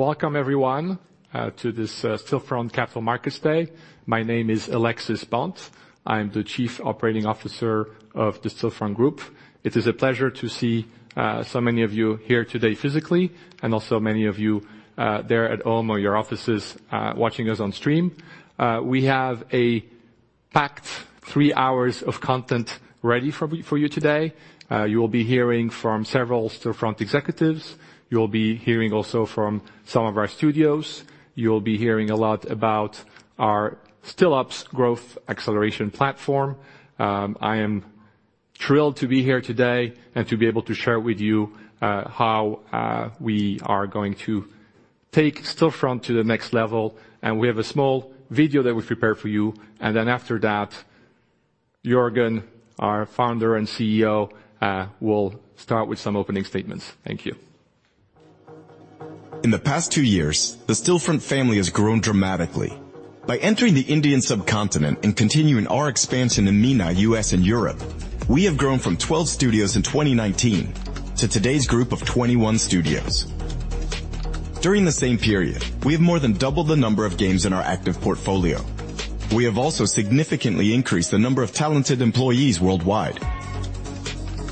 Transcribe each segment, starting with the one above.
Welcome everyone to this Stillfront Capital Markets Day. My name is Alexis Bonte. I'm the Chief Operating Officer of the Stillfront Group. It is a pleasure to see so many of you here today physically, and also many of you there at home or your offices watching us on stream. We have a packed three hours of content ready for you today. You will be hearing from several Stillfront executives. You'll be hearing also from some of our studios. You'll be hearing a lot about our Stillops growth acceleration platform. I am thrilled to be here today and to be able to share with you how we are going to take Stillfront to the next level. We have a small video that we've prepared for you, and then after that, Jörgen, our founder and CEO, will start with some opening statements. Thank you. In the past two years, the Stillfront family has grown dramatically. By entering the Indian subcontinent and continuing our expansion in MENA, U.S., and Europe, we have grown from 12 studios in 2019 to today's group of 21 studios. During the same period, we have more than doubled the number of games in our active portfolio. We have also significantly increased the number of talented employees worldwide.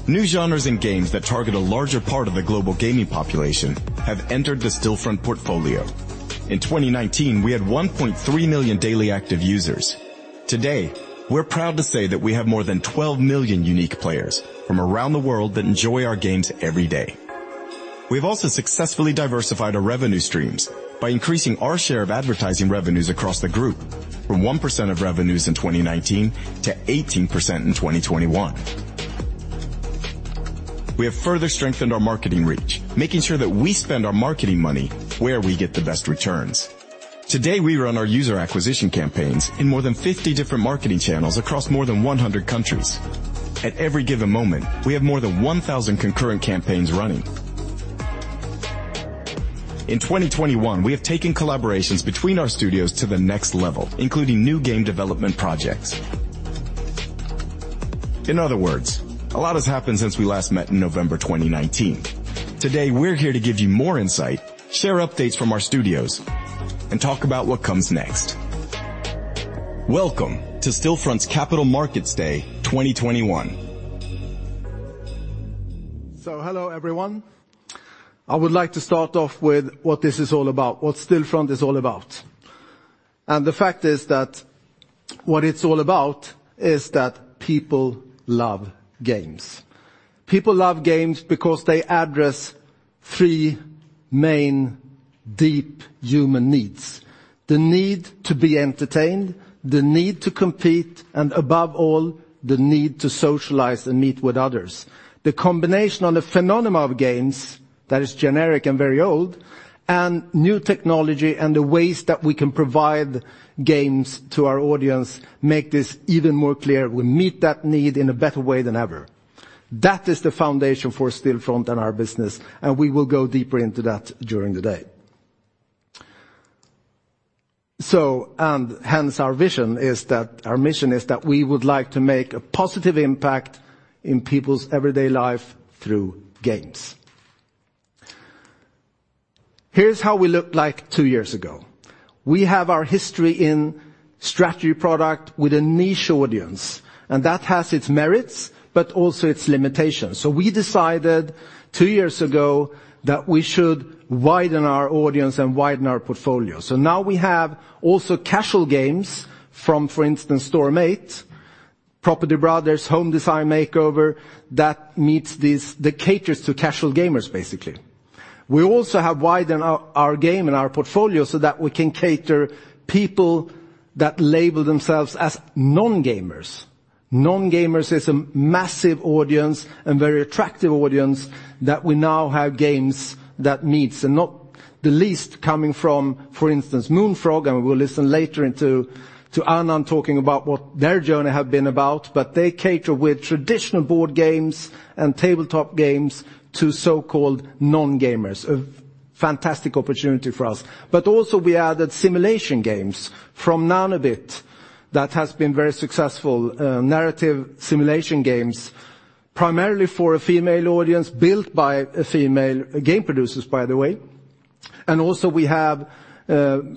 New genres in games that target a larger part of the global gaming population have entered the Stillfront portfolio. In 2019, we had 1.3 million daily active users. Today, we're proud to say that we have more than 12 million unique players from around the world that enjoy our games every day. We've also successfully diversified our revenue streams by increasing our share of advertising revenues across the group from 1% of revenues in 2019 to 18% in 2021. We have further strengthened our marketing reach, making sure that we spend our marketing money where we get the best returns. Today, we run our user acquisition campaigns in more than 50 different marketing channels across more than 100 countries. At every given moment, we have more than 1,000 concurrent campaigns running. In 2021, we have taken collaborations between our studios to the next level, including new game development projects. In other words, a lot has happened since we last met in November 2019. Today, we're here to give you more insight, share updates from our studios, and talk about what comes next. Welcome to Stillfront's Capital Markets Day 2021. Hello, everyone. I would like to start off with what this is all about, what Stillfront is all about. The fact is that what it's all about is that people love games. People love games because they address three main deep human needs: the need to be entertained, the need to compete, and above all, the need to socialize and meet with others. The combination on the phenomena of games that is generic and very old and new technology and the ways that we can provide games to our audience make this even more clear. We meet that need in a better way than ever. That is the foundation for Stillfront and our business, and we will go deeper into that during the day. Our vision is that our mission is that we would like to make a positive impact in people's everyday life through games. Here's how we looked like two years ago. We have our history in strategy product with a niche audience, and that has its merits, but also its limitations. We decided two years ago that we should widen our audience and widen our portfolio. Now we have also casual games from, for instance, Storm8, Property Brothers, Home Design Makeover, that caters to casual gamers, basically. We also have widened our game and our portfolio so that we can cater to people that label themselves as non-gamers. Non-gamers is a massive audience and very attractive audience that we now have games that meets and not the least coming from, for instance, Moonfrog, and we'll listen later into, to Anand talking about what their journey have been about, but they cater with traditional board games and tabletop games to so-called non-gamers. A fantastic opportunity for us. Also, we added simulation games from Nanobit that has been very successful, narrative simulation games, primarily for a female audience, built by a female game producers, by the way. Also, we have,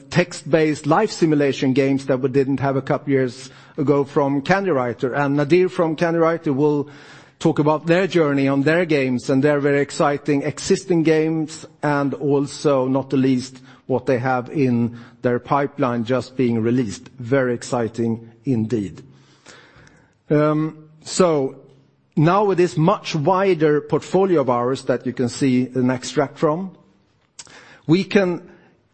text-based life simulation games that we didn't have a couple years ago from Candywriter. Nadir from Candywriter will talk about their journey on their games, and they're very exciting existing games and also, not the least, what they have in their pipeline just being released. Very exciting indeed. Now with this much wider portfolio of ours that you can see an extract from, we can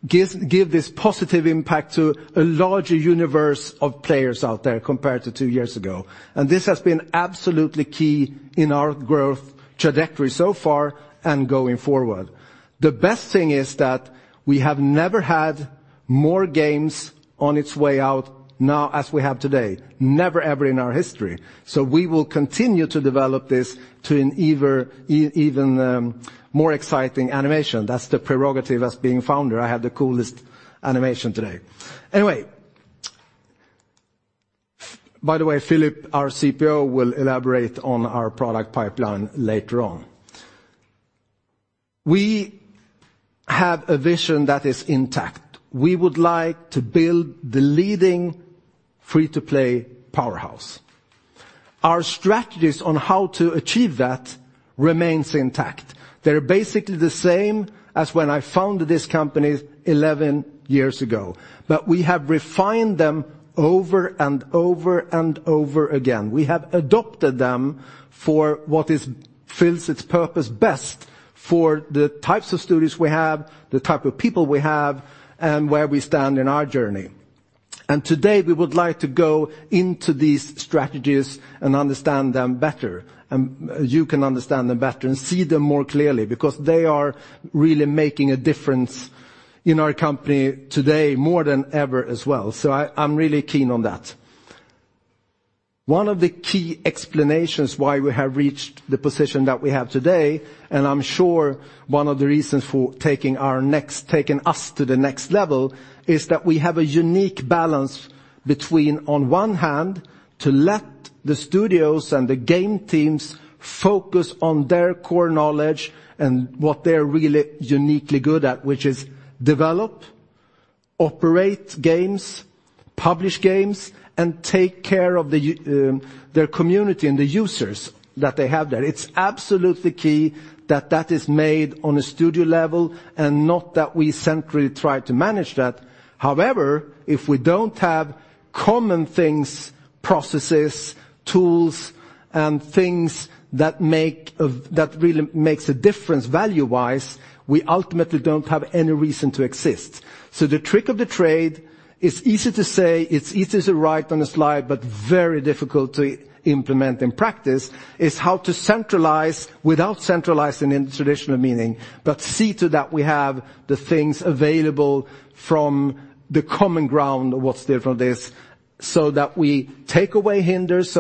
give this positive impact to a larger universe of players out there compared to two years ago. This has been absolutely key in our growth trajectory so far and going forward. The best thing is that we have never had more games on its way out now as we have today, never ever in our history. We will continue to develop this to an even more exciting animation. That's the prerogative as being founder. I have the coolest animation today. Anyway. By the way, Phillip, our CPO, will elaborate on our product pipeline later on. We have a vision that is intact. We would like to build the leading free-to-play powerhouse. Our strategies on how to achieve that remains intact. They're basically the same as when I founded this company 11 years ago. We have refined them over and over and over again. We have adopted them for what fills its purpose best for the types of studios we have, the type of people we have, and where we stand in our journey. Today, we would like to go into these strategies and understand them better. You can understand them better and see them more clearly because they are really making a difference in our company today more than ever as well. I'm really keen on that. One of the key explanations why we have reached the position that we have today, and I'm sure one of the reasons for taking us to the next level, is that we have a unique balance between, on one hand, to let the studios and the game teams focus on their core knowledge and what they're really uniquely good at, which is develop, operate games, publish games, and take care of their community and the users that they have there. It's absolutely key that is made on a studio level and not that we centrally try to manage that. However, if we don't have common things, processes, tools, and things that really makes a difference value-wise, we ultimately don't have any reason to exist. The trick of the trade is easy to say, it's easy to write on a slide, but very difficult to implement in practice, is how to centralize without centralizing in traditional meaning, but see to it that we have the things available from the common ground. What's different is so that we take away hindrances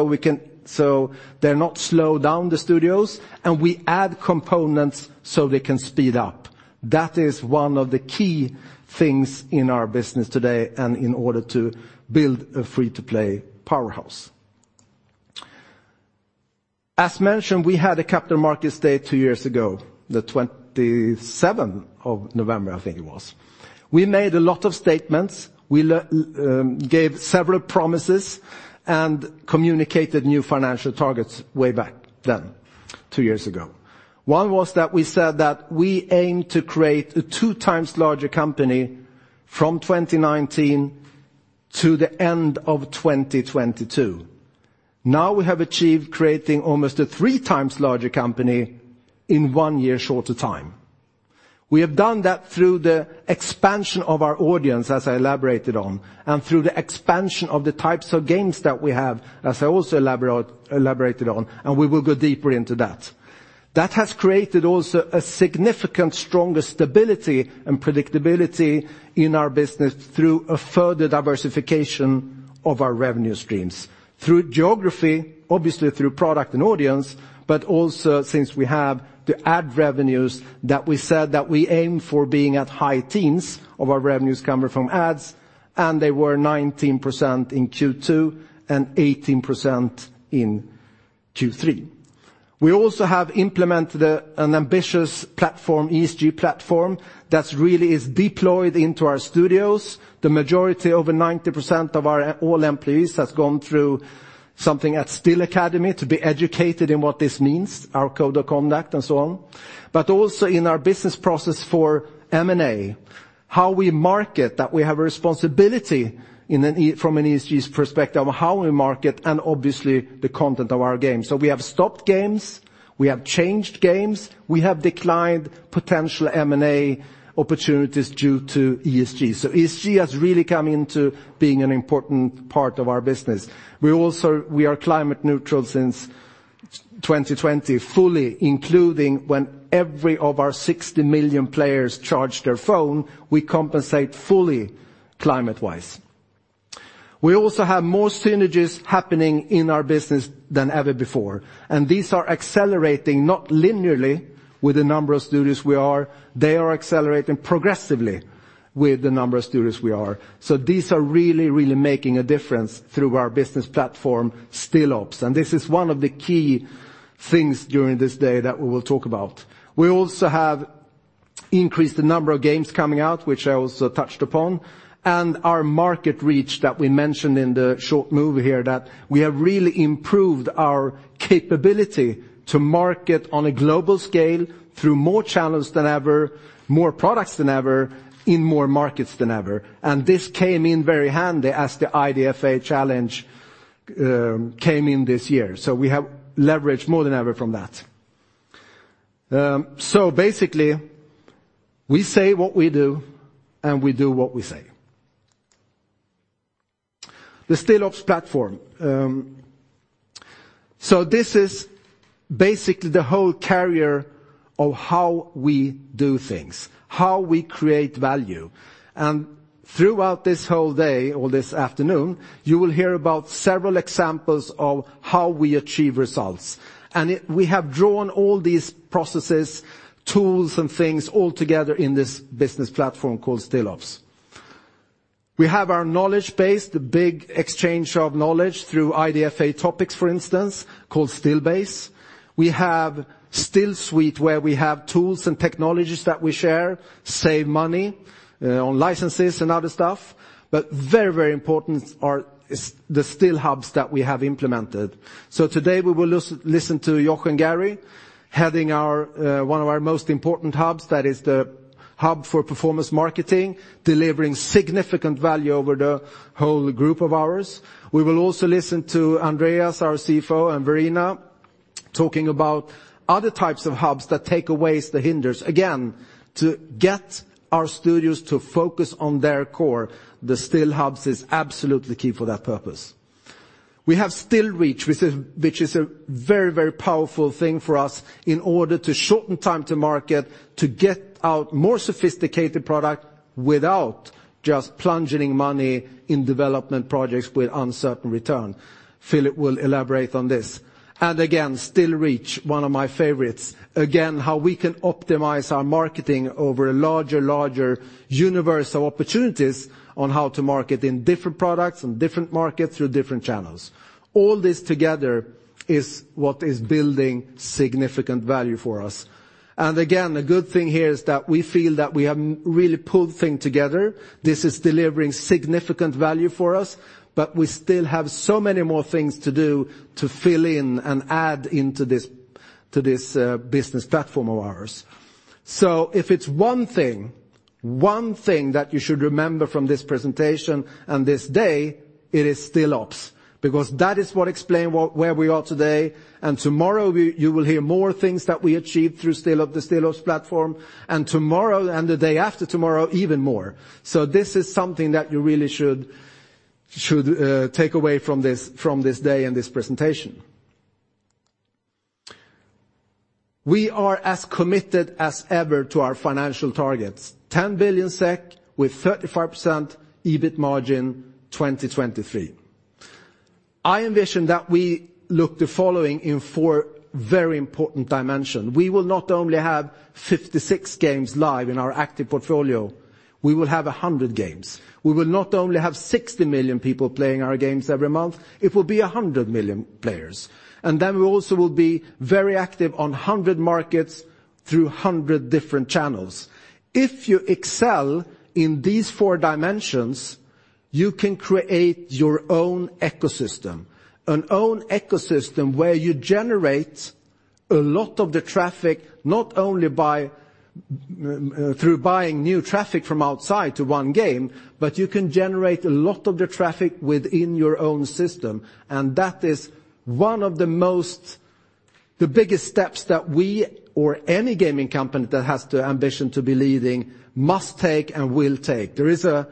so they're not slow down the studios, and we add components so they can speed up. That is one of the key things in our business today and in order to build a free-to-play powerhouse. As mentioned, we had a Capital Markets Day two years ago, the 27 of November, I think it was. We made a lot of statements, we gave several promises, and communicated new financial targets way back then, two years ago. One was that we said that we aim to create a 2x larger company from 2019 to the end of 2022. Now we have achieved creating almost a 3x larger company in one-year shorter time. We have done that through the expansion of our audience, as I elaborated on, and through the expansion of the types of games that we have, as I also elaborated on, and we will go deeper into that. That has created also a significant stronger stability and predictability in our business through a further diversification of our revenue streams, through geography, obviously through product and audience, but also since we have the ad revenues that we said that we aim for being at high teens of our revenues coming from ads, and they were 19% in Q2 and 18% in Q3. We have implemented an ambitious ESG platform that really is deployed into our studios. The majority, over 90% of our employees, has gone through something at Still Academy to be educated in what this means, our code of conduct and so on in our business process for M&A, how we market, that we have a responsibility from an ESG perspective, how we market and obviously the content of our games. We have stopped games, we have changed games, we have declined potential M&A opportunities due to ESG. ESG has really come into being an important part of our business. We are climate neutral since 2020, fully including when every of our 60 million players charge their phone, we compensate fully climate-wise. We also have more synergies happening in our business than ever before, and these are accelerating not linearly with the number of studios we are. They are accelerating progressively with the number of studios we are. These are really, really making a difference through our business platform, Stillops, and this is one of the key things during this day that we will talk about. We also have increased the number of games coming out, which I also touched upon, and our market reach that we mentioned in the short movie here, that we have really improved our capability to market on a global scale through more channels than ever, more products than ever, in more markets than ever. This came in very handy as the IDFA challenge came in this year. We have leveraged more than ever from that. Basically, we say what we do, and we do what we say. The Stillops platform. This is basically the whole carrier of how we do things, how we create value. Throughout this whole day or this afternoon, you will hear about several examples of how we achieve results. We have drawn all these processes, tools, and things all together in this business platform called Stillops. we have our knowledge base, the big exchange of knowledge through IDFA topics, for instance, called Still Base. We have Still Suite, where we have tools and technologies that we share, save money on licenses and other stuff. Very, very important are the Still hubs that we have implemented. Today, we will listen to Jochen Gary, heading our one of our most important hubs, that is the hub for performance marketing, delivering significant value over the whole group of ours. We will also listen to Andreas, our CFO, and Verena talking about other types of hubs that take away the hindrances. Again, to get our studios to focus on their core, the Still hubs is absolutely key for that purpose. We have Still Reach, which is a very, very powerful thing for us in order to shorten time to market, to get out more sophisticated product without just plunging money in development projects with uncertain return. Phillip will elaborate on this. Again, Still Reach, one of my favorites. Again, how we can optimize our marketing over a larger universe of opportunities on how to market in different products, in different markets, through different channels. All this together is what is building significant value for us. Again, the good thing here is that we feel that we have really pulled things together. This is delivering significant value for us, but we still have so many more things to do to fill in and add into this, to this business platform of ours. If it's one thing that you should remember from this presentation and this day, it is Stillops, because that is what explains where we are today. Tomorrow, you will hear more things that we achieved through Stillops, the Stillops platform. Tomorrow and the day after tomorrow, even more. This is something that you really should take away from this day and this presentation. We are as committed as ever to our financial targets. 10 billion SEK with 35% EBIT margin, 2023. I envision that we look like the following in four very important dimensions. We will not only have 56 games live in our active portfolio, we will have 100 games. We will not only have 60 million people playing our games every month, it will be 100 million players. We also will be very active on 100 markets through 100 different channels. If you excel in these four dimensions, you can create your own ecosystem. Your own ecosystem where you generate a lot of the traffic, not only by through buying new traffic from outside to one game, but you can generate a lot of the traffic within your own system. That is one of the most. The biggest steps that we or any gaming company that has the ambition to be leading must take and will take. There is a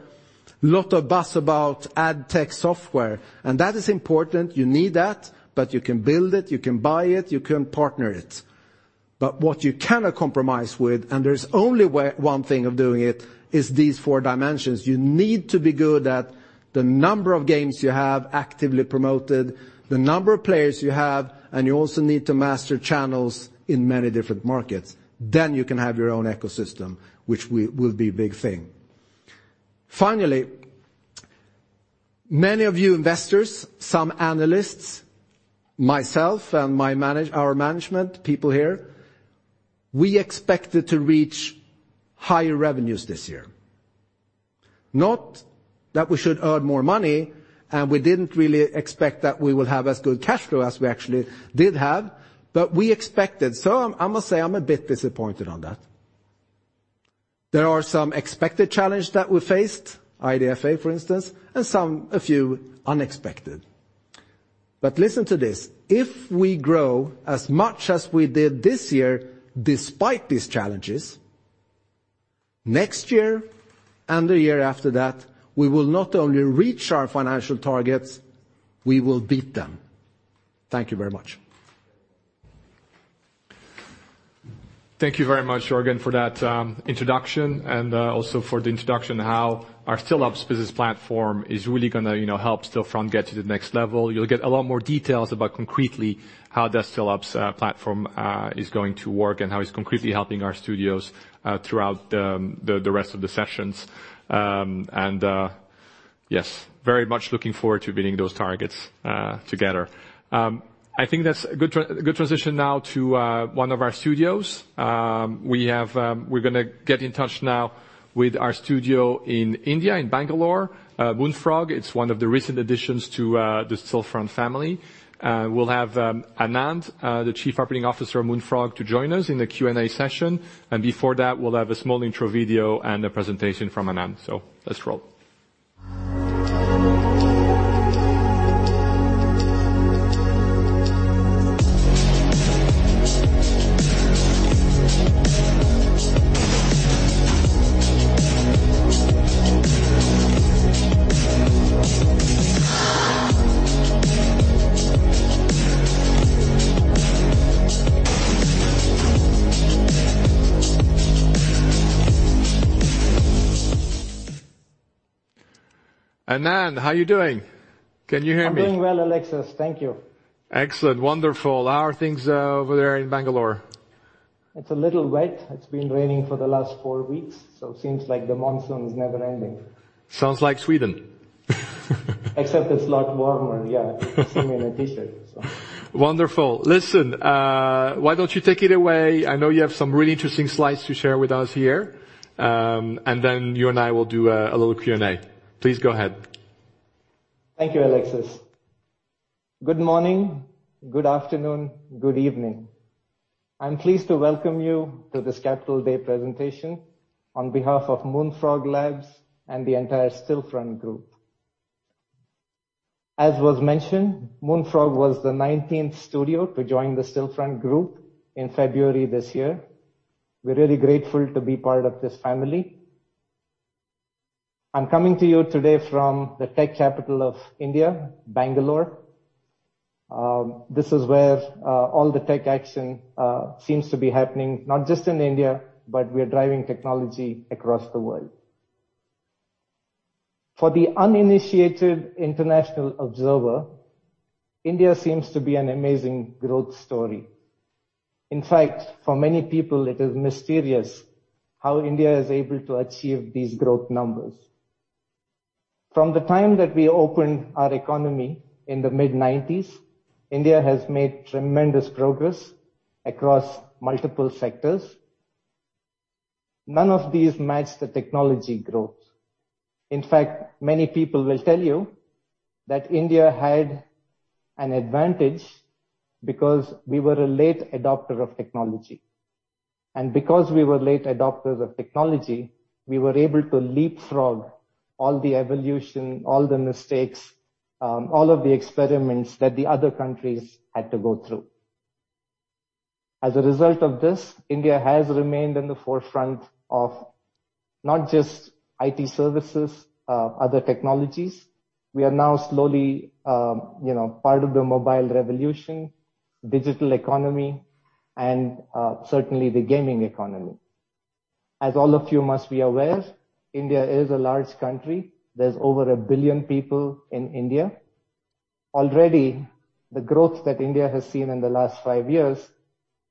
lot of buzz about ad tech software, and that is important. You need that, but you can build it, you can buy it, you can partner it. What you cannot compromise with, and there's only one thing of doing it, is these four dimensions. You need to be good at the number of games you have actively promoted, the number of players you have, and you also need to master channels in many different markets. Then you can have your own ecosystem, which will be a big thing. Finally, many of you investors, some analysts, myself and our management, people here, we expected to reach higher revenues this year. Not that we should earn more money, and we didn't really expect that we will have as good cash flow as we actually did have, but we expected. I'm, I must say I'm a bit disappointed on that. There are some expected challenges that we faced, IDFA, for instance, and some, a few unexpected. Listen to this, if we grow as much as we did this year, despite these challenges, next year and the year after that, we will not only reach our financial targets, we will beat them. Thank you very much. Thank you very much, Jörgen, for that introduction and also for the introduction how our Stillops business platform is really gonna, you know, help Stillfront get to the next level. You'll get a lot more details about concretely how the Stillops platform is going to work and how it's concretely helping our studios throughout the rest of the sessions. Yes, very much looking forward to beating those targets together. I think that's a good transition now to one of our studios. We're gonna get in touch now with our studio in India, in Bangalore, Moonfrog. It's one of the recent additions to the Stillfront family. We'll have Anand, the Chief Operating Officer of Moonfrog, to join us in the Q&A session. Before that, we'll have a small intro video and a presentation from Anand. Let's roll. Anand, how are you doing? Can you hear me? I'm doing well, Alexis. Thank you. Excellent. Wonderful. How are things over there in Bengaluru? It's a little wet. It's been raining for the last four weeks, so it seems like the monsoon is never ending. Sounds like Sweden. Except it's a lot warmer, yeah. You can see me in a T-shirt, so. Wonderful. Listen, why don't you take it away? I know you have some really interesting slides to share with us here. Then you and I will do a little Q&A. Please go ahead. Thank you, Alexis. Good morning, good afternoon, good evening. I'm pleased to welcome you to this Capital Day presentation on behalf of Moonfrog Labs and the entire Stillfront Group. As was mentioned, Moonfrog was the nineteenth studio to join the Stillfront Group in February this year. We're really grateful to be part of this family. I'm coming to you today from the tech capital of India, Bangalore. This is where all the tech action seems to be happening, not just in India, but we are driving technology across the world. For the uninitiated international observer, India seems to be an amazing growth story. In fact, for many people, it is mysterious how India is able to achieve these growth numbers. From the time that we opened our economy in the mid-nineties, India has made tremendous progress across multiple sectors. None of these match the technology growth. In fact, many people will tell you that India had an advantage because we were a late adopter of technology. Because we were late adopters of technology, we were able to leapfrog all the evolution, all the mistakes, all of the experiments that the other countries had to go through. As a result of this, India has remained in the forefront of not just IT services, other technologies. We are now slowly, you know, part of the mobile revolution, digital economy and certainly the gaming economy. As all of you must be aware, India is a large country. There's over a billion people in India. Already, the growth that India has seen in the last five years,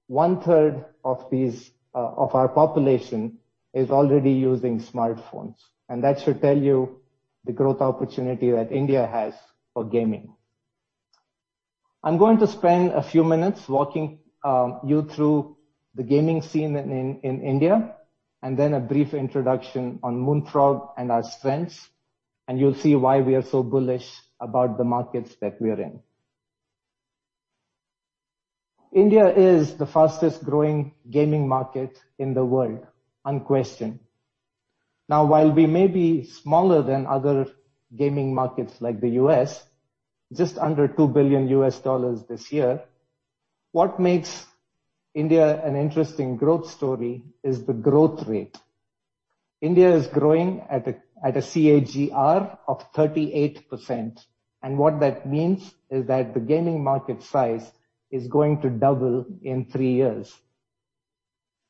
1/3 of these, of our population is already using smartphones. That should tell you the growth opportunity that India has for gaming. I'm going to spend a few minutes walking you through the gaming scene in India, and then a brief introduction on Moonfrog and our strengths, and you'll see why we are so bullish about the markets that we're in. India is the fastest-growing gaming market in the world, unquestioned. Now, while we may be smaller than other gaming markets like the U.S., just under $2 billion this year, what makes India an interesting growth story is the growth rate. India is growing at a CAGR of 38%, and what that means is that the gaming market size is going to double in three years.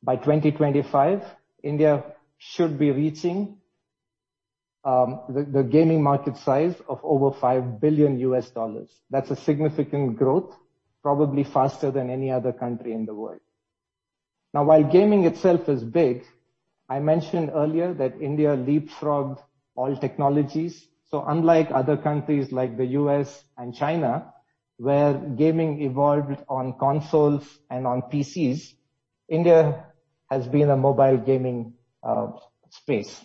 By 2025, India should be reaching the gaming market size of over $5 billion. That's a significant growth, probably faster than any other country in the world. Now, while gaming itself is big, I mentioned earlier that India leapfrogged all technologies. Unlike other countries like the U.S. and China, where gaming evolved on consoles and on PCs, India has been a mobile gaming space.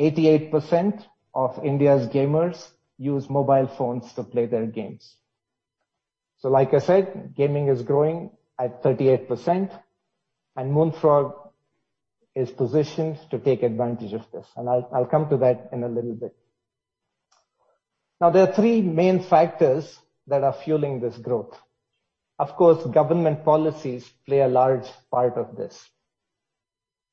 88% of India's gamers use mobile phones to play their games. Like I said, gaming is growing at 38%, and Moonfrog is positioned to take advantage of this. I'll come to that in a little bit. Now, there are three main factors that are fueling this growth. Of course, government policies play a large part of this.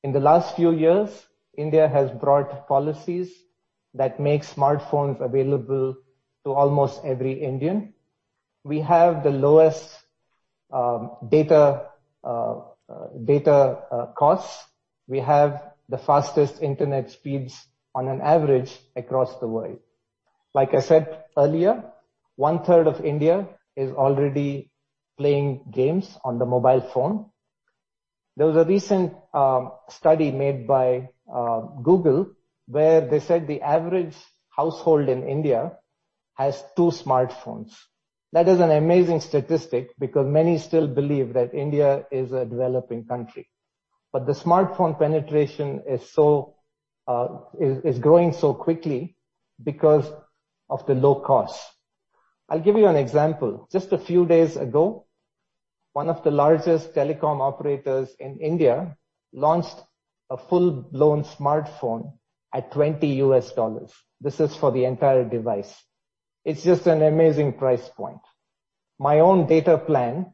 In the last few years, India has brought policies that make smartphones available to almost every Indian. We have the lowest data costs. We have the fastest internet speeds on average across the world. Like I said earlier, 1/3 of India is already playing games on the mobile phone. There was a recent study made by Google, where they said the average household in India has two smartphones. That is an amazing statistic because many still believe that India is a developing country, but the smartphone penetration is growing so quickly because of the low cost. I'll give you an example. Just a few days ago, one of the largest telecom operators in India launched a full-blown smartphone at $20. This is for the entire device. It's just an amazing price point. My own data plan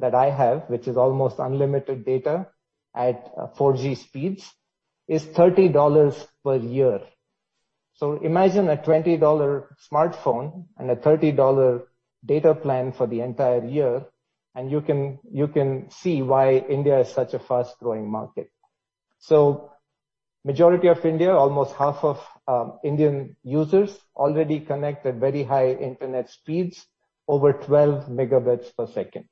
that I have, which is almost unlimited data at 4G speeds, is $30 per year. Imagine a $20 smartphone and a $30 data plan for the entire year, and you can see why India is such a fast-growing market. Majority of India, almost half of Indian users already connect at very high internet speeds over 12 Mbps.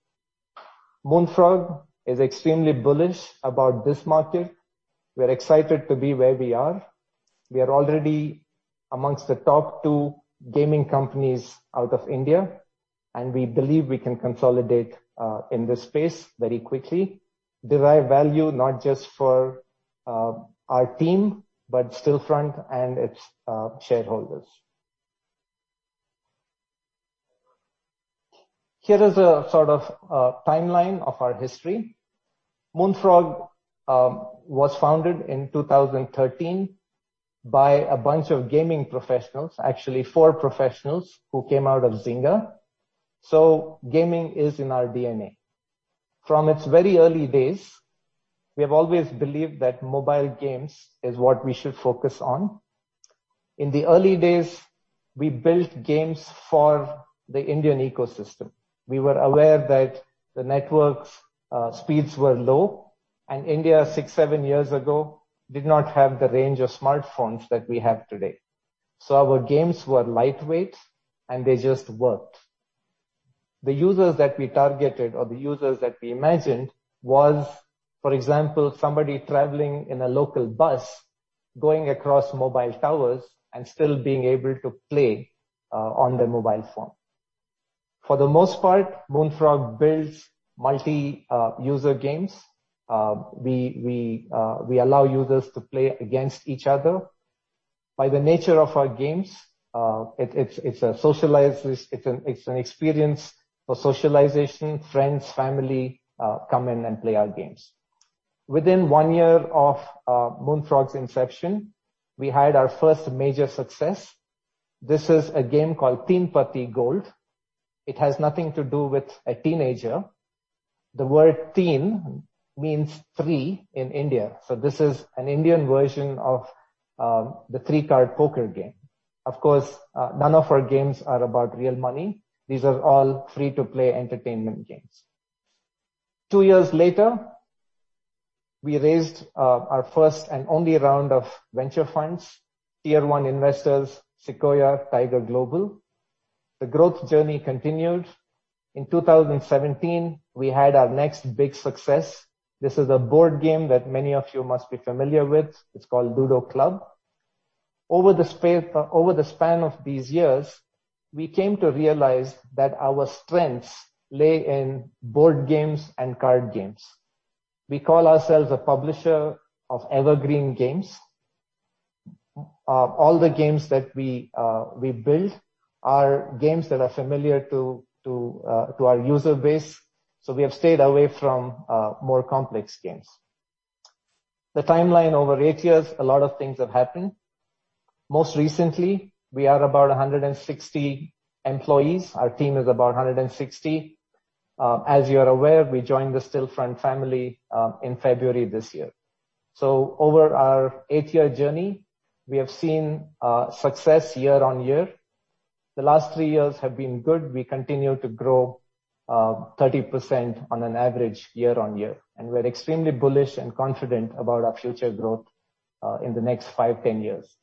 Moonfrog is extremely bullish about this market. We're excited to be where we are. We are already amongst the top two gaming companies out of India, and we believe we can consolidate in this space very quickly. Derive value not just for our team, but Stillfront and its shareholders. Here is a sort of timeline of our history. Moonfrog was founded in 2013 by a bunch of gaming professionals, actually four professionals who came out of Zynga. Gaming is in our DNA. From its very early days, we have always believed that mobile games is what we should focus on. In the early days, we built games for the Indian ecosystem. We were aware that the networks' speeds were low and India six-seven years ago did not have the range of smartphones that we have today. Our games were lightweight, and they just worked. The users that we targeted or the users that we imagined was, for example, somebody traveling in a local bus, going across mobile towers and still being able to play on their mobile phone. For the most part, Moonfrog builds multi-user games. We allow users to play against each other. By the nature of our games, it's a socialized experience for socialization. Friends, family come in and play our games. Within one year of Moonfrog's inception, we had our first major success. This is a game called Teen Patti Gold. It has nothing to do with a teenager. The word teen means three in India. This is an Indian version of the three-card poker game. Of course, none of our games are about real money. These are all free-to-play entertainment games. Two years later, we raised our first and only round of venture funds. Tier 1 investors, Sequoia, Tiger Global. The growth journey continued. In 2017, we had our next big success. This is a board game that many of you must be familiar with. It's called Ludo Club. Over the span of these years, we came to realize that our strengths lay in board games and card games. We call ourselves a publisher of evergreen games. All the games that we build are games that are familiar to our user base, so we have stayed away from more complex games. Over eight years, a lot of things have happened. Most recently, we are about 160 employees. Our team is about 160. As you are aware, we joined the Stillfront family in February this year. Over our eight-year journey, we have seen success year-over-year. The last three years have been good. We continue to grow 30% on average year-over-year, and we're extremely bullish and confident about our future growth in the next five-10 years.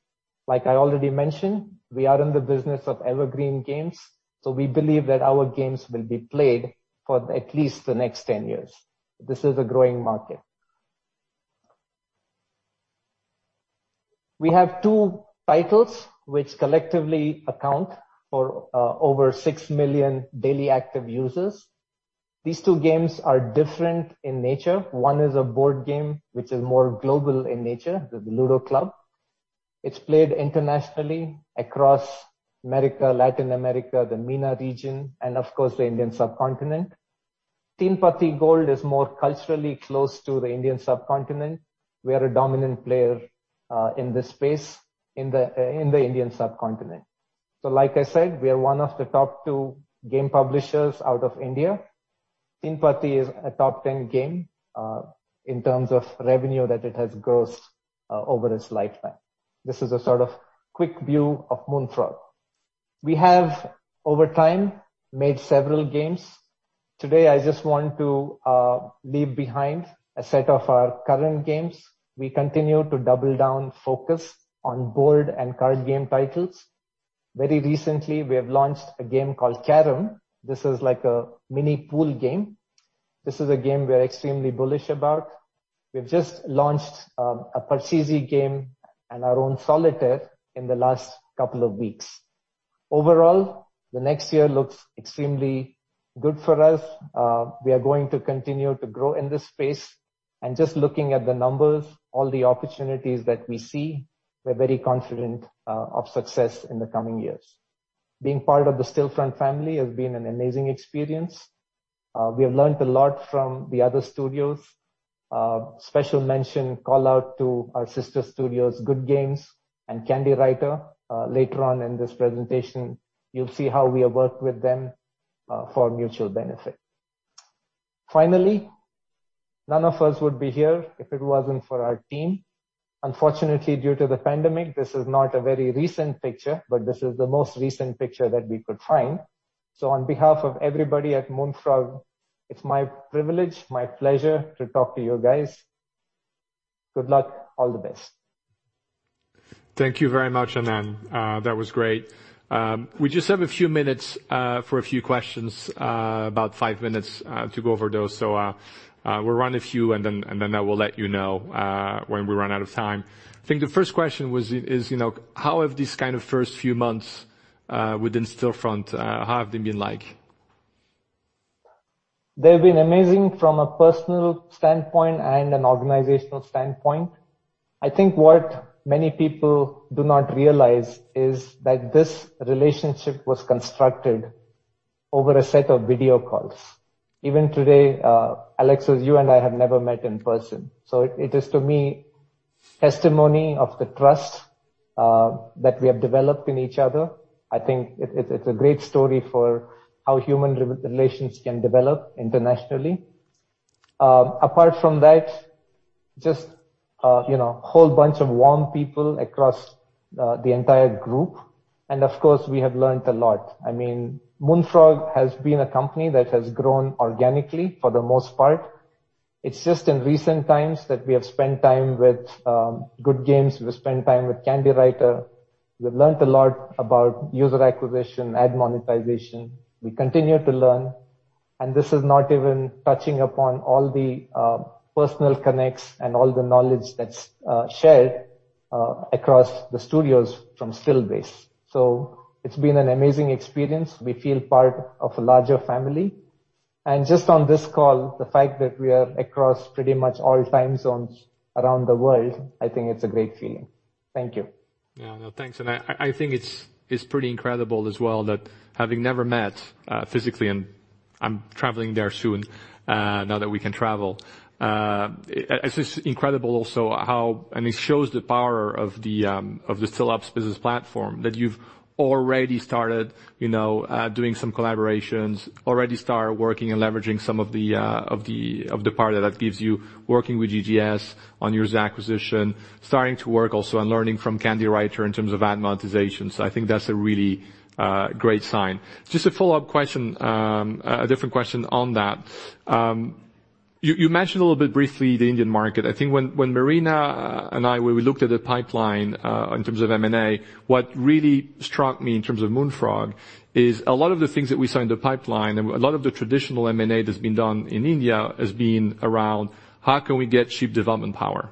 Like I already mentioned, we are in the business of evergreen games, so we believe that our games will be played for at least the next 10 years. This is a growing market. We have two titles which collectively account for over 6 million daily active users. These two games are different in nature. One is a board game which is more global in nature, the Ludo Club. It's played internationally across America, Latin America, the MENA region, and of course, the Indian subcontinent. Teen Patti Gold is more culturally close to the Indian subcontinent. We are a dominant player in this space in the Indian subcontinent. Like I said, we are one of the top two game publishers out of India. Teen Patti is a top 10 game in terms of revenue that it has grossed over its lifetime. This is a sort of quick view of Moonfrog. We have, over time, made several games. Today, I just want to leave behind a set of our current games. We continue to double down focus on board and card game titles. Very recently, we have launched a game called Carrom. This is like a mini pool game. This is a game we are extremely bullish about. We've just launched a Parcheesi game and our own solitaire in the last couple of weeks. Overall, the next year looks extremely good for us. We are going to continue to grow in this space. Just looking at the numbers, all the opportunities that we see, we're very confident of success in the coming years. Being part of the Stillfront family has been an amazing experience. We have learned a lot from the other studios. Special mention calls out to our sister studios, Goodgame Studios and Candywriter. Later on in this presentation, you'll see how we have worked with them for mutual benefit. Finally, none of us would be here if it wasn't for our team. Unfortunately, due to the pandemic, this is not a very recent picture, but this is the most recent picture that we could find. On behalf of everybody at Moonfrog, it's my privilege, my pleasure to talk to you guys. Good luck. All the best. Thank you very much, Anand. That was great. We just have a few minutes for a few questions, about five minutes, to go over those. We'll run a few and then I will let you know when we run out of time. I think the first question was, you know, how have this kind of first few months within Stillfront how have they been like? They've been amazing from a personal standpoint and an organizational standpoint. I think what many people do not realize is that this relationship was constructed over a set of video calls. Even today, Alexis, you and I have never met in person. It is to me testimony to the trust that we have developed in each other. I think it's a great story for how human relations can develop internationally. Apart from that, just you know whole bunch of warm people across the entire group. Of course, we have learned a lot. I mean, Moonfrog has been a company that has grown organically for the most part. It's just in recent times that we have spent time with Goodgame, we've spent time with Candywriter. We've learned a lot about user acquisition, ad monetization. We continue to learn, and this is not even touching upon all the personal connections and all the knowledge that's shared across the studios from StillBase. It's been an amazing experience. We feel part of a larger family. Just on this call, the fact that we are across pretty much all time zones around the world, I think it's a great feeling. Thank you. Yeah. No, thanks. I think it's pretty incredible as well that having never met physically, and I'm traveling there soon, now that we can travel, it's just incredible also how it shows the power of the Stillops business platform that you've already started, you know, doing some collaborations, already start working and leveraging some of the part that gives you working with GGS on user acquisition, starting to work also and learning from Candywriter in terms of ad monetization. I think that's a really great sign. Just a follow-up question, a different question on that. You mentioned a little bit briefly the Indian market. I think when Marina and I when we looked at the pipeline in terms of M&A, what really struck me in terms of Moonfrog is a lot of the things that we saw in the pipeline and a lot of the traditional M&A that's been done in India has been around how can we get cheap development power.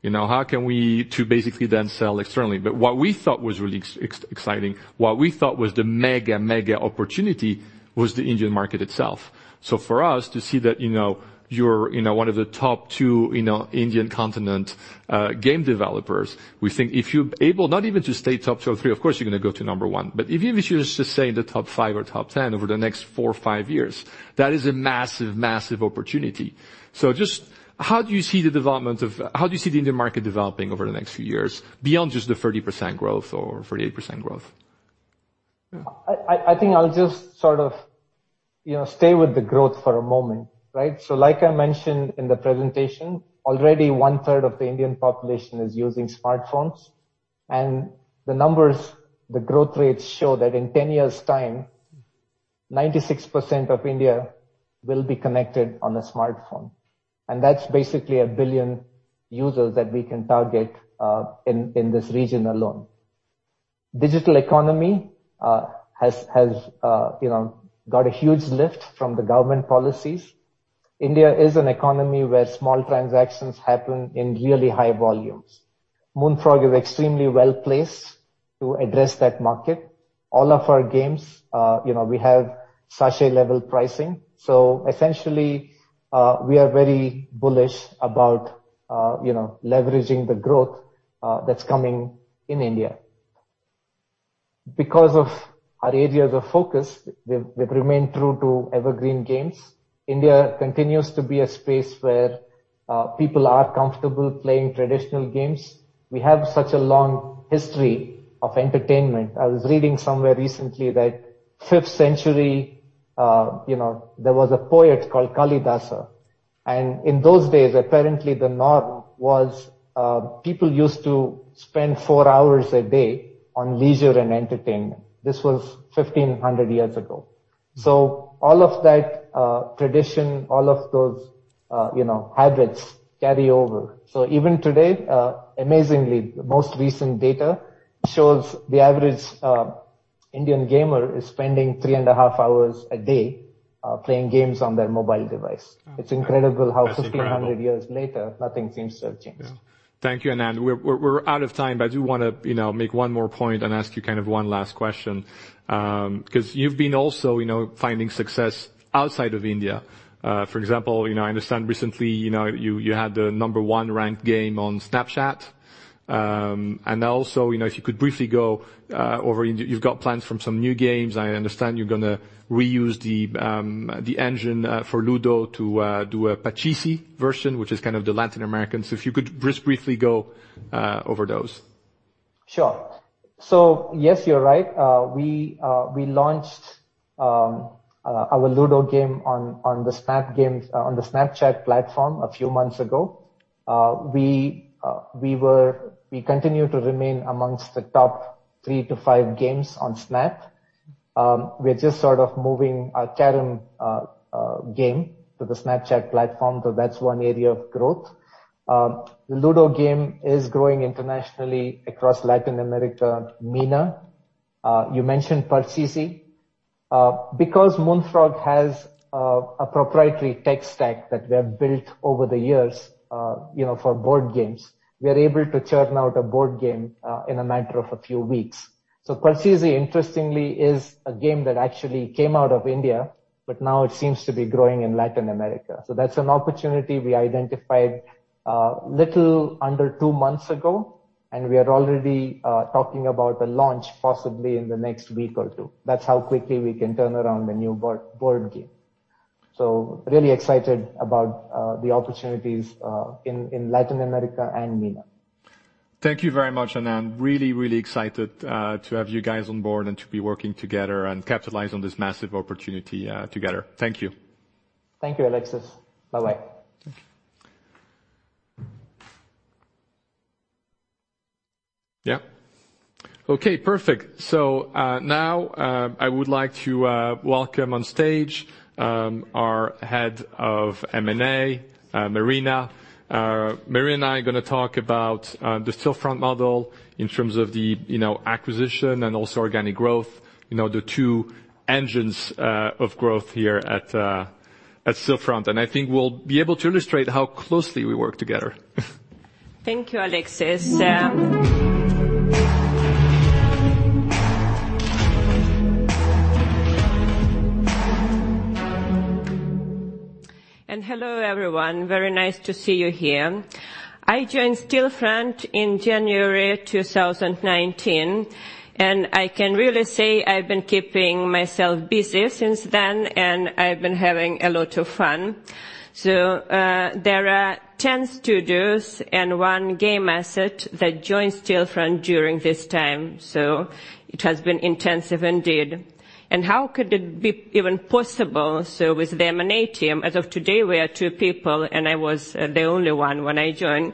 You know, how can we to basically then sell externally. What we thought was really exciting, the mega opportunity was the Indian market itself. For us to see that, you know, you're one of the top two, you know, Indian continent game developers, we think if you're able not even to stay top two or three. Of course, you're gonna go to number one. Even if you just stay in the top five or top 10 over the next four or five years, that is a massive opportunity. Just how do you see the Indian market developing over the next few years beyond just the 30% growth or 38% growth? I think I'll just sort of, you know, stay with the growth for a moment, right? Like I mentioned in the presentation, already one-third of the Indian population is using smartphones. The numbers, the growth rates show that in 10 years' time, 96% of India will be connected on a smartphone. That's basically a billion users that we can target in this region alone. Digital economy has got a huge lift from the government policies. India is an economy where small transactions happen in really high volumes. Moonfrog is extremely well-placed to address that market. All of our games, you know, we have sachet level pricing. Essentially, we are very bullish about leveraging the growth that's coming in India. Because of our areas of focus, we've remained true to evergreen games. India continues to be a space where people are comfortable playing traditional games. We have such a long history of entertainment. I was reading somewhere recently that fifth century, you know, there was a poet called Kalidasa, and in those days apparently the norm was people used to spend four hours a day on leisure and entertainment. This was 1,500 years ago. All of that tradition, all of those, you know, habits carry over. Even today, amazingly, the most recent data shows the average Indian gamer is spending 3.5 hours a day playing games on their mobile device. Oh, incredible. It's incredible how 1,500 years later, nothing seems to have changed. Yeah. Thank you, Anand. We're out of time, but I do want to, you know, make one more point and ask you kind of one last question. Cause you've been also, you know, finding success outside of India. For example, you know, I understand recently, you know, you had the number one ranked game on Snapchat. And also, you know, if you could briefly go over. You've got plans for some new games. I understand you're gonna reuse the engine for Ludo to do a Pachisi version, which is kind of the Latin American. If you could just briefly go over those. Sure. Yes, you're right. We launched our Ludo game on the Snap Games on the Snapchat platform a few months ago. We continue to remain among the top three to five games on Snap. We're just sort of moving our current game to the Snapchat platform, so that's one area of growth. The Ludo game is growing internationally across Latin America, MENA. You mentioned Parcheesi. Because Moonfrog has a proprietary tech stack that we have built over the years, you know, for board games, we are able to churn out a board game in a matter of a few weeks. Parcheesi, interestingly, is a game that actually came out of India, but now it seems to be growing in Latin America. That's an opportunity we identified, little under two months ago, and we are already talking about the launch possibly in the next week or two. That's how quickly we can turn around a new board game. Really excited about the opportunities in Latin America and MENA. Thank you very much, Anand. Really excited to have you guys on board and to be working together and capitalize on this massive opportunity together. Thank you. Thank you, Alexis. Bye-bye. Thank you. Yeah. Okay, perfect. So, now, I would like to welcome on stage our Head of M&A, Marina. Marina and I are gonna talk about the Stillfront model in terms of the, you know, acquisition and also organic growth. You know, the two engines of growth here at Stillfront. I think we'll be able to illustrate how closely we work together. Thank you, Alexis. Hello, everyone. Very nice to see you here. I joined Stillfront in January 2019, and I can really say I've been keeping myself busy since then, and I've been having a lot of fun. There are 10 studios and one game asset that joined Stillfront during this time, so it has been intensive indeed. How could it be even possible? With the M&A team, as of today, we are two people, and I was the only one when I joined.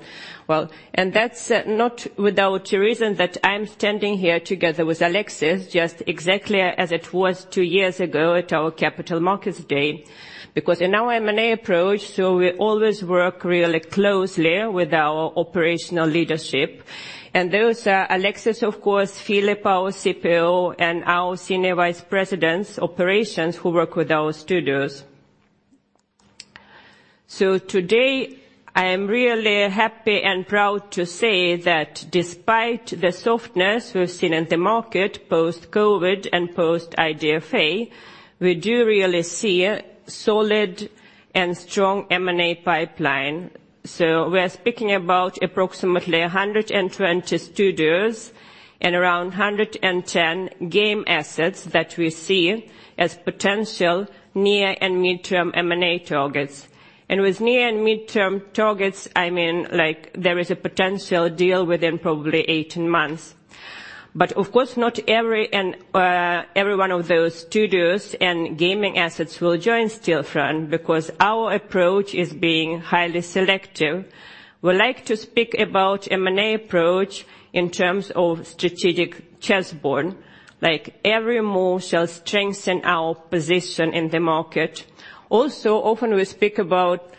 That's not without a reason that I'm standing here together with Alexis, just exactly as it was two years ago at our Capital Markets Day. Because in our M&A approach, we always work really closely with our operational leadership. Those are Alexis, of course, Philipp, our CPO, and our Senior Vice Presidents, Operations, who work with our studios. Today, I am really happy and proud to say that despite the softness we've seen in the market, post-COVID and post-IDFA, we do really see a solid and strong M&A pipeline. We're speaking about approximately 120 studios and around 110 game assets that we see as potential near and midterm M&A targets. With near and midterm targets, I mean, like, there is a potential deal within probably 18 months. Of course, not every one of those studios and gaming assets will join Stillfront because our approach is being highly selective. We like to speak about M&A approach in terms of strategic chessboard, like every move shall strengthen our position in the market. Also, often we speak about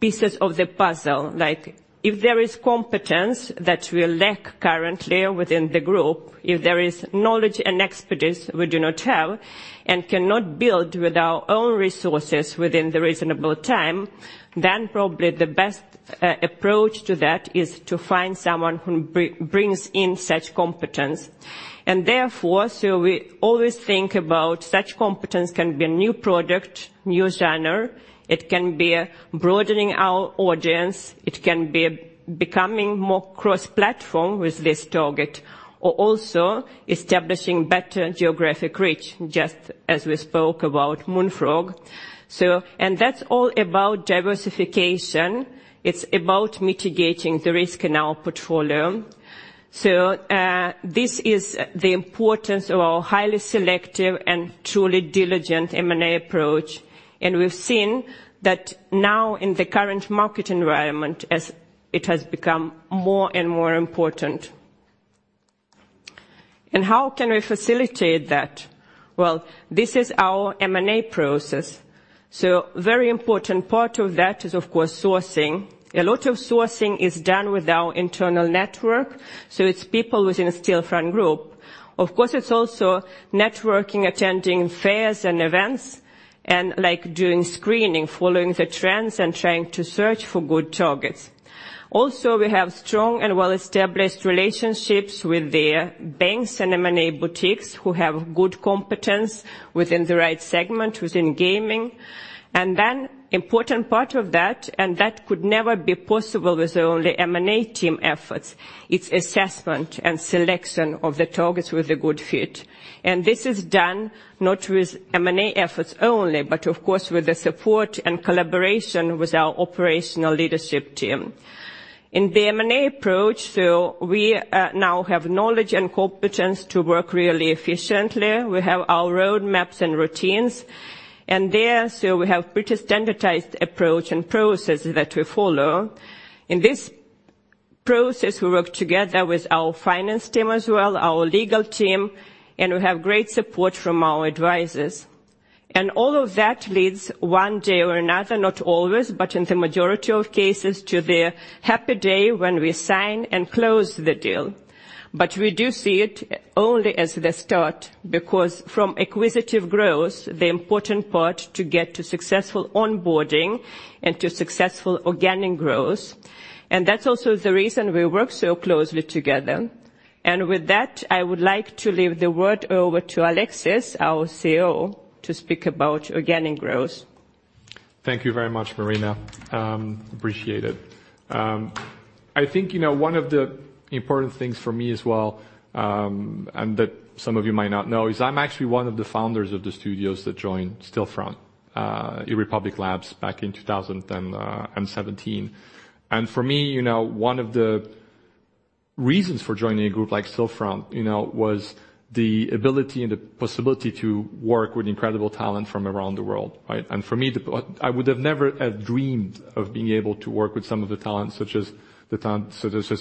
pieces of the puzzle, like if there is competence that we lack currently within the group, if there is knowledge and expertise we do not have and cannot build with our own resources within the reasonable time, then probably the best approach to that is to find someone who brings in such competence. Therefore, we always think about such competence can be a new product, new genre, it can be broadening our audience, it can be becoming more cross-platform with this target, or also establishing better geographic reach, just as we spoke about Moonfrog. That's all about diversification. It's about mitigating the risk in our portfolio. This is the importance of our highly selective and truly diligent M&A approach, and we've seen that now in the current market environment as it has become more and more important. How can we facilitate that? Well, this is our M&A process. Very important part of that is, of course, sourcing. A lot of sourcing is done with our internal network, so it's people within Stillfront Group. Of course, it's also networking, attending fairs and events, and like doing screening, following the trends, and trying to search for good targets. Also, we have strong and well-established relationships with the banks and M&A boutiques who have good competence within the right segment, within gaming. Then important part of that, and that could never be possible with only M&A team efforts, it's assessment and selection of the targets with a good fit. This is done not with M&A efforts only, but of course, with the support and collaboration with our operational leadership team. In the M&A approach, we now have knowledge and competence to work really efficiently. We have our roadmaps and routines. There, we have a pretty standardized approach and processes that we follow. In this process, we work together with our finance team as well, our legal team, and we have great support from our advisors. All of that leads one day or another, not always, but in the majority of cases, to the happy day when we sign and close the deal. We do see it only as the start, because from acquisitive growth, the important part to get to successful onboarding and to successful organic growth. That's also the reason we work so closely together. With that, I would like to leave the word over to Alexis, our COO, to speak about organic growth. Thank you very much, Marina. Appreciate it. I think, you know, one of the important things for me as well, and that some of you might not know, is I'm actually one of the founders of the studios that joined Stillfront, eRepublik Labs back in 2017. For me, you know, one of the reasons for joining a group like Stillfront, you know, was the ability and the possibility to work with incredible talent from around the world, right? For me, I would never have dreamed of being able to work with some of the talents, such as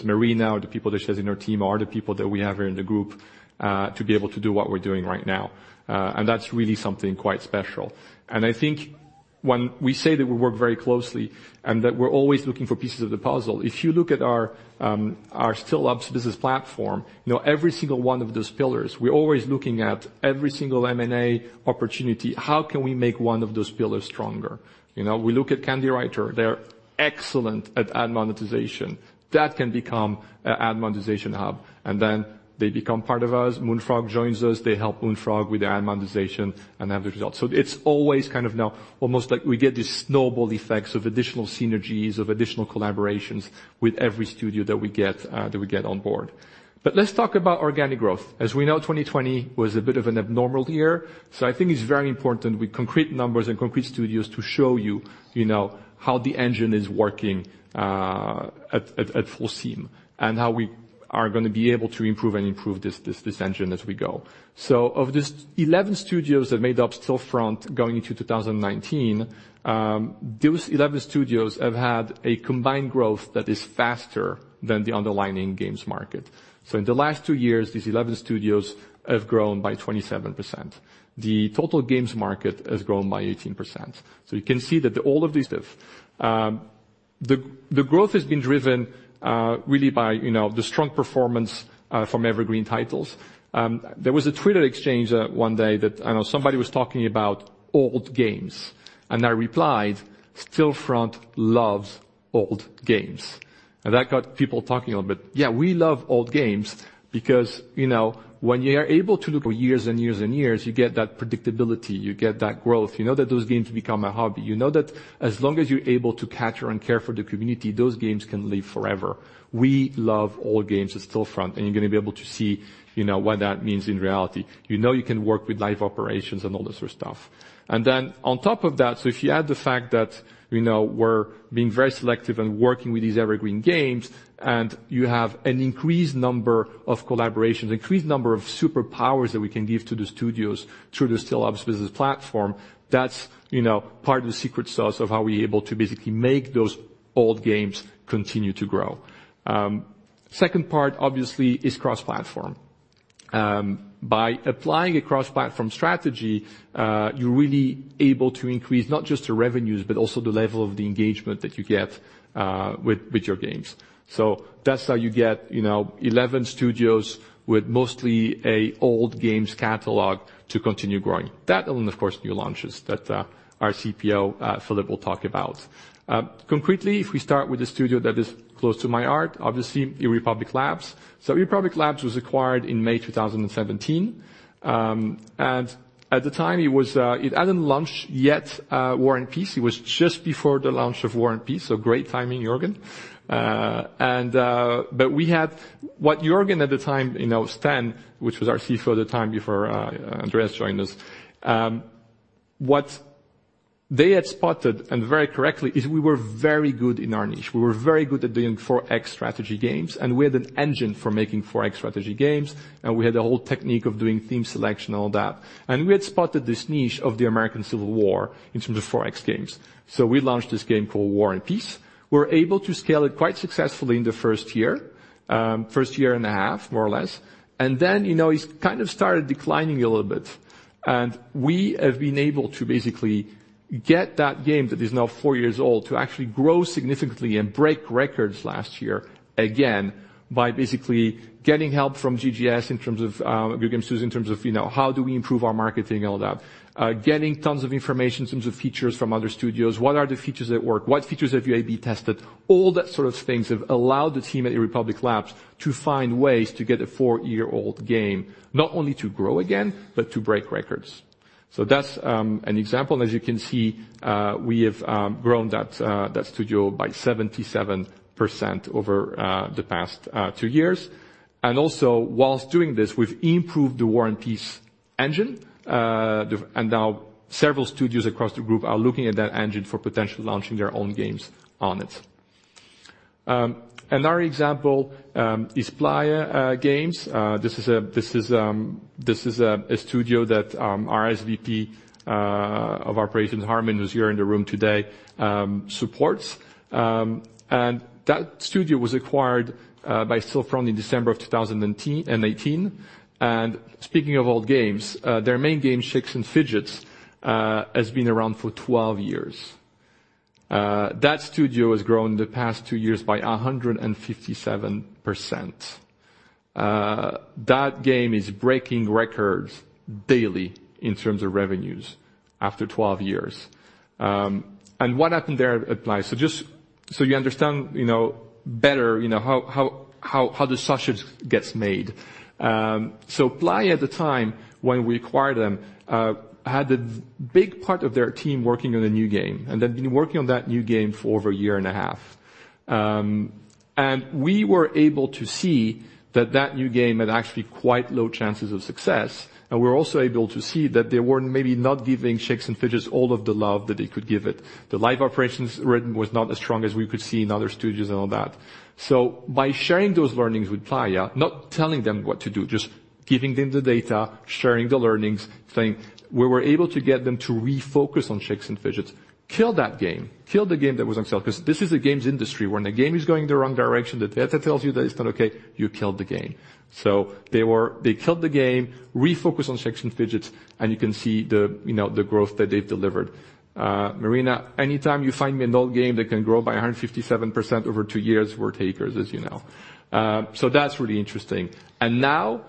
Marina or the people that she has in her team are the people that we have here in the group, to be able to do what we're doing right now. That's really something quite special. I think when we say that we work very closely and that we're always looking for pieces of the puzzle, if you look at our Still Labs business platform, you know, every single one of those pillars, we're always looking at every single M&A opportunity. How can we make one of those pillars stronger? You know, we look at Candywriter, they're excellent at ad monetization. That can become an ad monetization hub. And then they become part of us. Moonfrog joins us. They help Moonfrog with their ad monetization, and that's the result. So it's always kind of now almost like we get these snowball effects of additional synergies, of additional collaborations with every studio that we get on board. Let's talk about organic growth. As we know, 2020 was a bit of an abnormal year. I think it's very important with concrete numbers and concrete studios to show you know, how the engine is working at full steam and how we are gonna be able to improve this engine as we go. Of these 11 studios that made up Stillfront going into 2019, those 11 studios have had a combined growth that is faster than the underlying games market. In the last two years, these 11 studios have grown by 27%. The total games market has grown by 18%. You can see that all of these have. The growth has been driven really by, you know, the strong performance from evergreen titles. There was a Twitter exchange one day that, I know, somebody was talking about old games, and I replied, "Stillfront loves old games." That got people talking a little bit. Yeah, we love old games because, you know, when you are able to look for years and years and years, you get that predictability, you get that growth. You know that those games become a hobby. You know that as long as you're able to capture and care for the community, those games can live forever. We love old games at Stillfront, and you're gonna be able to see, you know, what that means in reality. You know you can work with live operations and all that sort of stuff. On top of that, if you add the fact that, you know, we're being very selective and working with these evergreen games, and you have an increased number of collaborations, increased number of superpowers that we can give to the studios through the Stillops business platform, that's, you know, part of the secret sauce of how we're able to basically make those old games continue to grow. Second part obviously is cross-platform. By applying a cross-platform strategy, you're really able to increase not just the revenues, but also the level of the engagement that you get with your games. That's how you get, you know, 11 studios with mostly an old games catalog to continue growing. That and of course, new launches that our CPO, Phillip will talk about. Concretely, if we start with a studio that is close to my heart, obviously eRepublik Labs. eRepublik Labs was acquired in May 2017. At the time, it hadn't launched yet, War and Peace. It was just before the launch of War and Peace, so great timing, Jörgen. We had what Jörgen at the time, you know, Sten, which was our CFO at the time before Andreas joined us. What they had spotted, and very correctly, is we were very good in our niche. We were very good at doing 4X strategy games, and we had an engine for making 4X strategy games, and we had a whole technique of doing theme selection, all that. We had spotted this niche of the American Civil War in terms of 4X games. We launched this game called War and Peace. We were able to scale it quite successfully in the first year, first year and a half, more or less. You know, it's kind of started declining a little bit. We have been able to basically get that game that is now four years old to actually grow significantly and break records last year again by basically getting help from GGS in terms of Goodgame Studios in terms of, you know, how do we improve our marketing, all that. Getting tons of information in terms of features from other studios. What are the features that work? What features have you A/B tested? All that sort of things has allowed the team at eRepublik Labs to find ways to get a four-year-old game, not only to grow again, but to break records. That's an example, and as you can see, we have grown that studio by 77% over the past two years. Also while doing this, we've improved the War and Peace engine, and now several studios across the group are looking at that engine for potentially launching their own games on it. Another example is Playa Games. This is a studio that our SVP of operations, Harman, who's here in the room today, supports. That studio was acquired by Stillfront in December of 2018. Speaking of old games, their main game, Shakes & Fidget, has been around for 12 years. That studio has grown in the past two years by 157%. That game is breaking records daily in terms of revenues after 12 years. What happened there at Playa? Just so you understand, you know, better, you know, how the sausage gets made. Playa at the time when we acquired them had a big part of their team working on a new game, and they'd been working on that new game for over a year and a half. We were able to see that that new game had actually quite low chances of success. We were also able to see that they were maybe not giving Shakes & Fidget all of the love that they could give it. The live ops weren't as strong as we could see in other studios and all that. By sharing those learnings with Playa, not telling them what to do, just giving them the data, sharing the learnings, saying, "We were able to get them to refocus on Shakes & Fidget. Kill that game. Kill the game that was on sale," 'cause this is the games industry. When a game is going the wrong direction, the data tells you that it's not okay, you kill the game. They killed the game, refocused on Shakes & Fidget, and you can see the, you know, the growth that they've delivered. Marina, anytime you find me an old game that can grow by 157% over two years, we're takers, as you know. That's really interesting. Now,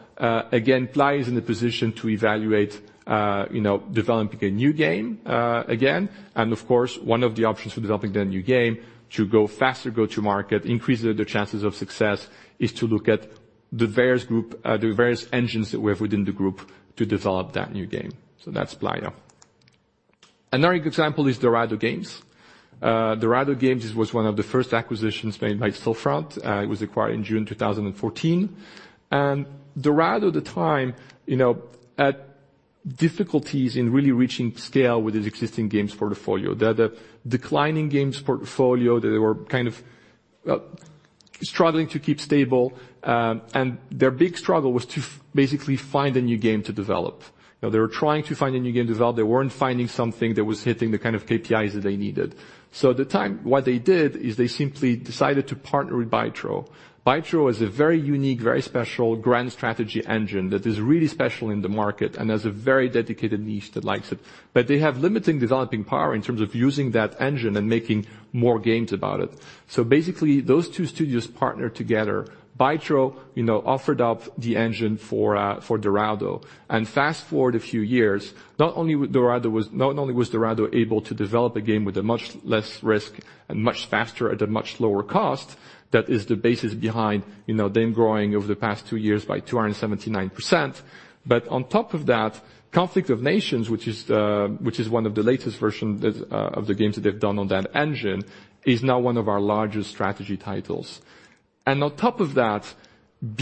again, Playa is in the position to evaluate, you know, developing a new game, again. Of course, one of the options for developing that new game to go faster go-to market, increase the chances of success, is to look at the various group, the various engines that we have within the group to develop that new game. That's Playa. Another example is Dorado Games. Dorado Games was one of the first acquisitions made by Stillfront. It was acquired in June 2014. Dorado at the time, you know, had difficulties in really reaching scale with its existing games portfolio. They had a declining games portfolio. They were kind of struggling to keep stable, and their big struggle was to basically find a new game to develop. Now, they were trying to find a new game to develop. They weren't finding something that was hitting the kind of KPIs that they needed. At the time, what they did is they simply decided to partner with Bytro. Bytro is a very unique, very special grand strategy engine that is really special in the market and has a very dedicated niche that likes it. They have limited developing power in terms of using that engine and making more games about it. Basically, those two studios partnered together. Bytro, you know, offered up the engine for Dorado. Fast-forward a few years, not only was Dorado able to develop a game with much less risk and much faster at a much lower cost, that is the basis behind, you know, them growing over the past two years by 279%. On top of that, Conflict of Nations, which is one of the latest version that of the games that they've done on that engine, is now one of our largest strategy titles. On top of that,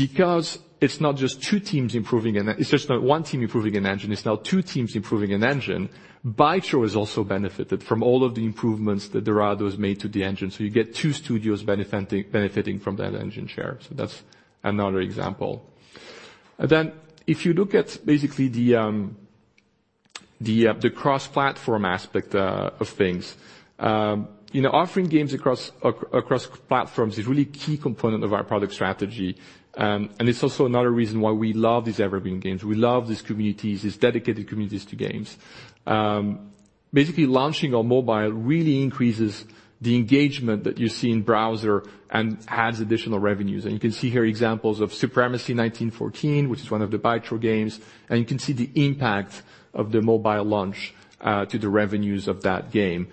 because it's not just two teams improving an engine, it's just not one team improving an engine, it's now two teams improving an engine, Bytro has also benefited from all of the improvements that Dorado has made to the engine. You get two studios benefiting from that engine share. That's another example. If you look at basically the cross-platform aspect of things, you know, offering games across platforms is really key component of our product strategy. It's also another reason why we love these evergreen games. We love these communities, these dedicated communities to games. Basically, launching on mobile really increases the engagement that you see in browser and adds additional revenues. You can see here examples of Supremacy 1914, which is one of the Bytro games, and you can see the impact of the mobile launch to the revenues of that game.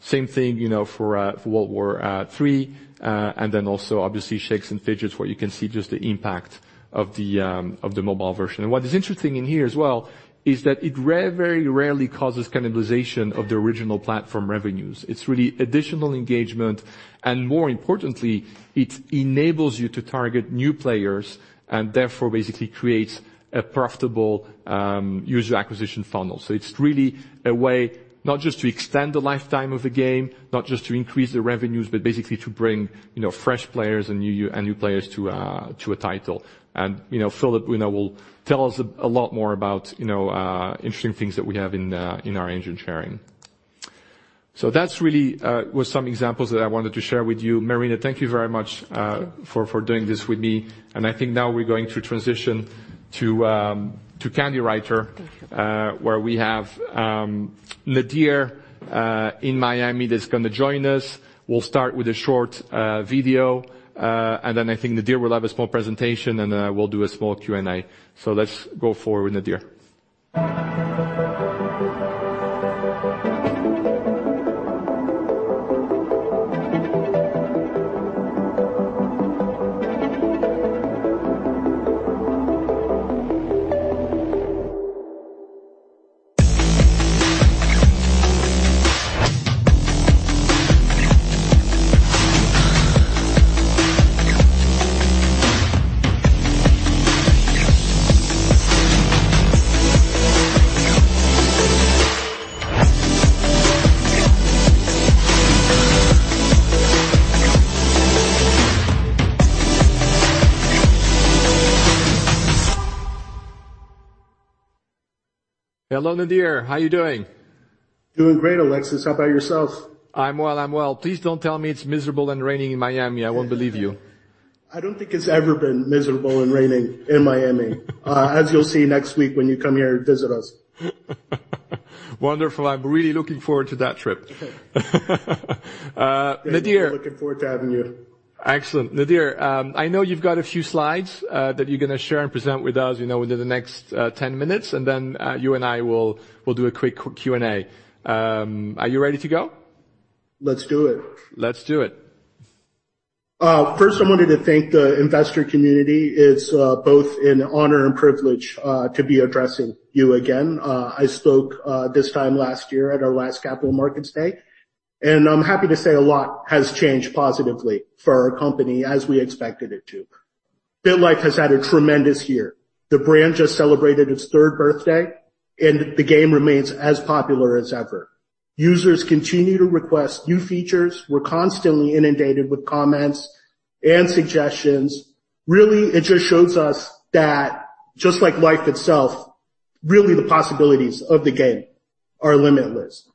Same thing, you know, for World War III and then also obviously Shakes & Fidget where you can see just the impact of the mobile version. What is interesting in here as well is that it very rarely causes cannibalization of the original platform revenues. It's really additional engagement, and more importantly, it enables you to target new players and therefore basically creates a profitable user acquisition funnel. It's really a way not just to extend the lifetime of a game, not just to increase the revenues, but basically to bring, you know, fresh players and new players to a title. You know, Phillip, you know, will tell us a lot more about, you know, interesting things that we have in our engine sharing. That really was some examples that I wanted to share with you. Marina, thank you very much. Thank you. I think now we're going to transition to Candywriter. Thank you. Where we have Nadir in Miami that's gonna join us. We'll start with a short video, and then I think Nadir will have a small presentation, and we'll do a small Q&A. Let's go forward, Nadir. Hello, Nadir. How you doing? Doing great, Alexis. How about yourself? I'm well. Please don't tell me it's miserable and raining in Miami. I won't believe you. I don't think it's ever been miserable and raining in Miami. As you'll see next week when you come here and visit us. Wonderful. I'm really looking forward to that trip. Okay. Uh, Nadir- Yeah, we're looking forward to having you. Excellent. Nadir, I know you've got a few slides that you're gonna share and present with us, you know, within the next 10 minutes, and then you and I will we'll do a quick Q&A. Are you ready to go? Let's do it. Let's do it. First, I wanted to thank the investor community. It's both an honor and privilege to be addressing you again. I spoke this time last year at our last Capital Markets Day, and I'm happy to say a lot has changed positively for our company as we expected it to. BitLife has had a tremendous year. The brand just celebrated its third birthday, and the game remains as popular as ever. Users continue to request new features. We're constantly inundated with comments and suggestions. Really, it just shows us that just like life itself, really the possibilities of the game are limitless.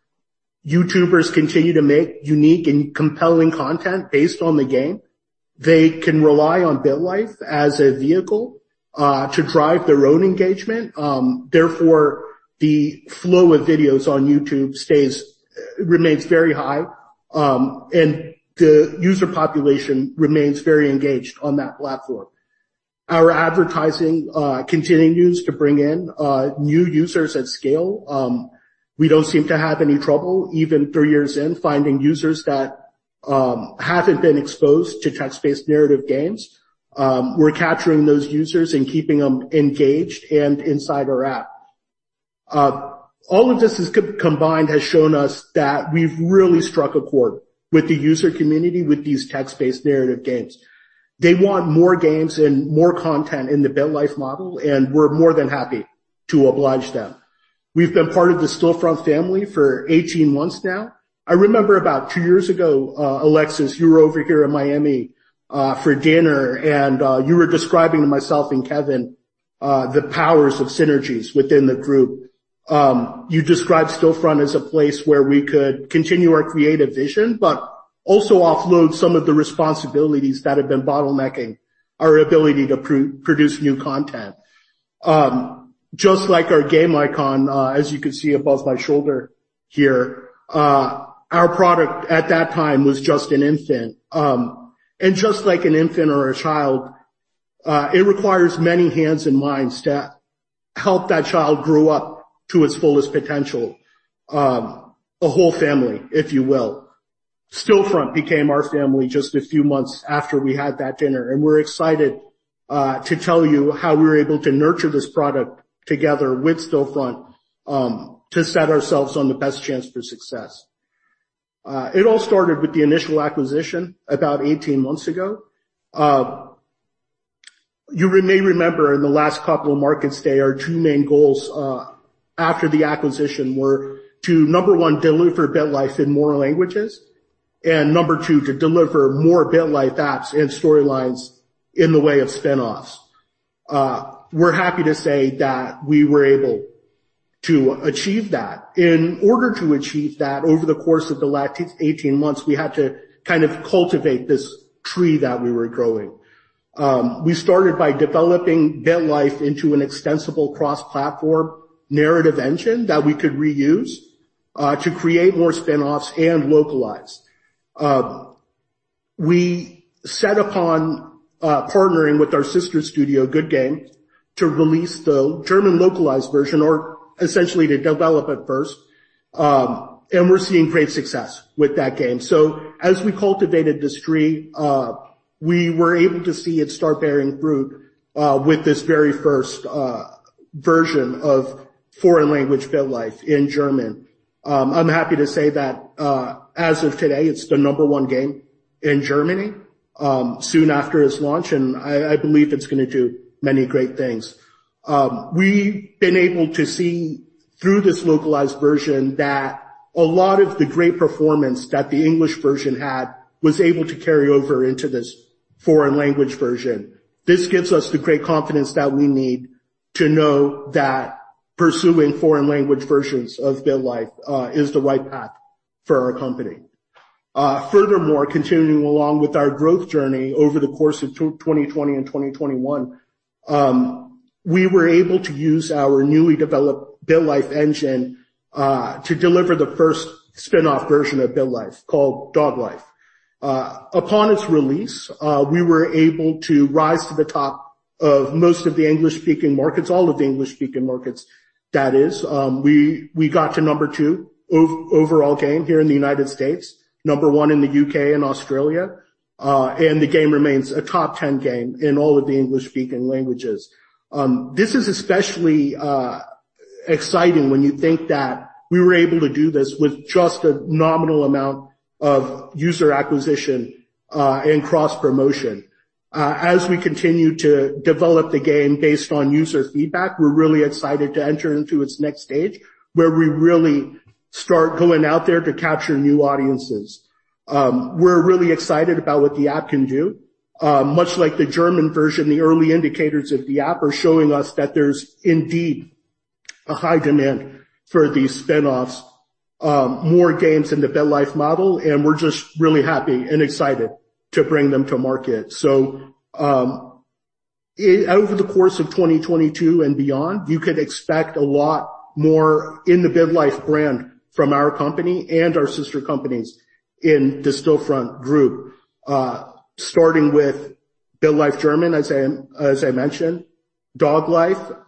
YouTubers continue to make unique and compelling content based on the game. They can rely on BitLife as a vehicle to drive their own engagement, therefore the flow of videos on YouTube stays. Remains very high, and the user population remains very engaged on that platform. Our advertising continues to bring in new users at scale. We don't seem to have any trouble, even three years in, finding users that haven't been exposed to text-based narrative games. We're capturing those users and keeping them engaged and inside our app. All of this combined has shown us that we've really struck a chord with the user community with these text-based narrative games. They want more games and more content in the BitLife model, and we're more than happy to oblige them. We've been part of the Stillfront family for 18 months now. I remember about two years ago, Alexis, you were over here in Miami for dinner, and you were describing to myself and Kevin the powers of synergies within the group. You described Stillfront as a place where we could continue our creative vision, but also offload some of the responsibilities that have been bottlenecking our ability to produce new content. Just like our game icon, as you can see above my shoulder here, our product at that time was just an infant. Just like an infant or a child, it requires many hands and minds to help that child grow up to its fullest potential. A whole family, if you will. Stillfront became our family just a few months after we had that dinner, and we're excited to tell you how we were able to nurture this product together with Stillfront, to set ourselves on the best chance for success. It all started with the initial acquisition about 18 months ago. You may remember in the last couple of Capital Markets Days, our two main goals after the acquisition were to, number one, deliver BitLife in more languages, and number two, to deliver more BitLife apps and storylines in the way of spinoffs. We're happy to say that we were able to achieve that. In order to achieve that over the course of the last eighteen months, we had to kind of cultivate this tree that we were growing. We started by developing BitLife into an extensible cross-platform narrative engine that we could reuse to create more spinoffs and localize. We set upon partnering with our sister studio, Goodgame, to release the German localized version or essentially to develop at first. We're seeing great success with that game. As we cultivated this tree, we were able to see it start bearing fruit with this very first version of foreign language BitLife in German. I'm happy to say that as of today, it's the number one game in Germany soon after its launch, and I believe it's gonna do many great things. We've been able to see through this localized version that a lot of the great performance that the English version had was able to carry over into this foreign language version. This gives us the great confidence that we need to know that pursuing foreign language versions of BitLife is the right path for our company. Furthermore, continuing along with our growth journey over the course of 2020 and 2021, we were able to use our newly developed BitLife engine to deliver the first spin-off version of BitLife called DogLife. Upon its release, we were able to rise to the top of most of the English-speaking markets, all of the English-speaking markets that is. We got to number two overall game here in the United States, number one in the U.K. and Australia, and the game remains a top 10 game in all of the English-speaking languages. This is especially exciting when you think that we were able to do this with just a nominal amount of user acquisition and cross promotion. As we continue to develop the game based on user feedback, we're really excited to enter into its next stage where we really start going out there to capture new audiences. We're really excited about what the app can do. Much like the German version, the early indicators of the app are showing us that there's indeed a high demand for these spin-offs, more games in the BitLife model, and we're just really happy and excited to bring them to market. Over the course of 2022 and beyond, you can expect a lot more in the BitLife brand from our company and our sister companies in the Stillfront Group. Starting with BitLife German, as I mentioned, DogLife,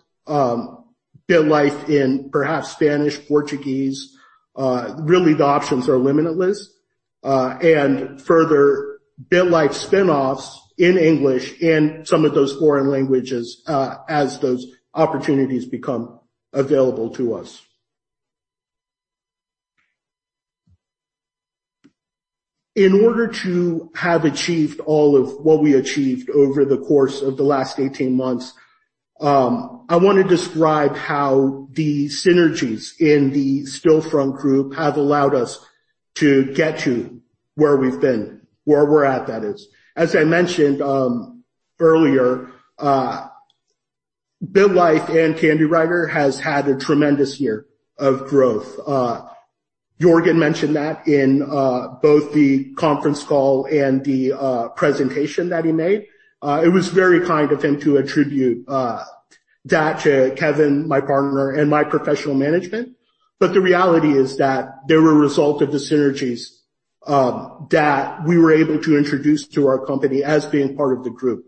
BitLife in perhaps Spanish, Portuguese, really the options are limitless. Further BitLife spinoffs in English, in some of those foreign languages, as those opportunities become available to us. In order to have achieved all of what we achieved over the course of the last 18 months, I want to describe how the synergies in the Stillfront Group have allowed us to get to where we've been, where we're at, that is. As I mentioned earlier, BitLife and Candywriter has had a tremendous year of growth. Jörgen mentioned that in both the conference call and the presentation that he made. It was very kind of him to attribute that to Kevin, my partner, and my professional management. The reality is that they were a result of the synergies that we were able to introduce to our company as being part of the group.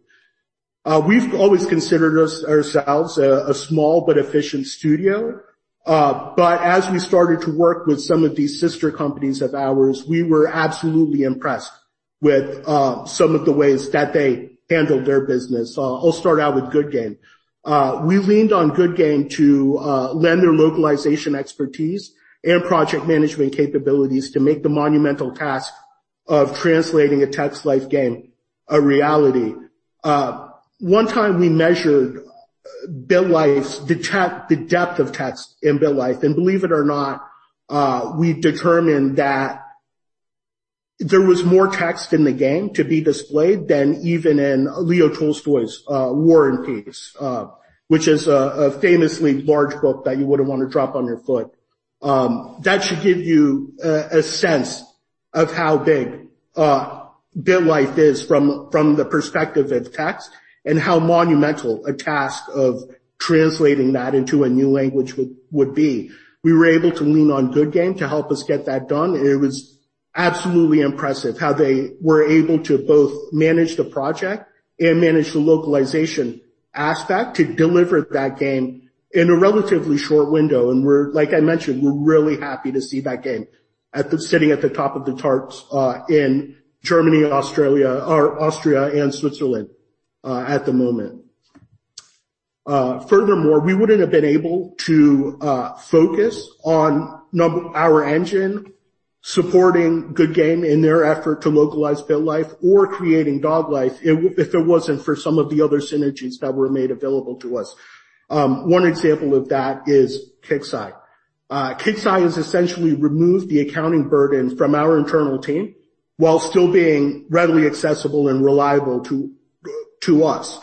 We've always considered ourselves a small but efficient studio, but as we started to work with some of these sister companies of ours, we were absolutely impressed with some of the ways that they handled their business. I'll start out with Goodgame. We leaned on Goodgame to lend their localization expertise and project management capabilities to make the monumental task of translating BitLife a reality. One time we measured the depth of text in BitLife, and believe it or not, we determined that there was more text in the game to be displayed than even in Leo Tolstoy's War and Peace, which is a famously large book that you wouldn't want to drop on your foot. That should give you a sense of how big BitLife is from the perspective of text, and how monumental a task of translating that into a new language would be. We were able to lean on Goodgame to help us get that done. It was absolutely impressive how they were able to both manage the project and manage the localization aspect to deliver that game in a relatively short window. Like I mentioned, we're really happy to see that game sitting at the top of the charts in Germany, or Austria and Switzerland at the moment. Furthermore, we wouldn't have been able to focus on our engine supporting Goodgame in their effort to localize BitLife or creating DogLife if it wasn't for some of the other synergies that were made available to us. One example of that is KIXEYE. KIXEYE has essentially removed the accounting burden from our internal team while still being readily accessible and reliable to us.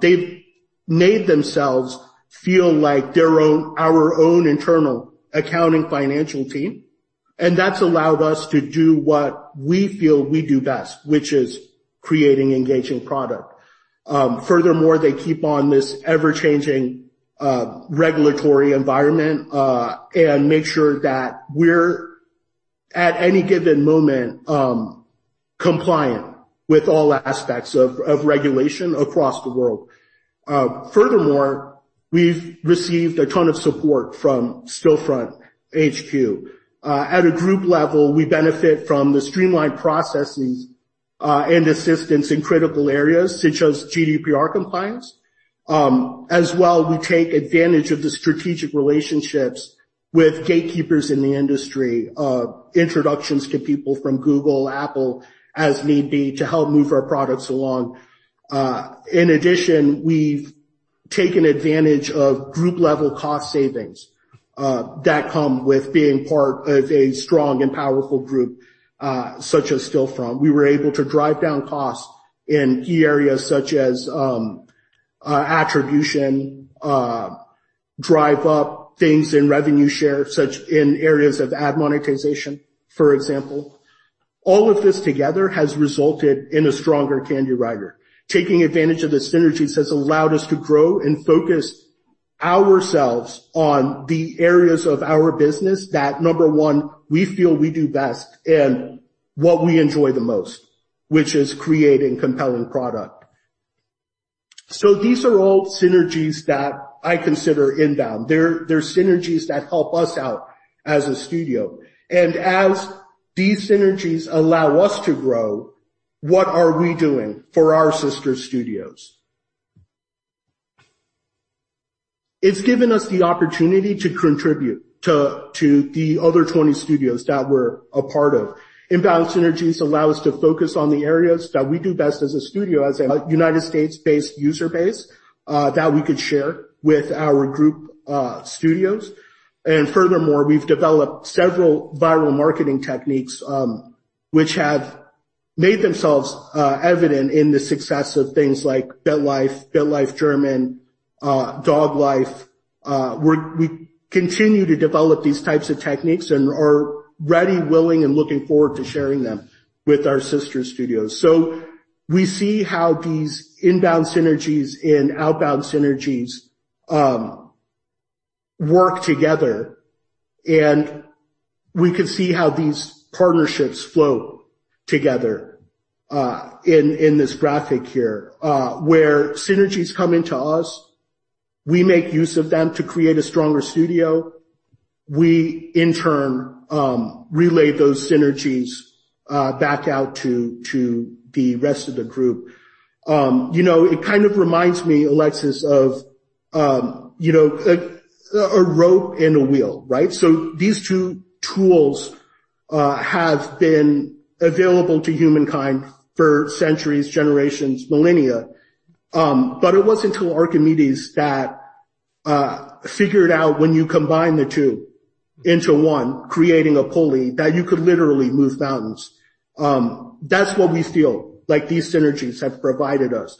They've made themselves feel like our own internal accounting financial team, and that's allowed us to do what we feel we do best, which is creating engaging product. Furthermore, they keep on this ever-changing regulatory environment and make sure that we're at any given moment compliant with all aspects of regulation across the world. Furthermore, we've received a ton of support from Stillfront HQ. At a group level, we benefit from the streamlined processes, and assistance in critical areas such as GDPR compliance. As well, we take advantage of the strategic relationships with gatekeepers in the industry, introductions to people from Google, Apple, as need be, to help move our products along. In addition, we've taken advantage of group-level cost savings, that come with being part of a strong and powerful group, such as Stillfront. We were able to drive down costs in key areas such as attribution, drive up things in revenue share, such as in areas of ad monetization, for example. All of this together has resulted in a stronger Candywriter. Taking advantage of the synergies has allowed us to grow and focus ourselves on the areas of our business that, number one, we feel we do best and what we enjoy the most, which is creating compelling product. These are all synergies that I consider inbound. They're synergies that help us out as a studio. As these synergies allow us to grow. What are we doing for our sister studios? It's given us the opportunity to contribute to the other 20 studios that we're a part of. Inbound synergies allow us to focus on the areas that we do best as a studio, as a United States-based user base, that we could share with our group studios. Furthermore, we've developed several viral marketing techniques, which have made themselves evident in the success of things like BitLife German, DogLife. We continue to develop these types of techniques and are ready, willing, and looking forward to sharing them with our sister studios. We see how these inbound synergies and outbound synergies work together, and we could see how these partnerships flow together in this graphic here. Where synergies come into us, we make use of them to create a stronger studio. We in turn relay those synergies back out to the rest of the group. You know, it kind of reminds me, Alexis, of you know a rope and a wheel, right? These two tools have been available to humankind for centuries, generations, millennia. It wasn't until Archimedes that figured out when you combine the two into one, creating a pulley, that you could literally move mountains. That's what we feel like these synergies have provided us.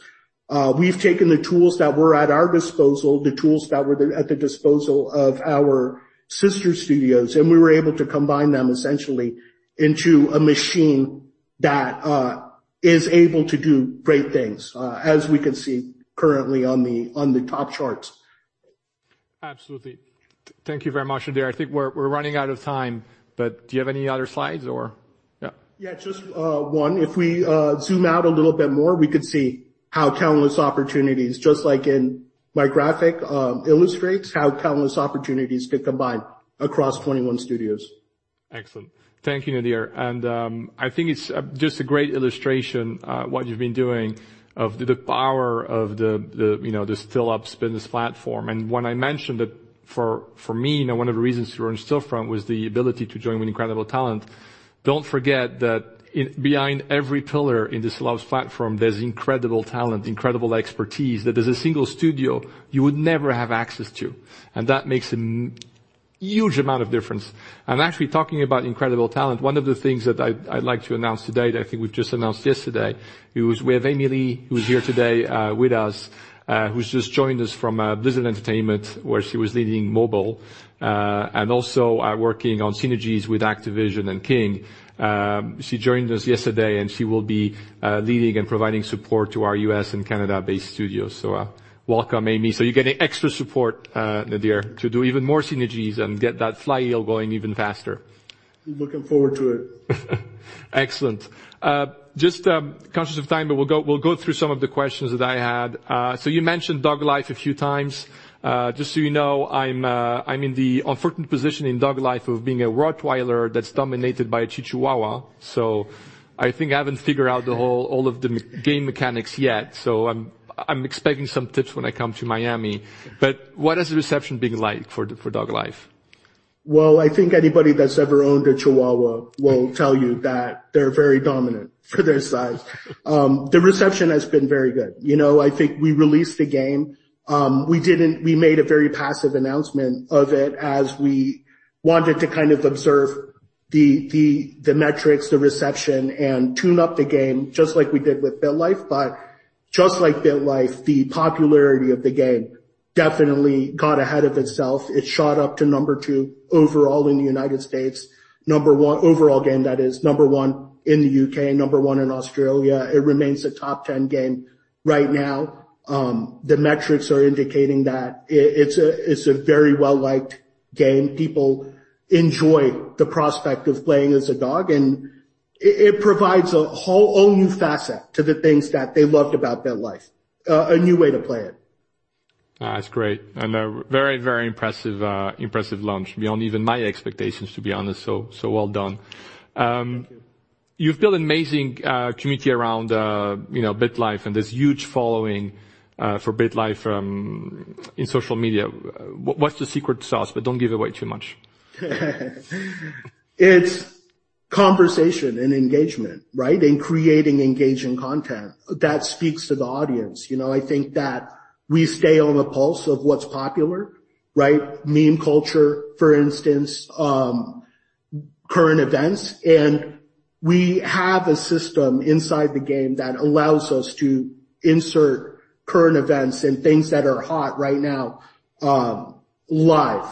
We've taken the tools that were at our disposal, the tools that were at the disposal of our sister studios, and we were able to combine them essentially into a machine that is able to do great things, as we can see currently on the top charts. Absolutely. Thank you very much, Nadir. I think we're running out of time, but do you have any other slides or? Yeah. Yeah, just one. If we zoom out a little bit more, we could see how countless opportunities, just like in my graphic, illustrates how countless opportunities could combine across 21 studios. Excellent. Thank you, Nadir. I think it's just a great illustration, what you've been doing, of the power of the you know the Stillops business platform. When I mentioned that for me, now one of the reasons we're in Stillfront was the ability to join with incredible talent. Don't forget that behind every pillar in this Stillops platform, there's incredible talent, incredible expertise that as a single studio you would never have access to, and that makes a huge amount of difference. Actually, talking about incredible talent, one of the things that I'd like to announce today that I think we've just announced yesterday, it was with Amy Lee, who's here today, with us, who's just joined us from Blizzard Entertainment, where she was leading mobile and also working on synergies with Activision and King. She joined us yesterday, and she will be leading and providing support to our U.S. and Canada-based studios. Welcome, Amy. You're getting extra support, Nadir, to do even more synergies and get that flywheel going even faster. Looking forward to it. Excellent. Just conscious of time, but we'll go through some of the questions that I had. You mentioned DogLife a few times. Just so you know, I'm in the unfortunate position in DogLife of being a Rottweiler that's dominated by a Chihuahua. I think I haven't figured out all of the game mechanics yet, so I'm expecting some tips when I come to Miami. What has the reception been like for DogLife? Well, I think anybody that's ever owned a Chihuahua will tell you that they're very dominant for their size. The reception has been very good. You know, I think we released the game. We made a very passive announcement of it as we wanted to kind of observe the metrics, the reception, and tune up the game just like we did with BitLife. Just like BitLife, the popularity of the game definitely got ahead of itself. It shot up to number two overall in the United States. Number one overall game, that is. Number one in the U.K., number one in Australia. It remains a top 10 game right now. The metrics are indicating that it's a very well-liked game. People enjoy the prospect of playing as a dog, and it provides a whole new facet to the things that they loved about BitLife, a new way to play it. That's great. A very, very impressive launch beyond even my expectations, to be honest. Well done. Thank you. You've built an amazing community around, you know, BitLife and this huge following for BitLife from social media. What's the secret sauce? Don't give away too much. It's conversation and engagement, right? Creating engaging content that speaks to the audience. You know, I think that we stay on the pulse of what's popular, right? Meme culture, for instance, current events. We have a system inside the game that allows us to insert current events and things that are hot right now, live.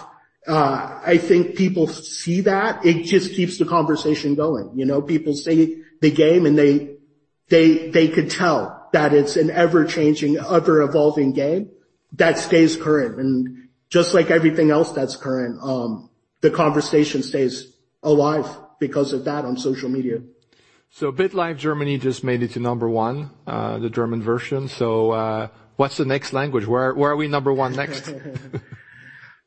I think people see that. It just keeps the conversation going. You know? People see the game, and they could tell that it's an ever-changing, ever-evolving game that stays current. Just like everything else that's current, the conversation stays alive because of that on social media. BitLife Germany just made it to number one, the German version. What's the next language? Where are we number one next?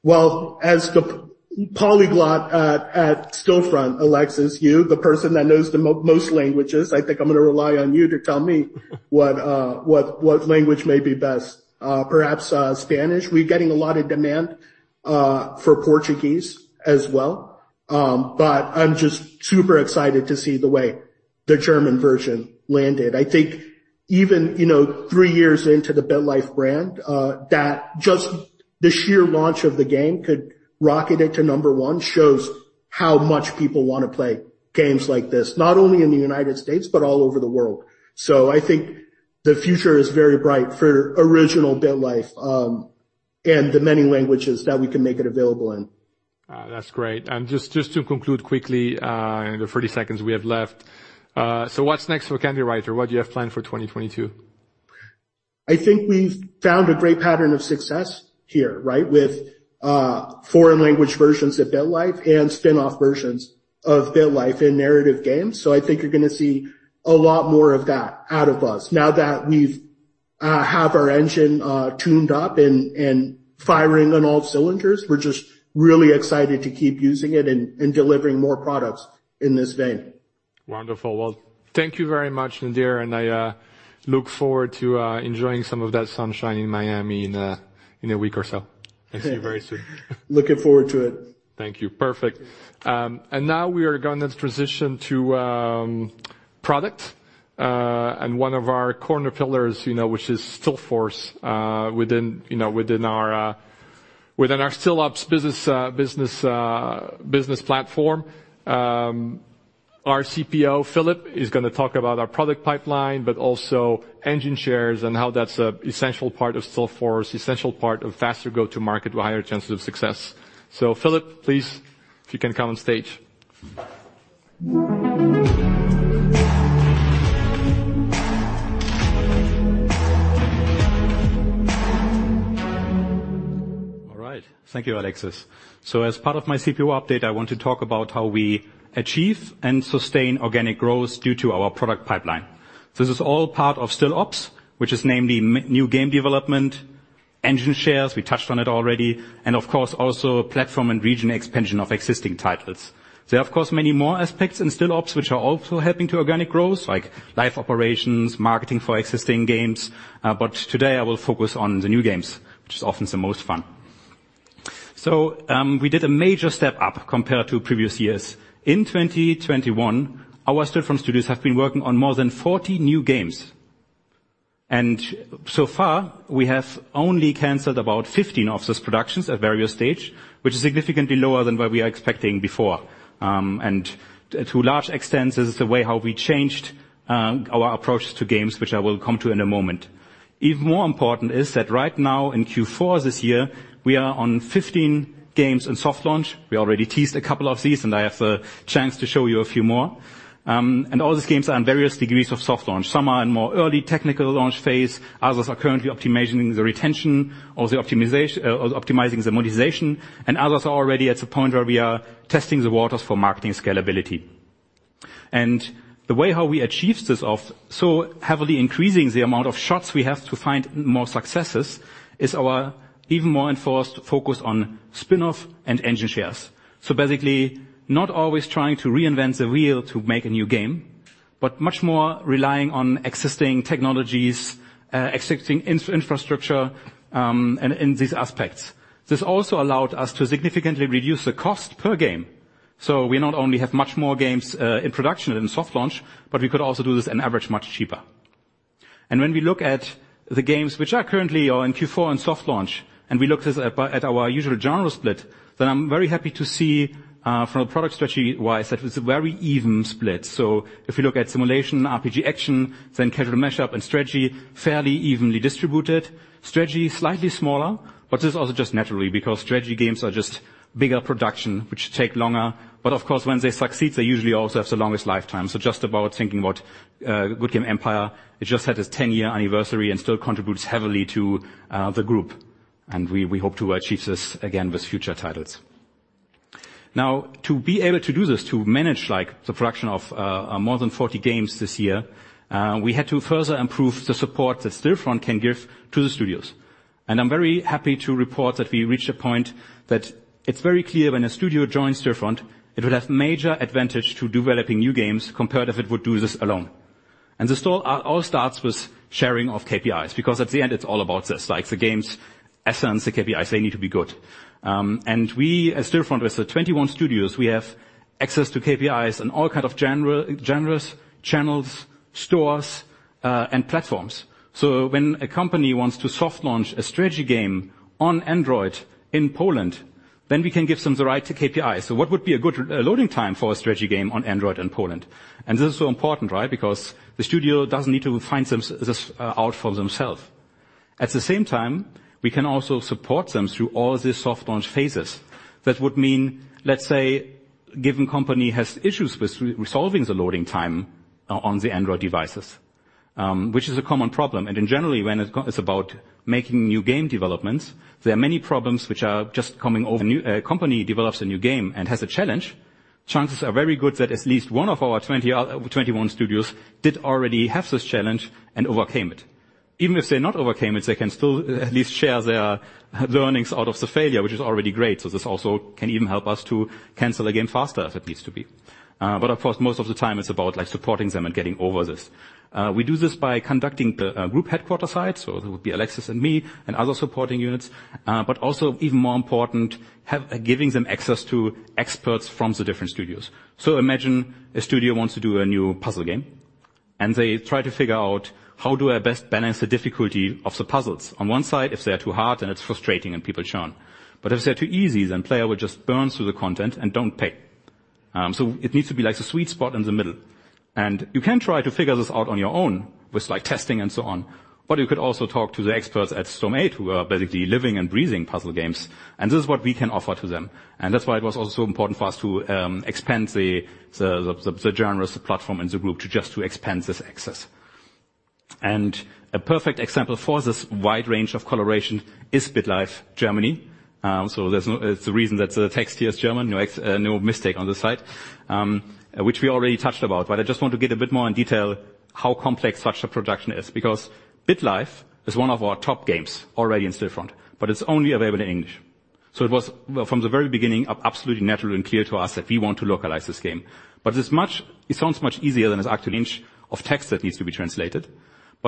Well, as the polyglot at Stillfront, Alexis, you, the person that knows the most languages, I think I'm gonna rely on you to tell me what language may be best. Perhaps Spanish. We're getting a lot of demand for Portuguese as well. But I'm just super excited to see the way the German version landed. I think even, you know, three years into the BitLife brand, that just the sheer launch of the game could rocket it to number one shows how much people wanna play games like this, not only in the United States, but all over the world. I think the future is very bright for original BitLife, and the many languages that we can make it available in. That's great. Just to conclude quickly, in the 30 seconds we have left, what's next for Candywriter? What do you have planned for 2022? I think we've found a great pattern of success here, right? With foreign language versions of BitLife and spin-off versions of BitLife in narrative games. I think you're gonna see a lot more of that out of us now that we've tuned up our engine and firing on all cylinders. We're just really excited to keep using it and delivering more products in this vein. Wonderful. Well, thank you very much, Nadir, and I look forward to enjoying some of that sunshine in Miami in a week or so. I'll see you very soon. Looking forward to it. Thank you. Perfect. Now we are gonna transition to product and one of our corner pillars, you know, which is Stillforce within our Stillops business platform. Our CPO, Phillip, is gonna talk about our product pipeline, but also engine shares and how that's an essential part of Stillforce, essential part of faster go-to-market with higher chances of success. Phillip, please, if you can come on stage. All right. Thank you, Alexis. As part of my CPO update, I want to talk about how we achieve and sustain organic growth due to our product pipeline. This is all part of Stillops, which is namely new game development, engine shares, we touched on it already, and of course, also platform and region expansion of existing titles. There are of course many more aspects in Stillops which are also helping to organic growth, like live operations, marketing for existing games, but today I will focus on the new games, which is often the most fun. We did a major step up compared to previous years. In 2021, our Stillfront studios have been working on more than 40 new games. So far, we have only canceled about 15 of those productions at various stages, which is significantly lower than what we are expecting before. To a large extent, this is the way how we changed our approach to games, which I will come to in a moment. Even more important is that right now in Q4 this year, we are on 15 games in soft launch. We already teased a couple of these, and I have the chance to show you a few more. All these games are in various degrees of soft launch. Some are in more early technical launch phase, others are currently optimizing the retention or optimizing the monetization, and others are already at the point where we are testing the waters for marketing scalability. The way how we achieve this of so heavily increasing the amount of shots we have to find more successes is our even more enforced focus on spin-off and engine shares. Basically, not always trying to reinvent the wheel to make a new game, but much more relying on existing technologies, existing infrastructure, in these aspects. This also allowed us to significantly reduce the cost per game. We not only have much more games in production in soft launch, but we could also do this on average much cheaper. When we look at the games which are currently on Q4 in soft launch, and we look at this by our usual genre split, then I'm very happy to see, from a product strategy-wise, that it's a very even split. If you look at simulation, RPG action, then casual mashup and strategy, fairly evenly distributed. Strategy, slightly smaller, but this is also just naturally because strategy games are just bigger production which take longer. Of course, when they succeed, they usually also have the longest lifetime. Just about thinking about Goodgame Empire, it just had its 10-year anniversary and still contributes heavily to the group, and we hope to achieve this again with future titles. Now, to be able to do this, to manage like the production of more than 40 games this year, we had to further improve the support that Stillfront can give to the studios. I'm very happy to report that we reached a point that it's very clear when a studio joins Stillfront, it will have major advantage to developing new games compared if it would do this alone. This all starts with sharing of KPIs, because at the end, it's all about this. Like, the game's essence, the KPIs, they need to be good. We as Stillfront, with the 21 studios, we have access to KPIs in all kinds of genres, channels, stores, and platforms. When a company wants to soft launch a strategy game on Android in Poland, then we can give them the right KPIs. What would be a good loading time for a strategy game on Android in Poland? This is so important, right? Because the studio doesn't need to find this out for themselves. At the same time, we can also support them through all these soft launch phases. That would mean, let's say, a given company has issues with resolving the loading time on the Android devices, which is a common problem. In general, when it's about making new game developments, there are many problems which are just coming up. A new company develops a new game and has a challenge, chances are very good that at least one of our 21 studios did already have this challenge and overcame it. Even if they not overcame it, they can still at least share their learnings out of the failure, which is already great. This also can even help us to cancel a game faster if it needs to be. Of course, most of the time it's about like supporting them and getting over this. We do this by conducting the group headquarters visits, so it would be Alexis and me and other supporting units. Also even more important, giving them access to experts from the different studios. Imagine a studio wants to do a new puzzle game, and they try to figure out, "How do I best balance the difficulty of the puzzles?" On one side, if they are too hard, then it's frustrating and people churn. If they're too easy, then player will just burn through the content and don't pay. It needs to be like the sweet spot in the middle. You can try to figure this out on your own with like testing and so on, but you could also talk to the experts at Storm8 who are basically living and breathing puzzle games, and this is what we can offer to them. That's why it was also important for us to expand the Stillops platform in the group to expand this access. A perfect example for this wide range of collaboration is BitLife Germany. So it's the reason that the text here is German. No mistake on this side, which we already touched about. I just want to get a bit more in detail how complex such a production is, because BitLife is one of our top games already in Stillfront, but it's only available in English. It was from the very beginning absolutely natural and clear to us that we want to localize this game. It sounds much easier than it actually is. An inch of text that needs to be translated.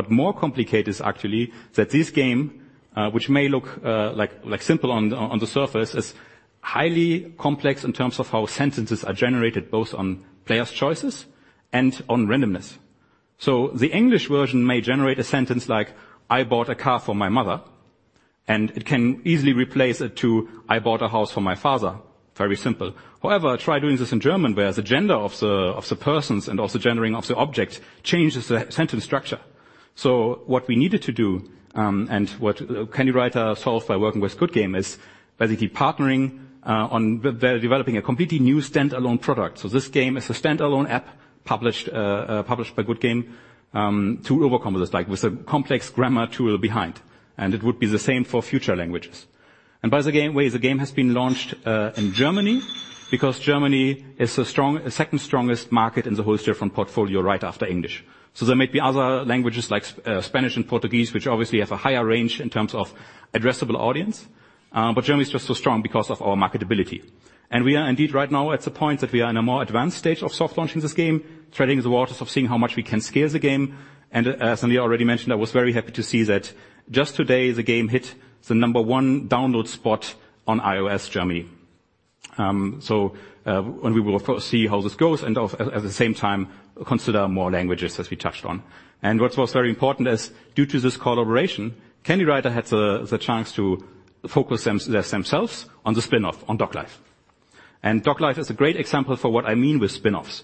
More complicated is actually that this game, which may look like simple on the surface, is highly complex in terms of how sentences are generated, both on players' choices and on randomness. The English version may generate a sentence like, "I bought a car for my mother," and it can easily replace it to, "I bought a house for my father." Very simple. However, try doing this in German, where the gender of the persons and also gender of the object changes the sentence structure. What we needed to do, and what Candywriter solved by working with Goodgame is basically partnering on co-developing a completely new standalone product. This game is a standalone app published by Goodgame to overcome this, like with a complex grammar tool behind, and it would be the same for future languages. By the way, the game has been launched in Germany because Germany is the second strongest market in the whole Stillfront portfolio right after English. There may be other languages like Spanish and Portuguese, which obviously have a higher range in terms of addressable audience, but Germany is just so strong because of our marketability. We are indeed right now at the point that we are in a more advanced stage of soft launching this game, testing the waters of seeing how much we can scale the game. As Nadir Khan already mentioned, I was very happy to see that just today, the game hit the number one download spot on iOS Germany. We will of course see how this goes at the same time consider more languages as we touched on. What was very important is due to this collaboration, Candywriter had the chance to focus themselves on the spinoff on DogLife. DogLife is a great example for what I mean with spinoffs.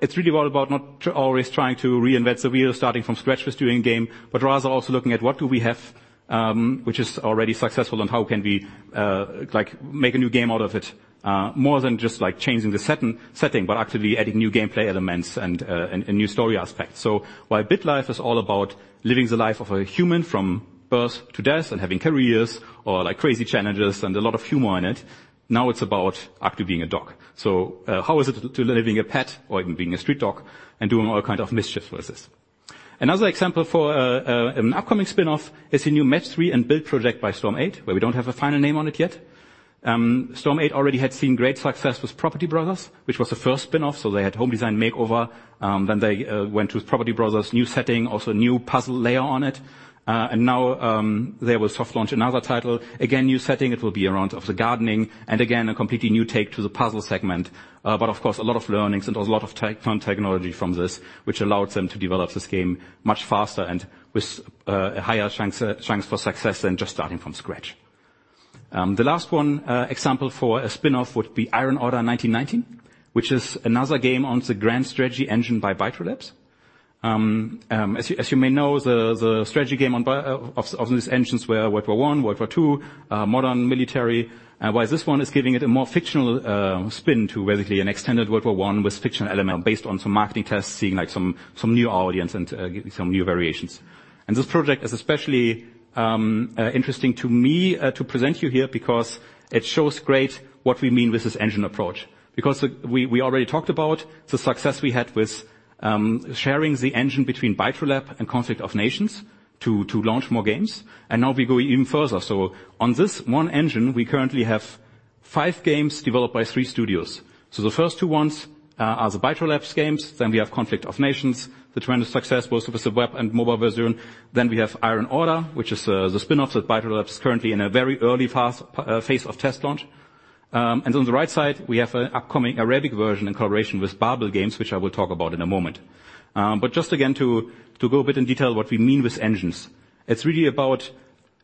It's really all about not always trying to reinvent the wheel, starting from scratch with doing a game, but rather also looking at what do we have, which is already successful and how can we, like, make a new game out of it, more than just like changing the setting, but actively adding new gameplay elements and new story aspects. While BitLife is all about living the life of a human from birth to death and having careers or like crazy challenges and a lot of humor in it, now it's about actually being a dog. How is it to living a pet or even being a street dog and doing all kind of mischiefs with this. Another example for an upcoming spinoff is a new match three and build project by Storm8, where we don't have a final name on it yet. Storm8 already had seen great success with Property Brothers, which was the first spinoff. They had Home Design Makeover, then they went with Property Brothers, new setting, also a new puzzle layer on it. They will soft launch another title. Again, new setting, it will be around the gardening, and again, a completely new take on the puzzle segment. Of course, a lot of learnings and a lot of fun technology from this, which allowed them to develop this game much faster and with higher chance for success than just starting from scratch. The last one, example for a spinoff would be Iron Order 1919, which is another game on the grand strategy engine by Bytro Labs. As you may know, the strategy games of these engines were World War I, World War II, modern military, whereas this one is giving it a more fictional spin to basically an extended World War I with fictional element based on some marketing tests, seeing like some new audience and some new variations. This project is especially interesting to me to present you here because it shows greatly what we mean with this engine approach. We already talked about the success we had with sharing the engine between Bytro Labs and Conflict of Nations to launch more games, and now we go even further. On this one engine, we currently have five games developed by three studios. The first two ones are the Bytro Labs games. We have Conflict of Nations, which we had a success both with the web and mobile version. We have Iron Order 1919, which is the spinoff that Bytro Labs currently in a very early phase of test launch. On the right side, we have an upcoming Arabic version in collaboration with Babil Games, which I will talk about in a moment. Just again to go a bit in detail what we mean with engines. It's really about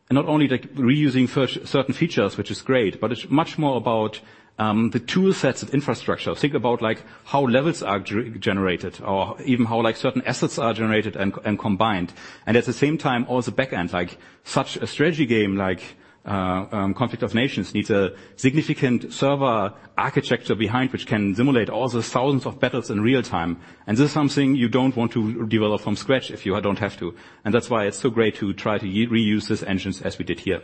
not only like reusing certain features, which is great, but it's much more about the tool sets of infrastructure. Think about like how levels are generated or even how like certain assets are generated and combined. At the same time, all the back ends, like such a strategy game like Conflict of Nations needs a significant server architecture behind which can simulate all the thousands of battles in real-time. This is something you don't want to develop from scratch if you don't have to. That's why it's so great to try to reuse these engines as we did here.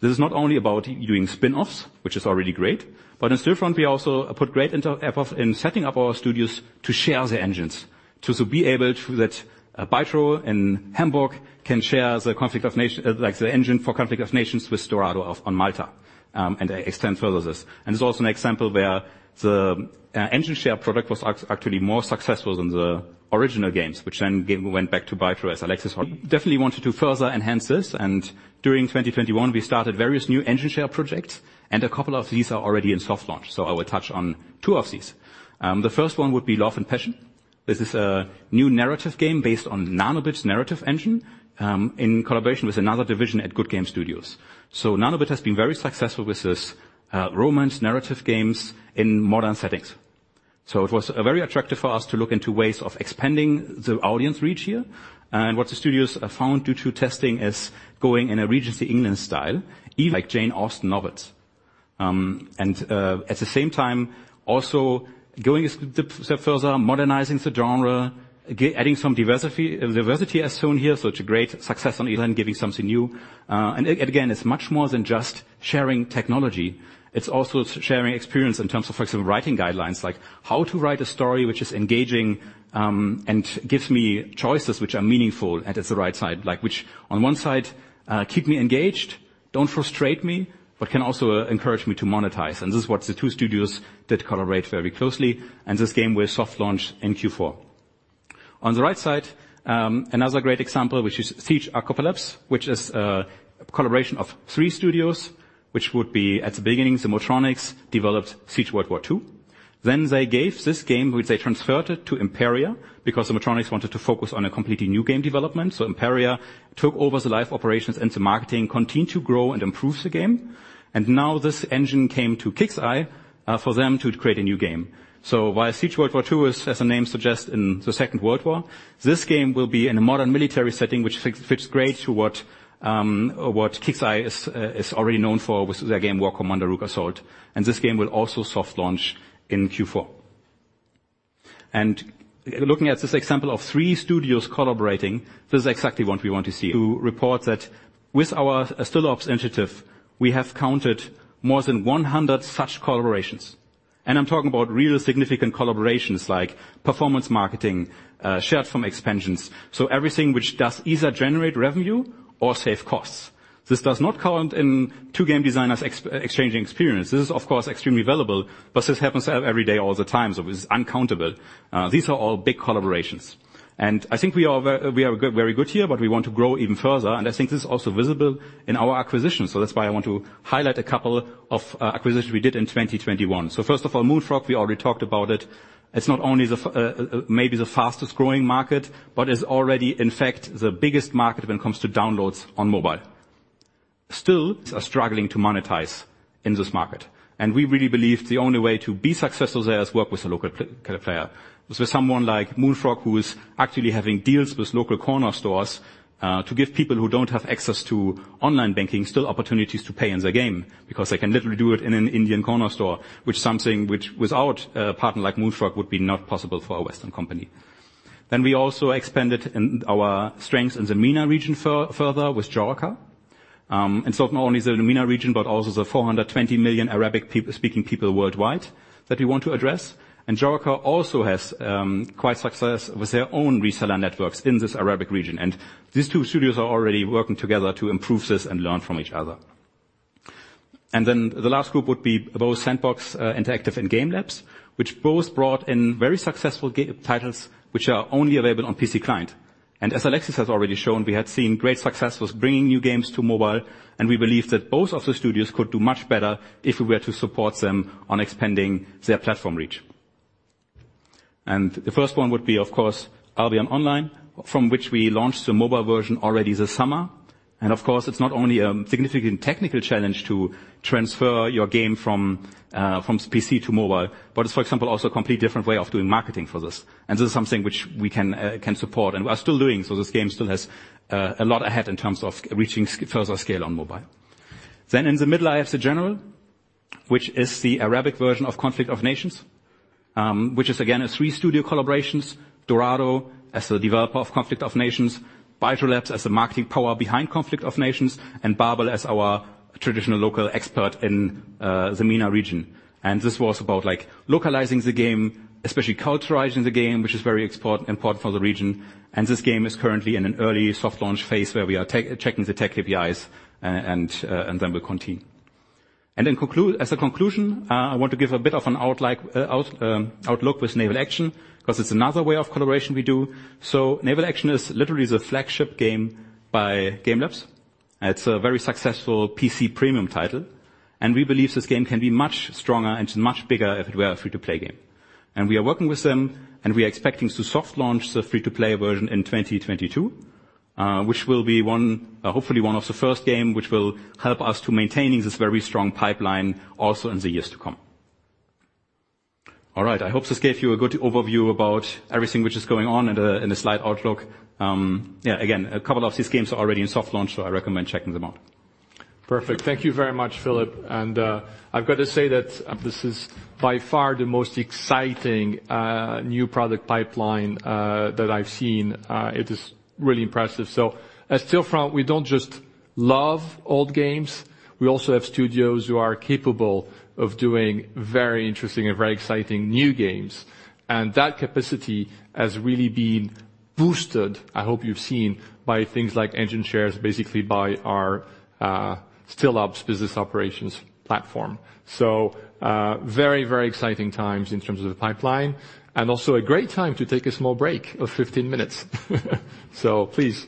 This is not only about doing spinoffs, which is already great, but in Stillfront we also put great effort in setting up our studios to share the engines. To be able to do that, Bytro in Hamburg can share the engine for Conflict of Nations with Dorado on Malta, and extend further this. It's also an example where the engine share product was actually more successful than the original games, which then went back to Bytro, as Alexis already definitely wanted to further enhance this, and during 2021, we started various new engine share projects, and a couple of these are already in soft launch, so I will touch on two of these. The first one would be Love and Passion. This is a new narrative game based on Nanobit's narrative engine, in collaboration with another division at Goodgame Studios. Nanobit has been very successful with this romance narrative games in modern settings. It was very attractive for us to look into ways of expanding the audience reach here, and what the studios have found due to testing is going in a Regency England style, like Jane Austen novels. At the same time, also going a step further, modernizing the genre, adding some diversity as shown here, so it's a great success on launch giving something new. Again, it's much more than just sharing technology. It's also sharing experience in terms of, for example, writing guidelines, like how to write a story which is engaging, and gives me choices which are meaningful, and it's the right side, like which on one side keep me engaged, don't frustrate me, but can also encourage me to monetize. This is what the two studios did collaborate very closely, and this game will soft launch in Q4. On the right side, another great example which is SIEGE: Apocalypse, which is a collaboration of three studios, which would be at the beginning, Simutronics developed SIEGE: World War II. They gave this game, which they transferred it to Imperia because Simutronics wanted to focus on a completely new game development. Imperia took over the live operations and the marketing, continued to grow and improve the game. Now this engine came to KIXEYE for them to create a new game. While SIEGE: World War II is, as the name suggests, in the Second World War, this game will be in a modern military setting, which fits great to what KIXEYE is already known for with their game War Commander: Rogue Assault. This game will also soft launch in Q4. Looking at this example of three studios collaborating, this is exactly what we want to see. We report that with our Stillops initiative, we have counted more than 100 such collaborations. I'm talking about real significant collaborations like performance marketing, shared form expansions. Everything which does either generate revenue or save costs. This does not count into two game designers exchanging experiences. This is of course extremely valuable, but this happens every day all the time, so this is uncountable. These are all big collaborations. I think we are very good here, but we want to grow even further, and I think this is also visible in our acquisitions. That's why I want to highlight a couple of acquisitions we did in 2021. First of all, Moonfrog, we already talked about it. It's not only maybe the fastest-growing market, but is already in fact the biggest market when it comes to downloads on mobile. Studios are struggling to monetize in this market, and we really believe the only way to be successful there is work with a local player. Someone like Moonfrog who is actually having deals with local corner stores to give people who don't have access to online banking still opportunities to pay in the game because they can literally do it in an Indian corner store, which something which without a partner like Moonfrog would be not possible for a Western company. We also expanded in our strengths in the MENA region further with Jawaker. Not only the MENA region, but also the 420 million Arabic speaking people worldwide that we want to address. Jawaker also has quite success with their own reseller networks in this Arabic region. These two studios are already working together to improve this and learn from each other. Then the last group would be both Sandbox Interactive and Game Labs, which both brought in very successful titles which are only available on PC client. As Alexis has already shown, we had seen great success with bringing new games to mobile, and we believe that both of the studios could do much better if we were to support them on expanding their platform reach. The first one would be, of course, Albion Online, from which we launched the mobile version already this summer. Of course, it's not only a significant technical challenge to transfer your game from PC to mobile, but it's for example, also a completely different way of doing marketing for this. This is something which we can support and we are still doing, so this game still has a lot ahead in terms of reaching further scale on mobile. In the middle, I have The General, which is the Arabic version of Conflict of Nations, which is again, a three studio collaborations, Dorado as the developer of Conflict of Nations, Bytro Labs as the marketing power behind Conflict of Nations, and Babil as our traditional local expert in the MENA region. This was about like localizing the game, especially culturalizing the game, which is very important for the region. This game is currently in an early soft launch phase where we are testing the tech APIs, and then we'll continue. In conclusion, I want to give a bit of an outlook with Naval Action, 'cause it's another way of collaboration we do. Naval Action is literally the flagship game by Game Labs. It's a very successful PC premium title, and we believe this game can be much stronger and much bigger if it were a free-to-play game. We are working with them, and we are expecting to soft launch the free-to-play version in 2022, which will be one, hopefully one of the first game which will help us to maintaining this very strong pipeline also in the years to come. All right, I hope this gave you a good overview about everything which is going on in the slide outlook. Yeah, again, a couple of these games are already in soft launch, so I recommend checking them out. Perfect. Thank you very much, Phillip. I've got to say that this is by far the most exciting new product pipeline that I've seen. It is really impressive. At Stillfront, we don't just love old games. We also have studios who are capable of doing very interesting and very exciting new games. That capacity has really been boosted, I hope you've seen, by things like engine shares, basically by our Stillops business operations platform. Very, very exciting times in terms of the pipeline, and also a great time to take a small break of 15 minutes. Please.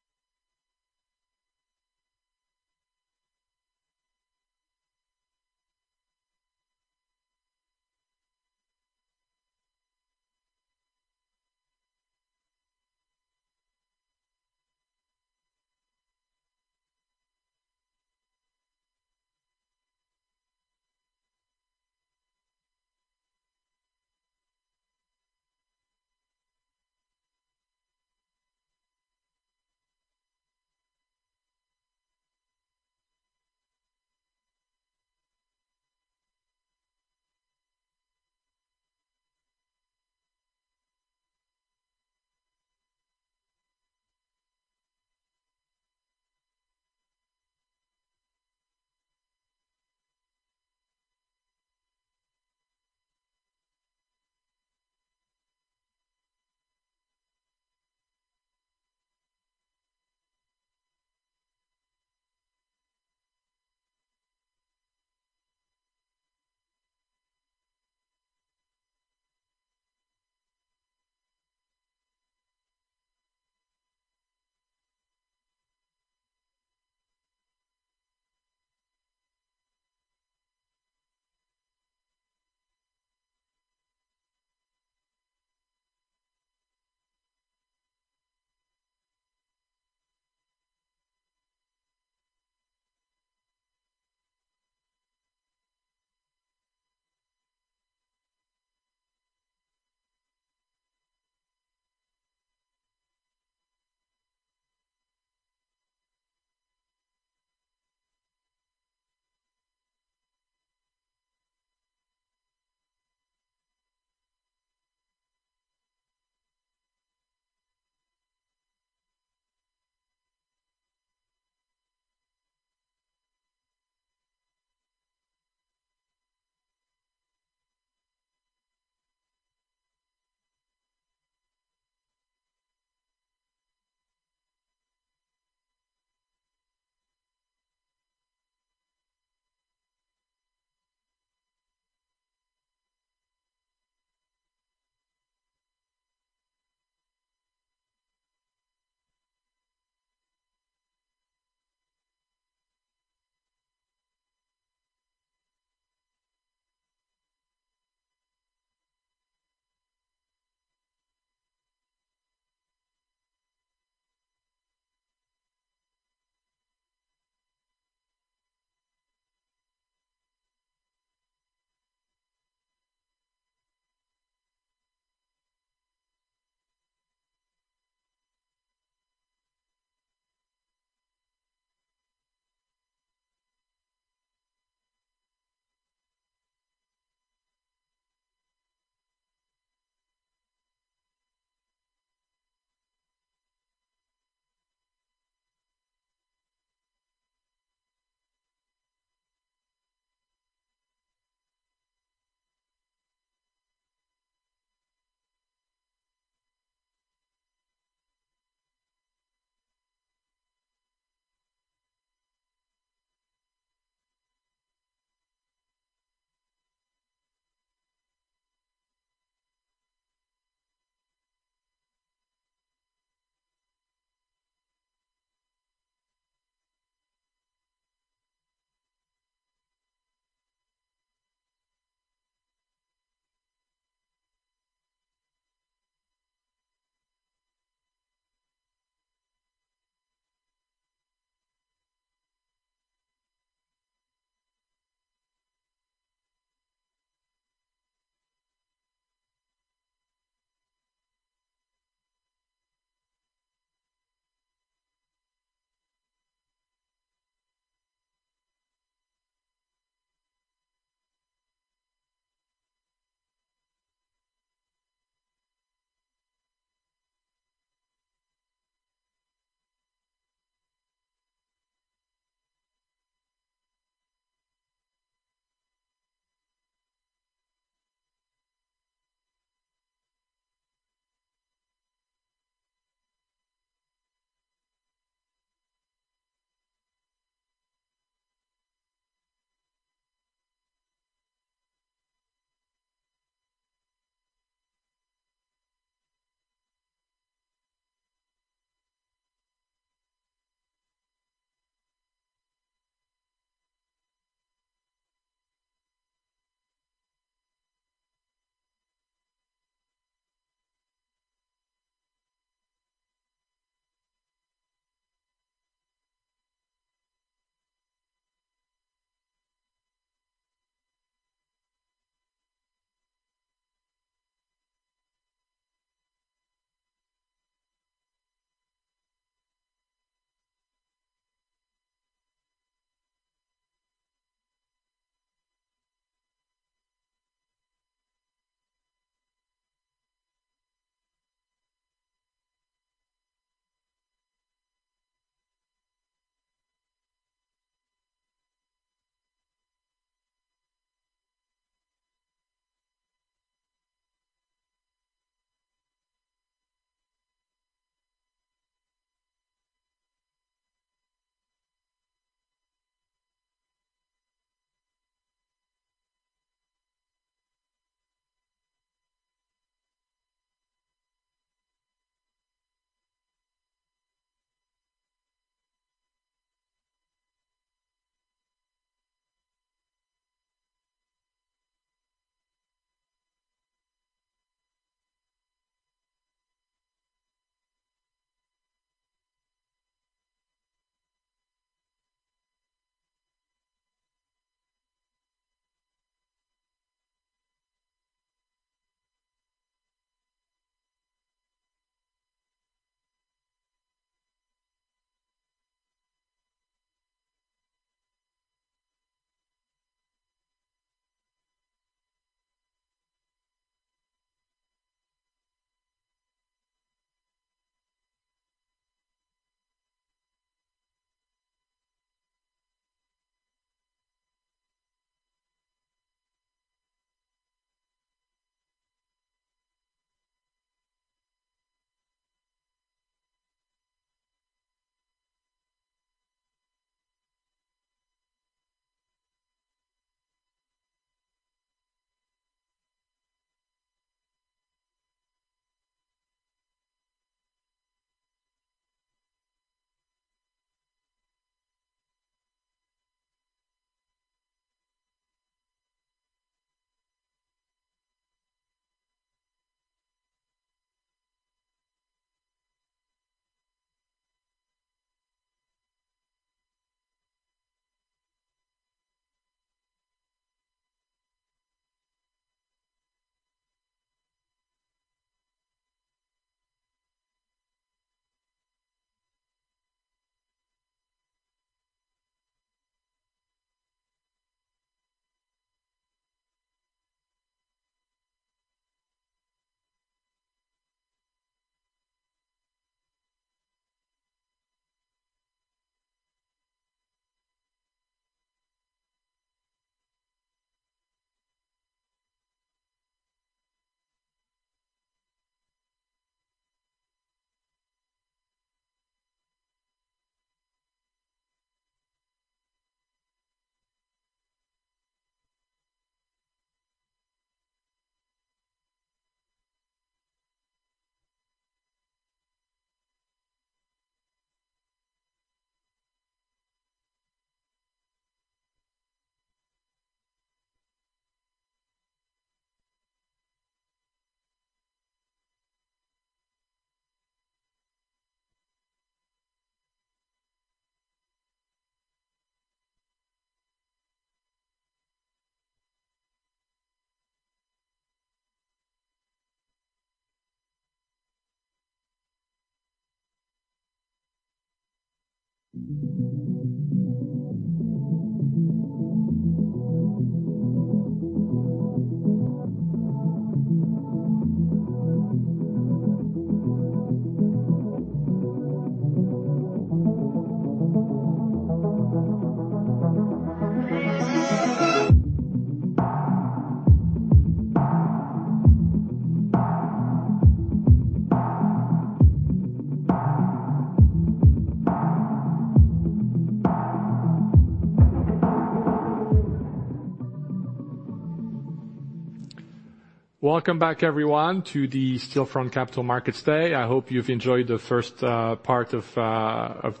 Welcome back everyone to the Stillfront Capital Markets Day. I hope you've enjoyed the first part of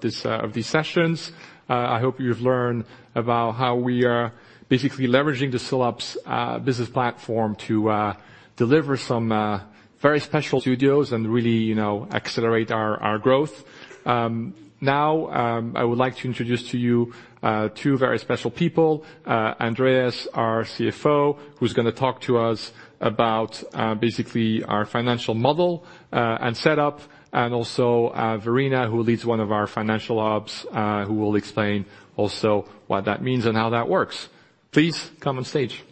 these sessions. I hope you've learned about how we are basically leveraging the Stillops business platform to deliver some very special studios and really, you know, accelerate our growth. Now, I would like to introduce to you two very special people, Andreas, our CFO, who's gonna talk to us about basically our financial model and set up, and also Verena, who leads one of our financial ops, who will explain also what that means and how that works. Please come on stage.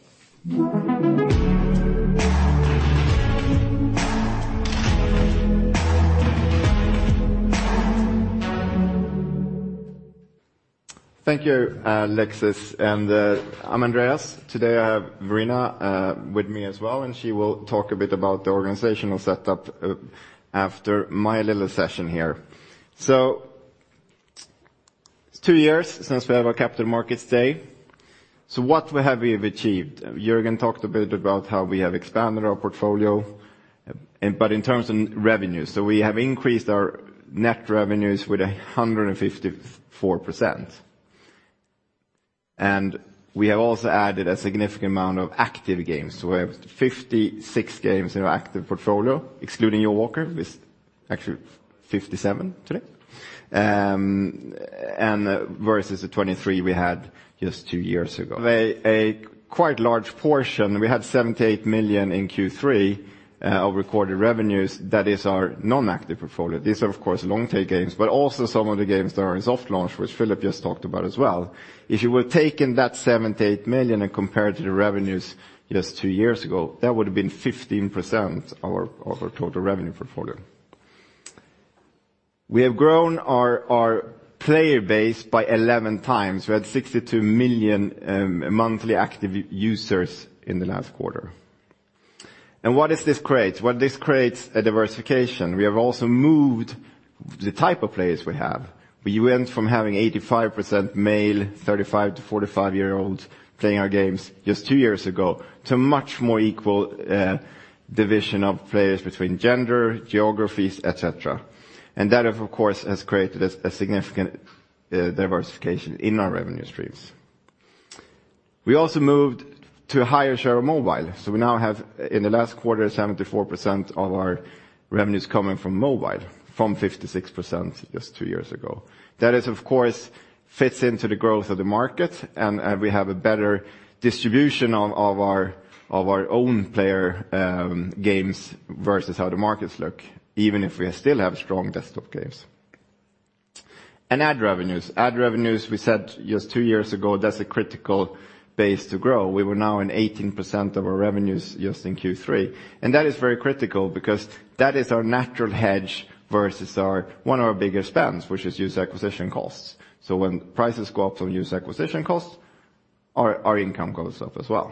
Thank you, Alexis, and I'm Andreas. Today I have Verena with me as well, and she will talk a bit about the organizational setup after my little session here. It's two years since we have our Capital Markets Day. What have we achieved? Jörgen talked a bit about how we have expanded our portfolio, but in terms of revenues. We have increased our net revenues with 154%. We have also added a significant amount of active games. We have 56 games in our active portfolio, excluding Neil Walker, with actually 57 today. Versus the 23 we had just two years ago. A quite large portion, we had 78 million in Q3 of recorded revenues, that is our non-active portfolio. These are of course long tail games, but also some of the games that are in soft launch, which Philip just talked about as well. If you would taken that 78 million and compared to the revenues just two years ago, that would've been 15% of our total revenue portfolio. We have grown our player base by 11x. We had 62 million monthly active users in the last quarter. What does this create? Well, this creates a diversification. We have also moved the type of players we have. We went from having 85% male, 35-45-year-olds playing our games just two years ago, to much more equal division of players between gender, geographies, etc. That of course has created a significant diversification in our revenue streams. We also moved to a higher share of mobile. We now have, in the last quarter, 74% of our revenues coming from mobile from 56% just two years ago. That is, of course, fits into the growth of the market, and we have a better distribution of our own player games versus how the markets look, even if we still have strong desktop games. Ad revenues, we said just two years ago, that's a critical base to grow. We were now in 18% of our revenues just in Q3. That is very critical because that is our natural hedge versus one of our bigger spends, which is user acquisition costs. When prices go up on user acquisition costs, our income goes up as well.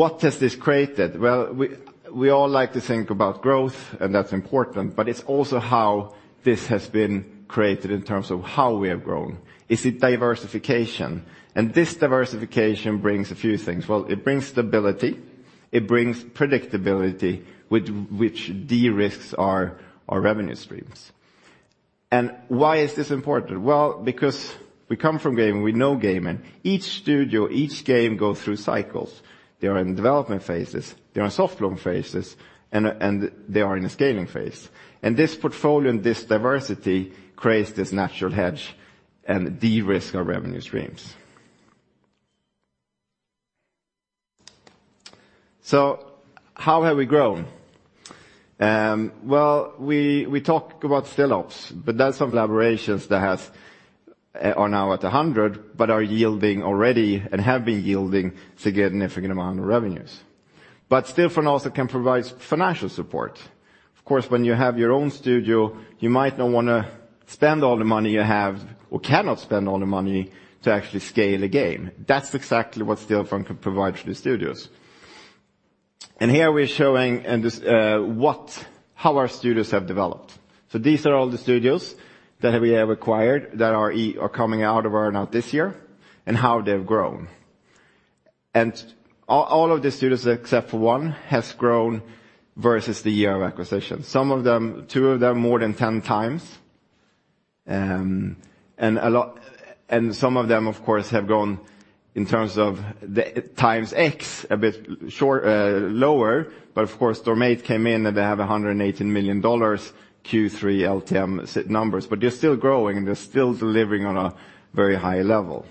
What has this created? Well, we all like to think about growth, and that's important, but it's also how this has been created in terms of how we have grown. Is it diversification? This diversification brings a few things. Well, it brings stability, it brings predictability, which derisks our revenue streams. Why is this important? Well, because we come from gaming, we know gaming. Each studio, each game goes through cycles. They are in development phases, they are in soft launch phases, and they are in a scaling phase. This portfolio and this diversity creates this natural hedge and derisk our revenue streams. How have we grown? Well, we talk about sell-offs, but that's some collaborations that are now at a hundred but are yielding already and have been yielding significant amount of revenues. Stillfront also can provide financial support. Of course, when you have your own studio, you might not wanna spend all the money you have or cannot spend all the money to actually scale a game. That's exactly what Stillfront can provide to the studios. Here we're showing how our studios have developed. These are all the studios that we have acquired that are coming out of earnout this year and how they've grown. All of the studios, except for one, has grown versus the year of acquisition. Some of them, two of them, more than 10x. Some of them, of course, have gone in terms of the times X, a bit short, lower. Of course, Storm8 came in, and they have $118 million Q3 LTM numbers, but they're still growing, and they're still delivering on a very high level.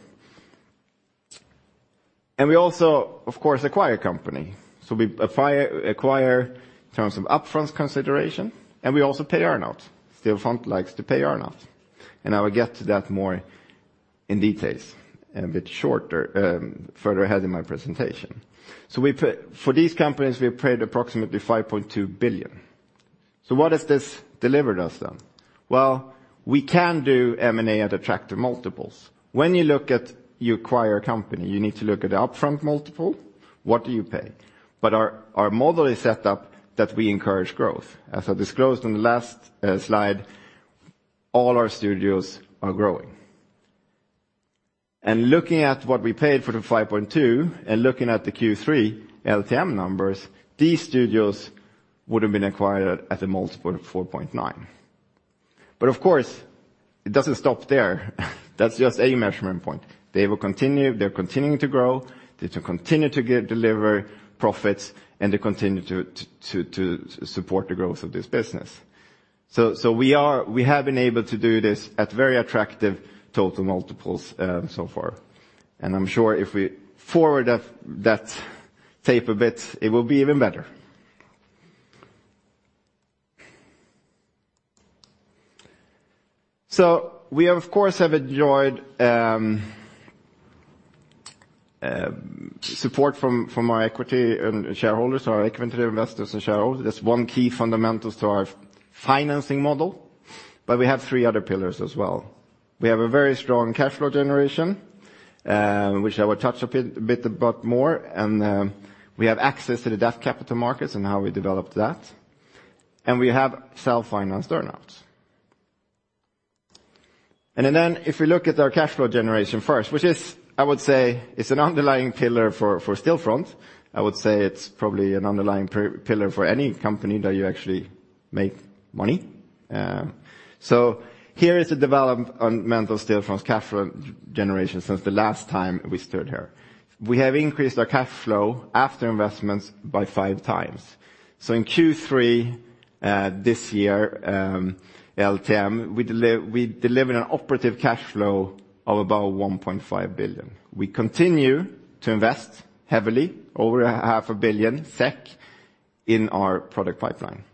We also, of course, acquire companies. We acquire in terms of upfront consideration, and we also pay earnout. Stillfront likes to pay earnout. I will get to that more in detail a bit later further ahead in my presentation. For these companies, we paid approximately 5.2 billion. What has this delivered us then? Well, we can do M&A at attractive multiples. When you look at you acquire companies, you need to look at upfront multiple. What do you pay? Our model is set up that we encourage growth. As I disclosed on the last slide, all our studios are growing. Looking at what we paid for the 5.2 and looking at the Q3 LTM numbers, these studios would have been acquired at a multiple of 4.9x. Of course, it doesn't stop there. That's just a measurement point. They will continue. They're continuing to grow. They continue to deliver profits, and they continue to support the growth of this business. We have been able to do this at very attractive total multiples so far. I'm sure if we forward that EBITDA a bit, it will be even better. We, of course, have enjoyed support from our equity investors and shareholders. That's one key fundamental to our financing model, but we have three other pillars as well. We have a very strong cash flow generation, which I will touch a bit about more, and we have access to the debt capital markets and how we developed that, and we have self-financed earnouts. If we look at our cash flow generation first, which is, I would say, it's an underlying pillar for Stillfront. I would say it's probably an underlying pillar for any company that you actually make money. Here is the development of Stillfront's cash flow generation since the last time we stood here. We have increased our cash flow after investments by 5 times. In Q3 this year, LTM, we delivered an operating cash flow of about 1.5 billion. We continue to invest heavily over 500 million SEK in our product pipeline.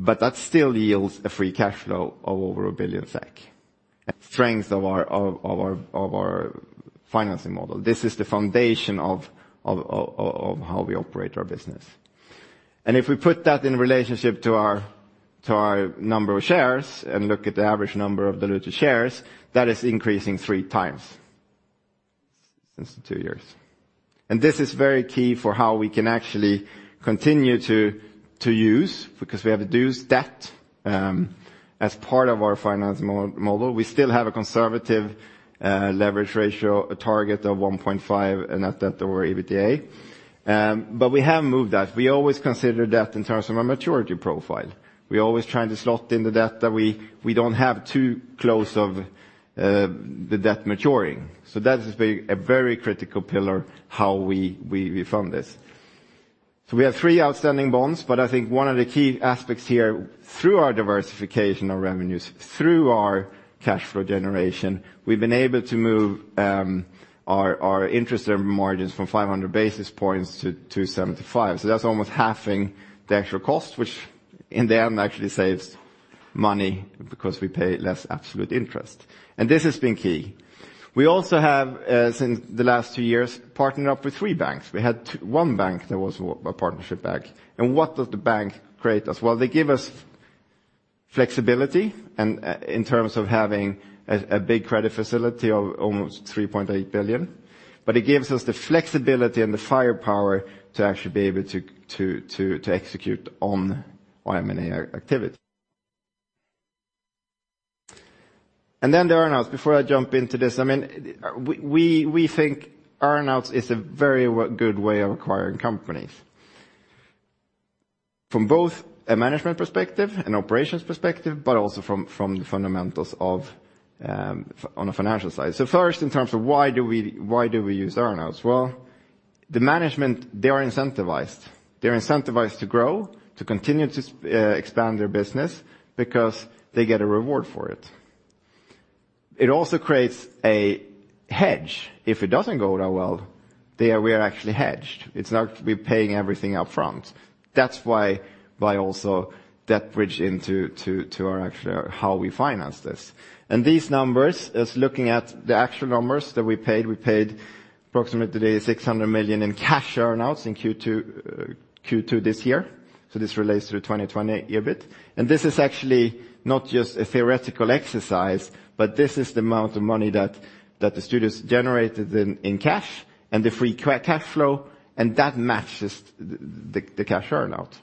That still yields a free cash flow of over 1 billion SEK. A strength of our financing model. This is the foundation of how we operate our business. If we put that in relationship to our number of shares and look at the average number of diluted shares, that is increasing 3x since the two years. This is very key for how we can actually continue to use, because we have to use debt as part of our finance model. We still have a conservative leverage ratio, a target of 1.5 net debt over EBITDA. We have moved that. We always consider debt in terms of a maturity profile. We always try to slot in the debt that we don't have too close of the debt maturing. That has been a very critical pillar how we fund this. We have three outstanding bonds, but I think one of the key aspects here, through our diversification of revenues, through our cash flow generation, we've been able to move our interest margins from 500 basis points to 275. That's almost halving the actual cost, which in the end actually saves money because we pay less absolute interest. This has been key. We also have, since the last two years, partnered up with three banks. We had one bank that was a partnership bank. What does the bank give us? Well, they give us flexibility and in terms of having a big credit facility of almost 3.8 billion. It gives us the flexibility and the firepower to actually be able to execute on M&A activities. The earn-outs. Before I jump into this, I mean, we think earn-outs is a very good way of acquiring companies, from both a management perspective and operations perspective, but also from the fundamentals of on a financial side. First, in terms of why do we use earn-outs? Well, the management, they are incentivized. They're incentivized to grow, to continue to expand their business because they get a reward for it. It also creates a hedge. If it doesn't go that well, we are actually hedged. It's not we're paying everything up front. That's why also debt bridge into to our actual how we finance this. These numbers, just looking at the actual numbers that we paid, we paid approximately 600 million in cash earn-outs in Q2 this year. This relates to 2020 EBIT. This is actually not just a theoretical exercise, but this is the amount of money that the studios generated in cash and the free cash flow, and that matches the cash earn-out.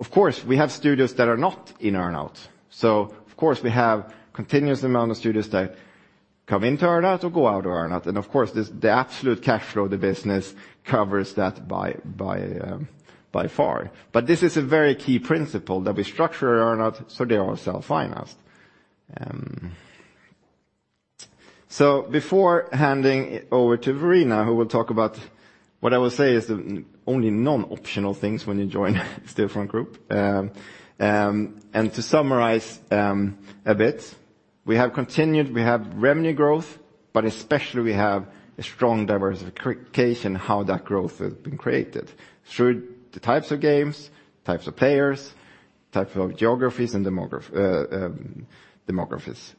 Of course, we have studios that are not in earn-out. Of course, we have continuous amount of studios that come into earn-out or go out of earn-out. Of course, this the absolute cash flow of the business covers that by far. This is a very key principle that we structure earn-out, so they are self-financed. Before handing over to Verena, who will talk about what I will say is the only non-optional things when you join Stillfront Group. To summarize a bit, we have continued revenue growth, but especially we have a strong diversification how that growth has been created through the types of games, types of players, types of geographies, and demography's.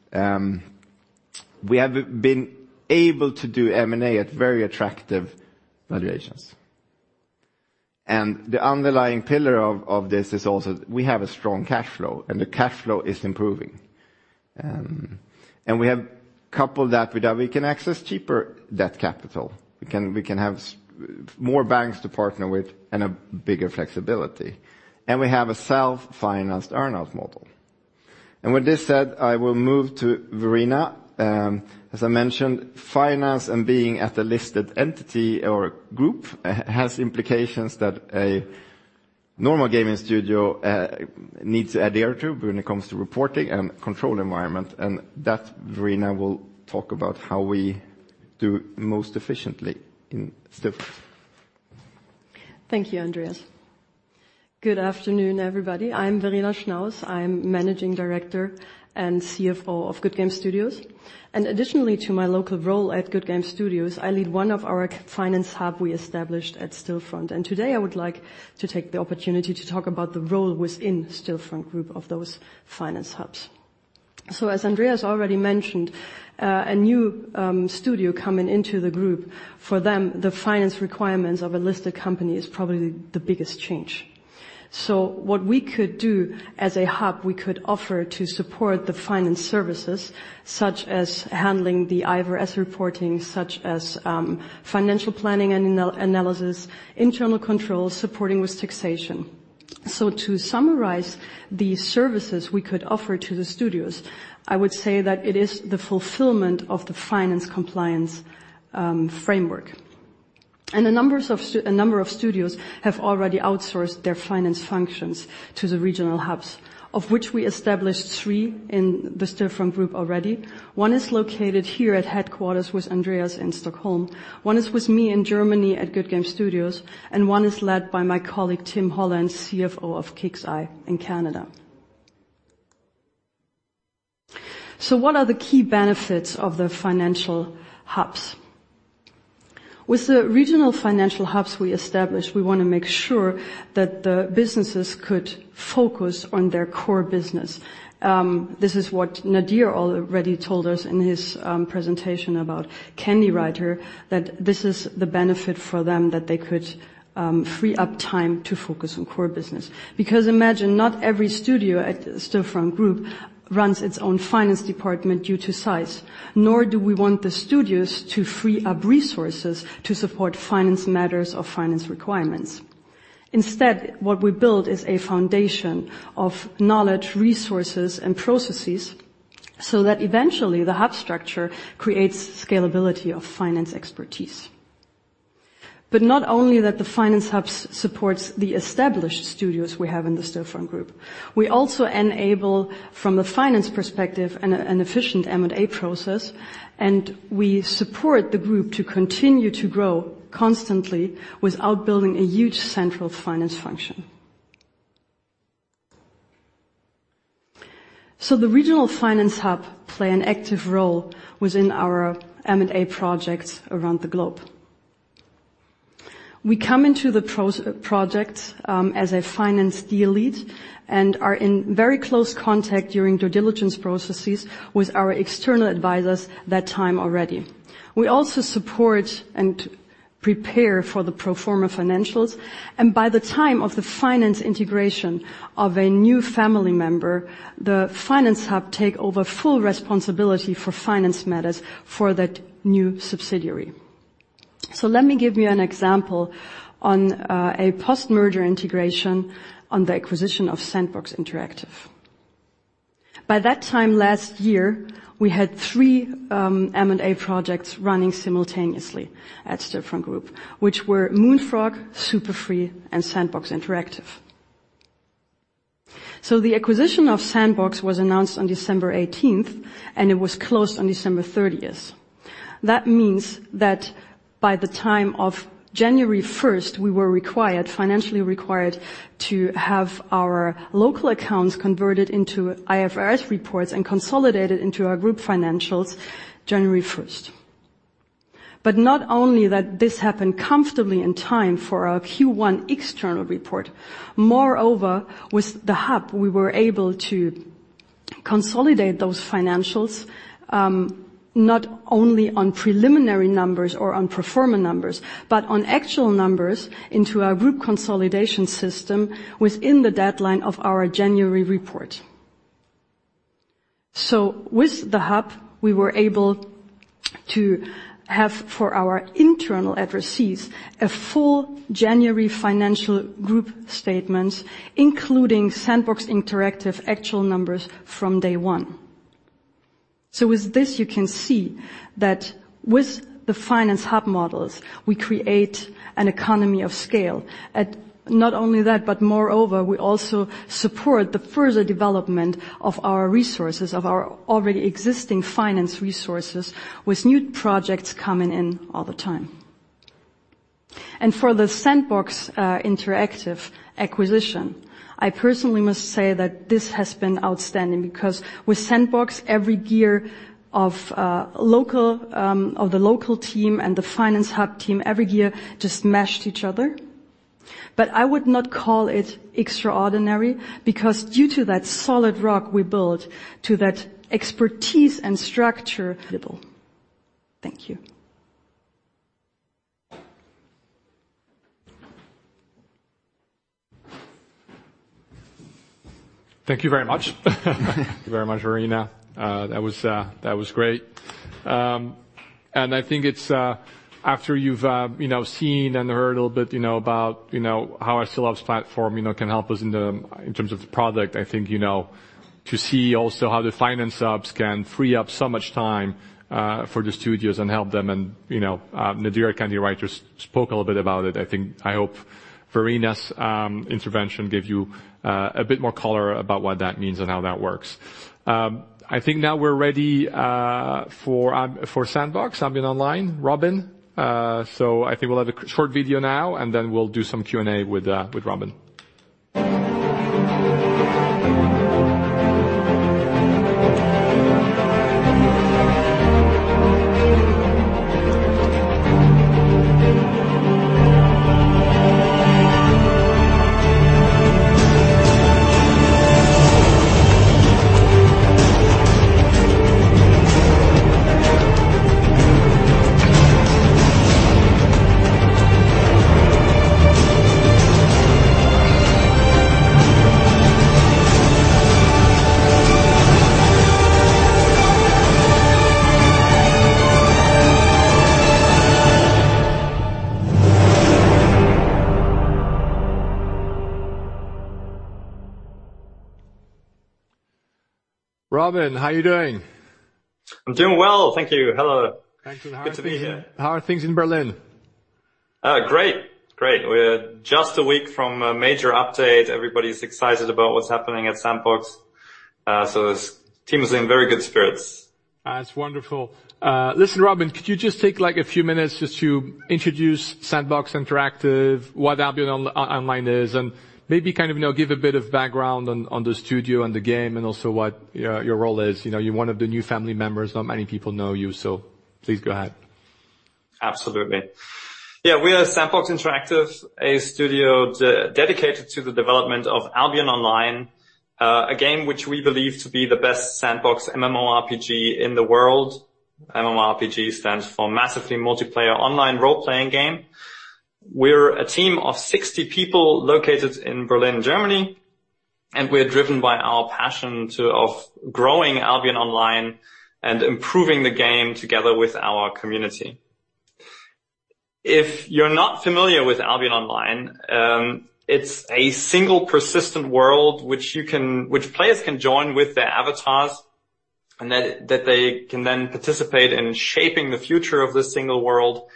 We have been able to do M&A at very attractive valuations. The underlying pillar of this is also we have a strong cash flow, and the cash flow is improving. We have coupled that with that we can access cheaper debt capital. We can have more banks to partner with and a bigger flexibility. We have a self-financed earn-out model. With this said, I will move to Verena. As I mentioned, finance and being at a listed entity or group has implications that a normal gaming studio needs to adhere to when it comes to reporting and control environment. That Verena will talk about how we do most efficiently in Stillfront. Thank you, Andreas. Good afternoon, everybody. I'm Verena Schnaus. I'm Managing Director and CFO of Goodgame Studios. Additionally to my local role at Goodgame Studios, I lead one of our finance hub we established at Stillfront. Today, I would like to take the opportunity to talk about the role within Stillfront Group of those finance hubs. As Andreas already mentioned, a new studio coming into the group, for them, the finance requirements of a listed company is probably the biggest change. What we could do as a hub, we could offer to support the finance services, such as handling the IFRS reporting, such as financial planning and analysis, internal controls, supporting with taxation. To summarize the services we could offer to the studios, I would say that it is the fulfillment of the finance compliance framework. A number of studios have already outsourced their finance functions to the regional hubs, of which we established three in the Stillfront Group already. One is located here at headquarters with Andreas in Stockholm. One is with me in Germany at Goodgame Studios, and one is led by my colleague Tim Holland, CFO of KIXEYE in Canada. What are the key benefits of the financial hubs? With the regional financial hubs we established, we wanna make sure that the businesses could focus on their core business. This is what Nadir already told us in his presentation about Candywriter, that this is the benefit for them that they could free up time to focus on core business. Because imagine not every studio at Stillfront Group runs its own finance department due to size, nor do we want the studios to free up resources to support finance matters of finance requirements. Instead, what we build is a foundation of knowledge, resources, and processes so that eventually the hub structure creates scalability of finance expertise. Not only that, the finance hubs support the established studios we have in the Stillfront Group. We also enable, from a finance perspective, an efficient M&A process, and we support the group to continue to grow constantly without building a huge central finance function. The regional finance hub plays an active role within our M&A projects around the globe. We come into the projects as a finance deal lead and are in very close contact during due diligence processes with our external advisors that time already. We also support and prepare for the pro forma financials, and by the time of the finance integration of a new family member, the finance hub take over full responsibility for finance matters for that new subsidiary. Let me give you an example on a post-merger integration on the acquisition of Sandbox Interactive. By that time last year, we had three M&A projects running simultaneously at Stillfront Group, which were Moonfrog, Super Free, and Sandbox Interactive. The acquisition of Sandbox was announced on December 18th, and it was closed on December 13th. That means that by the time of January 1st, we were required, financially required to have our local accounts converted into IFRS reports and consolidated into our group financials January 1st. Not only that, this happened comfortably in time for our Q1 external report. Moreover, with the hub, we were able to consolidate those financials, not only on preliminary numbers or on pro forma numbers, but on actual numbers into our group consolidation system within the deadline of our January report. With the hub, we were able to have for our internal addressees a full January financial group statements, including Sandbox Interactive actual numbers from day one. With this, you can see that with the finance hub models, we create an economy of scale. Not only that, but moreover, we also support the further development of our resources, of our already existing finance resources with new projects coming in all the time. For the Sandbox Interactive acquisition, I personally must say that this has been outstanding because with Sandbox, every gear of the local team and the finance hub team just meshed each other. I would not call it extraordinary because due to that solid rock we built, to that expertise and structure level. Thank you. Thank you very much. Thank you very much, Verena. That was great. I think it's after you've seen and heard a little bit about how SLG's platform can help us in terms of the product. I think to see also how the finance hubs can free up so much time for the studios and help them. Nadir, Candywriter spoke a little bit about it. I hope Verena's intervention gave you a bit more color about what that means and how that works. I think now we're ready for Sandbox, Albion Online, Robin. So I think we'll have a short video now, and then we'll do some Q&A with Robin. Robin, how are you doing? I'm doing well. Thank you. Hello. Thank you. Good to be here. How are things in Berlin? Great. We're just a week from a major update. Everybody's excited about what's happening at Sandbox, so the team is in very good spirits. That's wonderful. Listen, Robin, could you just take like a few minutes just to introduce Sandbox Interactive, what Albion Online is, and maybe kind of, you know, give a bit of background on the studio and the game and also what your role is. You know, you're one of the new family members. Not many people know you, so please go ahead. Absolutely. Yeah, we are Sandbox Interactive, a studio dedicated to the development of Albion Online, a game which we believe to be the best sandbox MMORPG in the world. MMORPG stands for massively multiplayer online role-playing game. We're a team of 60 people located in Berlin, Germany. We're driven by our passion for growing Albion Online and improving the game together with our community. If you're not familiar with Albion Online, it's a single persistent world which players can join with their avatars, and they can then participate in shaping the future of this single world.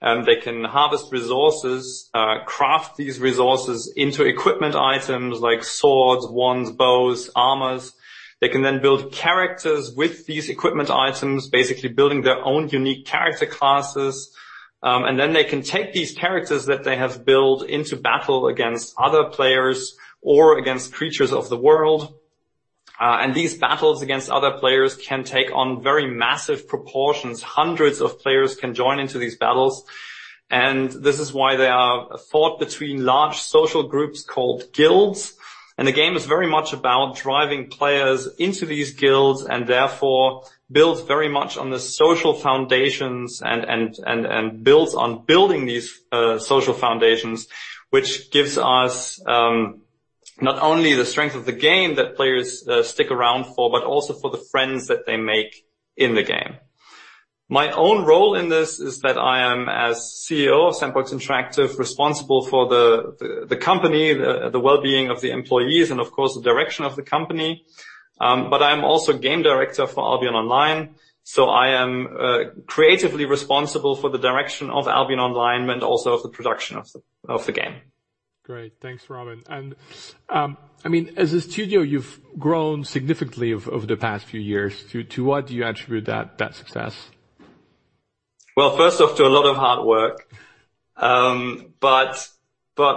They can harvest resources, craft these resources into equipment items like swords, wands, bows, armors. They can then build characters with these equipment items, basically building their own unique character classes. They can take these characters that they have built into battle against other players or against creatures of the world. These battles against other players can take on very massive proportions. Hundreds of players can join into these battles, and this is why they are fought between large social groups called guilds. The game is very much about driving players into these guilds and therefore builds very much on the social foundations and builds on building these social foundations, which gives us not only the strength of the game that players stick around for, but also for the friends that they make in the game. My own role in this is that I am, as CEO of Sandbox Interactive, responsible for the company, the well-being of the employees and of course, the direction of the company. I'm also Game Director for Albion Online, so I am creatively responsible for the direction of Albion Online and also of the production of the game. Great. Thanks, Robin. I mean, as a studio, you've grown significantly over the past few years. To what do you attribute that success? Well, first off, thanks to a lot of hard work. But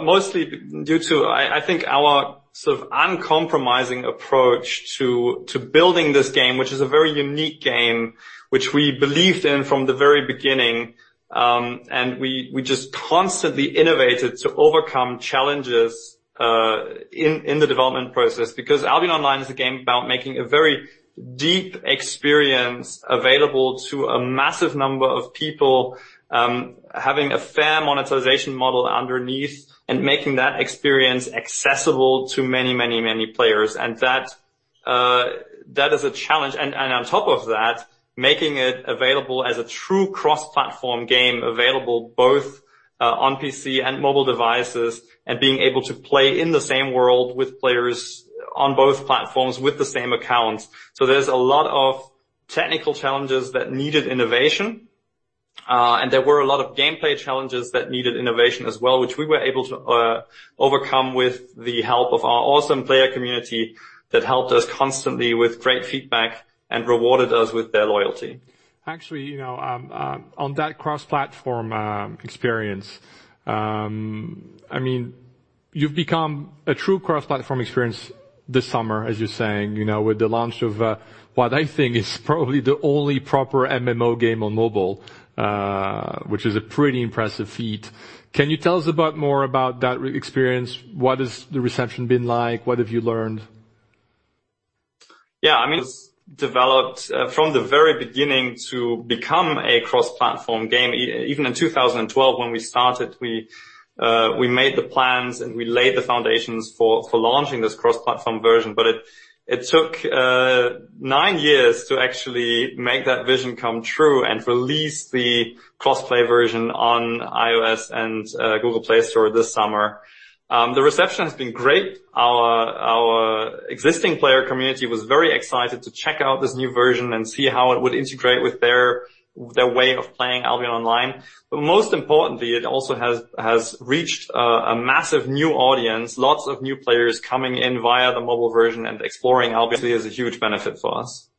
mostly due to, I think our sort of uncompromising approach to building this game, which is a very unique game which we believed in from the very beginning, and we just constantly innovated to overcome challenges in the development process. Because Albion Online is a game about making a very deep experience available to a massive number of people, having a fair monetization model underneath and making that experience accessible to many, many, many players. That is a challenge. On top of that, making it available as a true cross-platform game, available both on PC and mobile devices, and being able to play in the same world with players on both platforms with the same accounts. There's a lot of technical challenges that needed innovation, and there were a lot of gameplay challenges that needed innovation as well, which we were able to overcome with the help of our awesome player community that helped us constantly with great feedback and rewarded us with their loyalty. Actually, you know, on that cross-platform experience, I mean, you've become a true cross-platform experience this summer, as you're saying, you know, with the launch of what I think is probably the only proper MMO game on mobile, which is a pretty impressive feat. Can you tell us more about that experience? What has the reception been like? What have you learned? Yeah, I mean, it was developed from the very beginning to become a cross-platform game. Even in 2012 when we started, we made the plans, and we laid the foundations for launching this cross-platform version, but it took nine years to actually make that vision come true and release the cross-play version on iOS and Google Play Store this summer. The reception has been great. Our existing player community was very excited to check out this new version and see how it would integrate with their way of playing Albion Online. Most importantly, it also has reached a massive new audience, lots of new players coming in via the mobile version and exploring Albion is a huge benefit for us.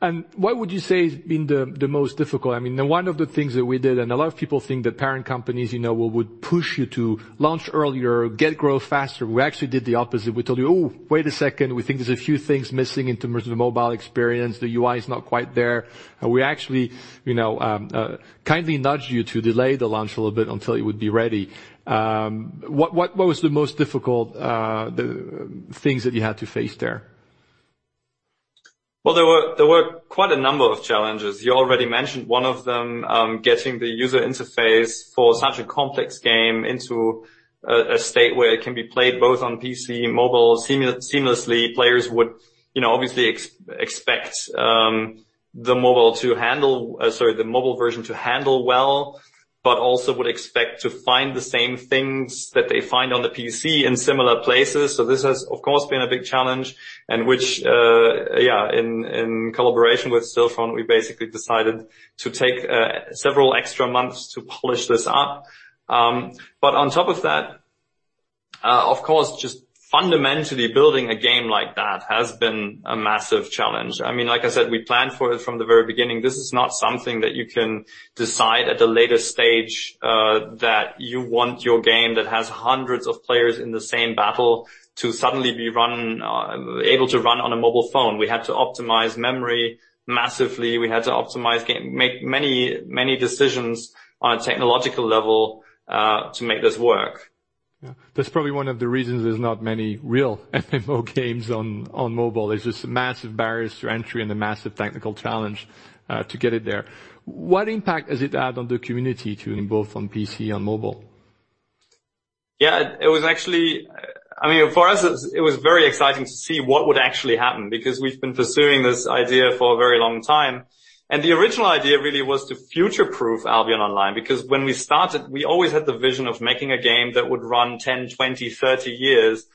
Yeah. What would you say has been the most difficult? I mean, one of the things that we did, and a lot of people think that parent companies, you know, would push you to launch earlier, get growth faster. We actually did the opposite. We told you, "Oh, wait a second. We think there's a few things missing in terms of the mobile experience. The UI is not quite there." We actually, you know, kindly nudged you to delay the launch a little bit until you would be ready. What was the most difficult, the things that you had to face there? Well, there were quite a number of challenges. You already mentioned one of them, getting the user interface for such a complex game into a state where it can be played both on PC and mobile seamlessly. Players would obviously expect the mobile version to handle well, but also would expect to find the same things that they find on the PC in similar places. This has, of course, been a big challenge, and in collaboration with Sandbox, we basically decided to take several extra months to polish this up. On top of that, of course, just fundamentally building a game like that has been a massive challenge. I mean, like I said, we planned for it from the very beginning. This is not something that you can decide at a later stage, that you want your game that has hundreds of players in the same battle to suddenly be able to run on a mobile phone. We had to optimize memory massively. We had to make many, many decisions on a technological level to make this work. Yeah. That's probably one of the reasons there's not many real MMO games on mobile. There's just massive barriers to entry and a massive technical challenge to get it there. What impact has it had on the community tuning both on PC and mobile? I mean, for us, it was very exciting to see what would actually happen because we've been pursuing this idea for a very long time. The original idea really was to future-proof Albion Online, because when we started, we always had the vision of making a game that would run 10, 20, 30 years.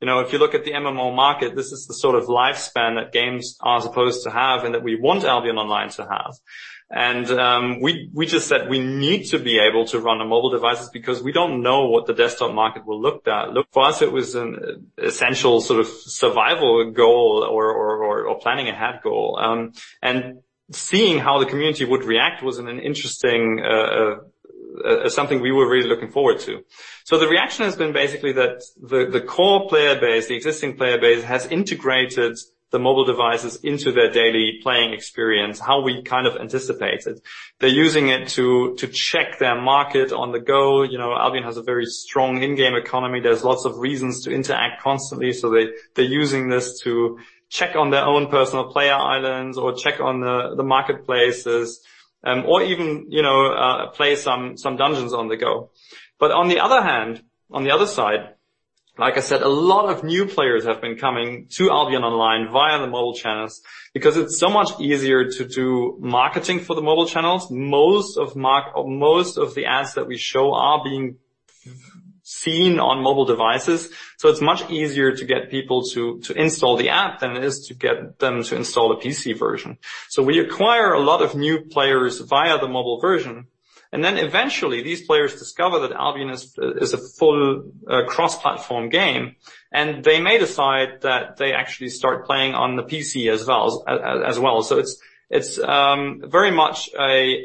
You know, if you look at the MMO market, this is the sort of lifespan that games are supposed to have and that we want Albion Online to have. We just said we need to be able to run on mobile devices because we don't know what the desktop market will look like. For us, it was an essential sort of survival goal or planning ahead goal. Seeing how the community would react was an interesting something we were really looking forward to. The reaction has been basically that the core player base, the existing player base, has integrated the mobile devices into their daily playing experience, how we kind of anticipated. They're using it to check their market on the go. You know, Albion has a very strong in-game economy. There's lots of reasons to interact constantly, so they're using this to check on their own personal player islands or check on the marketplaces, or even, you know, play some dungeons on the go. On the other hand, on the other side, like I said, a lot of new players have been coming to Albion Online via the mobile channels because it's so much easier to do marketing for the mobile channels. Most of the ads that we show are being seen on mobile devices, so it's much easier to get people to install the app than it is to get them to install a PC version. We acquire a lot of new players via the mobile version, and then eventually these players discover that Albion is a full cross-platform game, and they may decide that they actually start playing on the PC as well. It's very much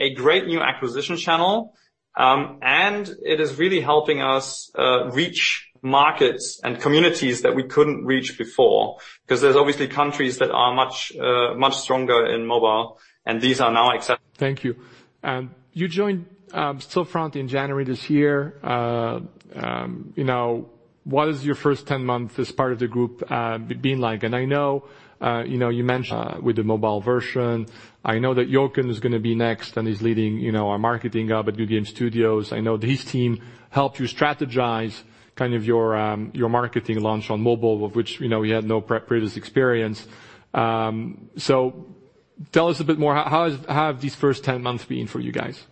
a great new acquisition channel, and it is really helping us reach markets and communities that we couldn't reach before, cause there's obviously countries that are much stronger in mobile, and these are now except- Thank you. You joined Stillfront in January this year. You know, what is your first 10 months as part of the group been like? I know you know, you mentioned with the mobile version. I know that Jochen is gonna be next, and he's leading you know, our marketing up at Goodgame Studios. I know his team helped you strategize kind of your marketing launch on mobile, with which you know, you had no previous experience. Tell us a bit more. How have these first 10 months been for you guys?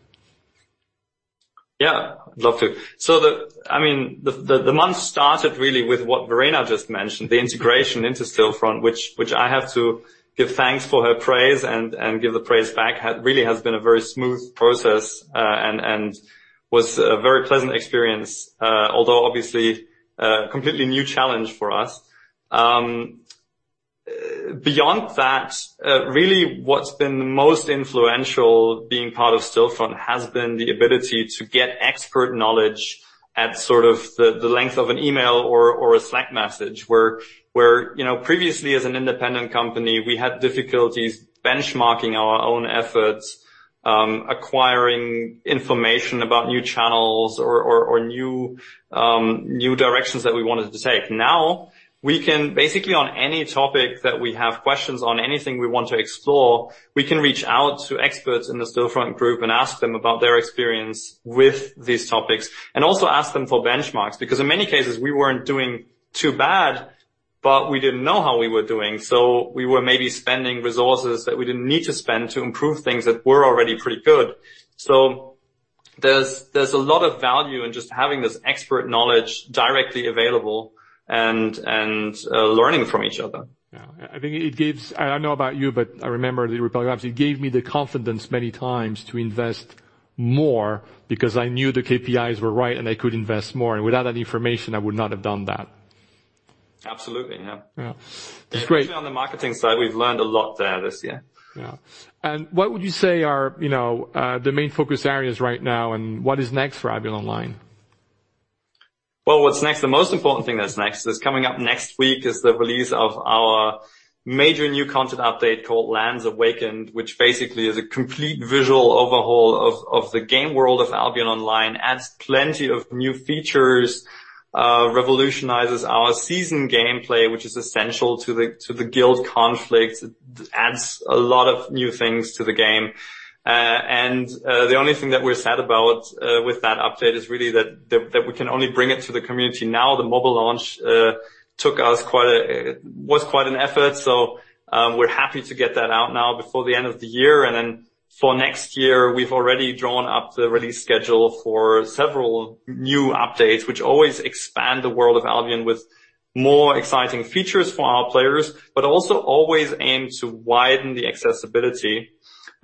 Yeah, I'd love to. The month started really with what Verena just mentioned, the integration into Stillfront, which I have to give thanks for her praise and give the praise back. Has really been a very smooth process, and was a very pleasant experience, although obviously a completely new challenge for us. Beyond that, really what's been the most influential being part of Stillfront has been the ability to get expert knowledge at sort of the length of an email or a Slack message. Where, you know, previously as an independent company, we had difficulties benchmarking our own efforts, acquiring information about new channels or new directions that we wanted to take. Basically on any topic that we have questions on, anything we want to explore, we can reach out to experts in the Stillfront Group and ask them about their experience with these topics and also ask them for benchmarks. Because in many cases, we weren't doing too bad, but we didn't know how we were doing. We were maybe spending resources that we didn't need to spend to improve things that were already pretty good. There's a lot of value in just having this expert knowledge directly available and learning from each other. Yeah. I think, I don't know about you, but I remember the eRepublik Labs. It gave me the confidence many times to invest more because I knew the KPIs were right and I could invest more. Without that information, I would not have done that. Absolutely. Yeah. Yeah. It's great. Especially on the marketing side, we've learned a lot there this year. Yeah. What would you say are, you know, the main focus areas right now and what is next for Albion Online? Well, what's next? The most important thing that's next is coming up next week is the release of our major new content update called Lands Awakened, which basically is a complete visual overhaul of the game world of Albion Online. Adds plenty of new features, revolutionizes our season gameplay, which is essential to the guild conflict. Adds a lot of new things to the game. The only thing that we're sad about with that update is really that we can only bring it to the community now. The mobile launch was quite an effort. We're happy to get that out now before the end of the year. For next year, we've already drawn up the release schedule for several new updates, which always expand the world of Albion with more exciting features for our players, but also always aim to widen the accessibility.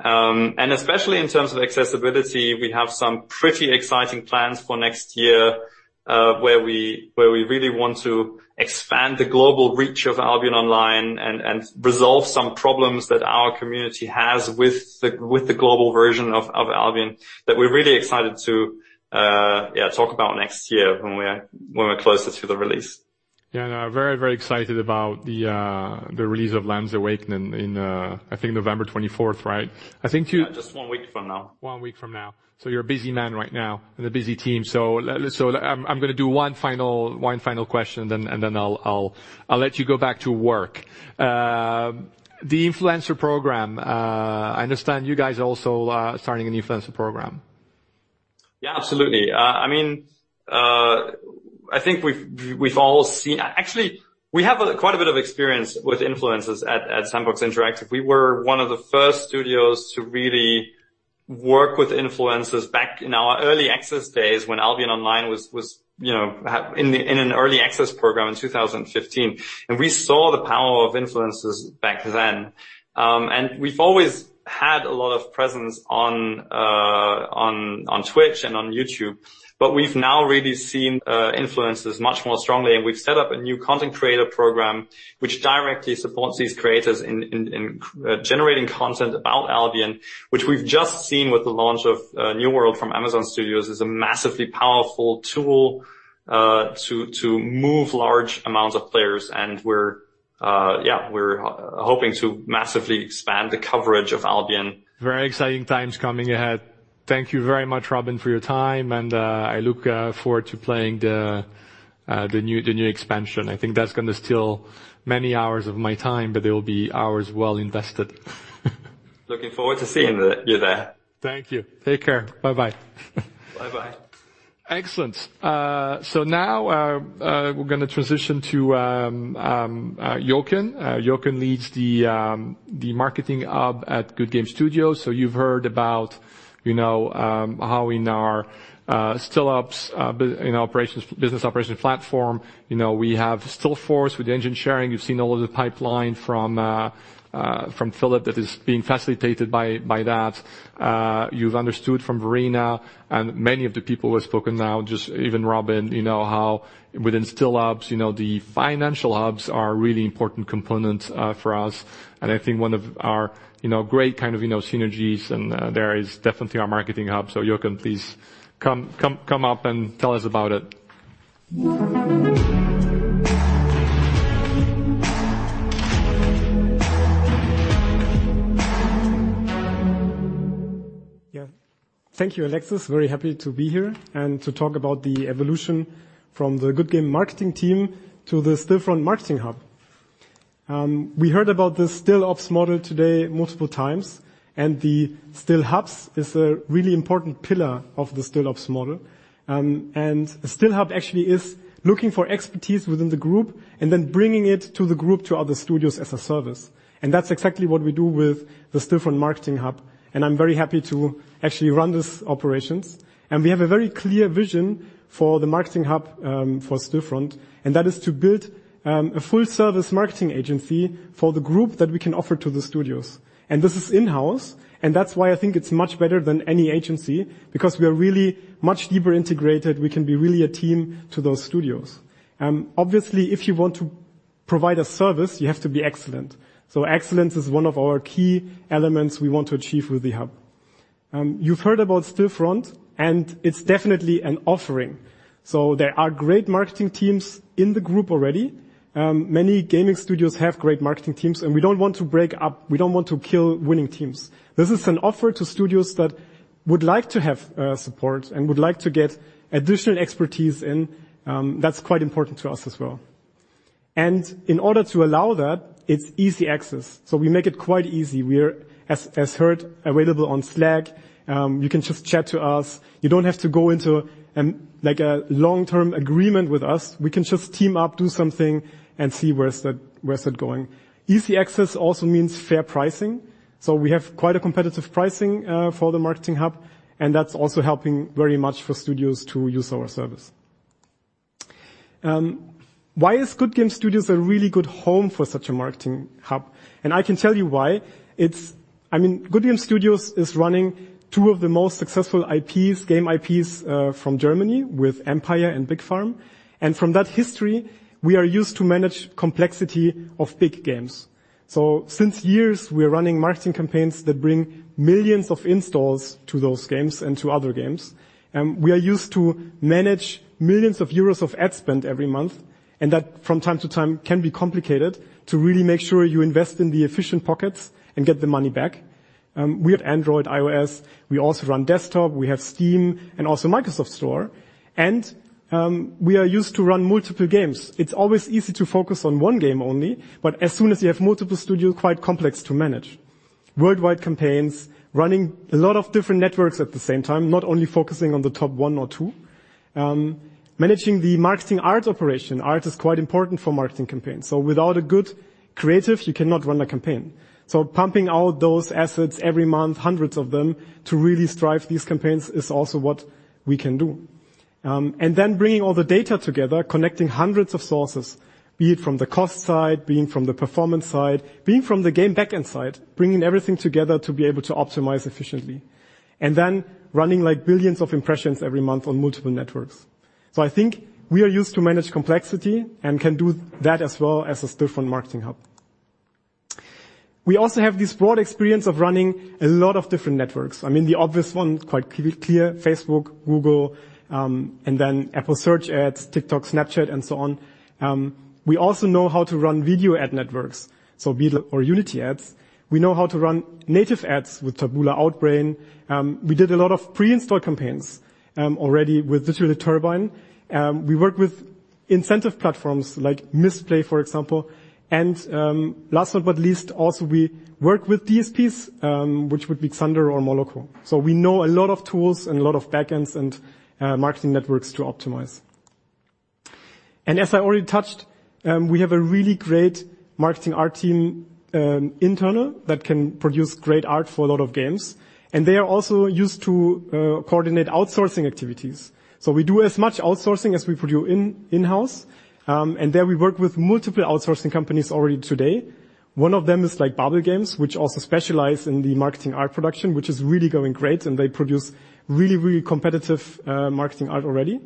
Especially in terms of accessibility, we have some pretty exciting plans for next year, where we really want to expand the global reach of Albion Online and resolve some problems that our community has with the global version of Albion that we're really excited to talk about next year when we're closer to the release. Yeah. I'm very, very excited about the release of Lands Awakened in, I think November 24, right? I think you Yeah, just one week from now. One week from now. You're a busy man right now and a busy team. I'm gonna do one final question, and then I'll let you go back to work. The influencer program, I understand you guys are also starting an influencer program. Yeah, absolutely. Actually, we have quite a bit of experience with influencers at Sandbox Interactive. We were one of the first studios to really work with influencers back in our early access days when Albion Online was you know in an early access program in 2015. We saw the power of influencers back then. We've always had a lot of presence on Twitch and on YouTube, but we've now really seen influencers much more strongly, and we've set up a new content creator program which directly supports these creators in generating content about Albion, which we've just seen with the launch of New World from Amazon Games is a massively powerful tool to move large amounts of players. We're hoping to massively expand the coverage of Albion. Very exciting times coming ahead. Thank you very much, Robin, for your time, and I look forward to playing the new expansion. I think that's gonna steal many hours of my time, but they will be hours well invested. Looking forward to seeing you there. Thank you. Take care. Bye-bye. Bye-bye. Excellent. Now we're gonna transition to Jochen. Jochen leads the marketing hub at Goodgame Studios. You've heard about, you know, how in our Still O ps, in our operations, business operations platform, you know, we have Stillforce with the engine sharing. You've seen all of the pipeline from Phillip that is being facilitated by that. You've understood from Marina and many of the people who have spoken now, just even Robin, you know, how within Stillops, you know, the financial hubs are a really important component for us. I think one of our, you know, great kind of, you know, synergies and there is definitely our marketing hub. Jochen, please come up and tell us about it. Yeah. Thank you, Alexis. Very happy to be here and to talk about the evolution from the Goodgame marketing team to the Stillfront marketing hub. We heard about the Stillops model today multiple times, and the Still hubs is a really important pillar of the Stillops model. Still hub actually is looking for expertise within the group and then bringing it to the group to other studios as a service. That's exactly what we do with the Stillfront marketing hub, and I'm very happy to actually run these operations. We have a very clear vision for the marketing hub for Stillfront, and that is to build a full-service marketing agency for the group that we can offer to the studios. This is in-house, and that's why I think it's much better than any agency because we are really much deeper integrated. We can be really a team to those studios. Obviously, if you want to provide a service, you have to be excellent. Excellence is one of our key elements we want to achieve with the hub. You've heard about Stillfront, and it's definitely an offering. There are great marketing teams in the group already. Many gaming studios have great marketing teams, and we don't want to break up. We don't want to kill winning teams. This is an offer to studios that would like to have support and would like to get additional expertise, and that's quite important to us as well. In order to allow that, it's easy access. We make it quite easy. We're, as heard, available on Slack. You can just chat to us. You don't have to go into like a long-term agreement with us. We can just team up, do something, and see where that's going. Easy access also means fair pricing. We have quite a competitive pricing for the marketing hub, and that's also helping very much for studios to use our service. Why is Goodgame Studios a really good home for such a marketing hub? I can tell you why. I mean, Goodgame Studios is running two of the most successful IPs, game IPs, from Germany with Empire and Big Farm. From that history, we are used to manage complexity of big games. For years, we are running marketing campaigns that bring millions of installs to those games and to other games. We are used to manage millions of EUR of ad spend every month, and that from time to time can be complicated to really make sure you invest in the efficient pockets and get the money back. We have Android, iOS. We also run desktop. We have Steam and also Microsoft Store. We are used to run multiple games. It's always easy to focus on one game only, but as soon as you have multiple studios, quite complex to manage. Worldwide campaigns, running a lot of different networks at the same time, not only focusing on the top one or two. Managing the marketing art operation. Art is quite important for marketing campaigns. Without a good creative, you cannot run a campaign. Pumping out those assets every month, hundreds of them, to really drive these campaigns is also what we can do. Bringing all the data together, connecting hundreds of sources, be it from the cost side, be it from the performance side, be it from the game backend side, bringing everything together to be able to optimize efficiently. Running, like, billions of impressions every month on multiple networks. I think we are used to manage complexity and can do that as well as a Stillfront marketing hub. We also have this broad experience of running a lot of different networks. I mean, the obvious one, quite clear, Facebook, Google, and then Apple Search Ads, TikTok, Snapchat, and so on. We also know how to run video ad networks, so Vungle or Unity Ads. We know how to run native ads with Taboola, Outbrain. We did a lot of pre-install campaigns, already with Digital Turbine. We work with incentive platforms like Mistplay, for example, and, last but not least, also we work with DSPs, which would be Xandr or Moloco. We know a lot of tools and a lot of backends and, marketing networks to optimize. As I already touched, we have a really great marketing art team, internal that can produce great art for a lot of games, and they are also used to, coordinate outsourcing activities. We do as much outsourcing as we produce in-house, and there we work with multiple outsourcing companies already today. One of them is like Babil Games, which also specialize in the marketing art production, which is really going great, and they produce really competitive, marketing art already.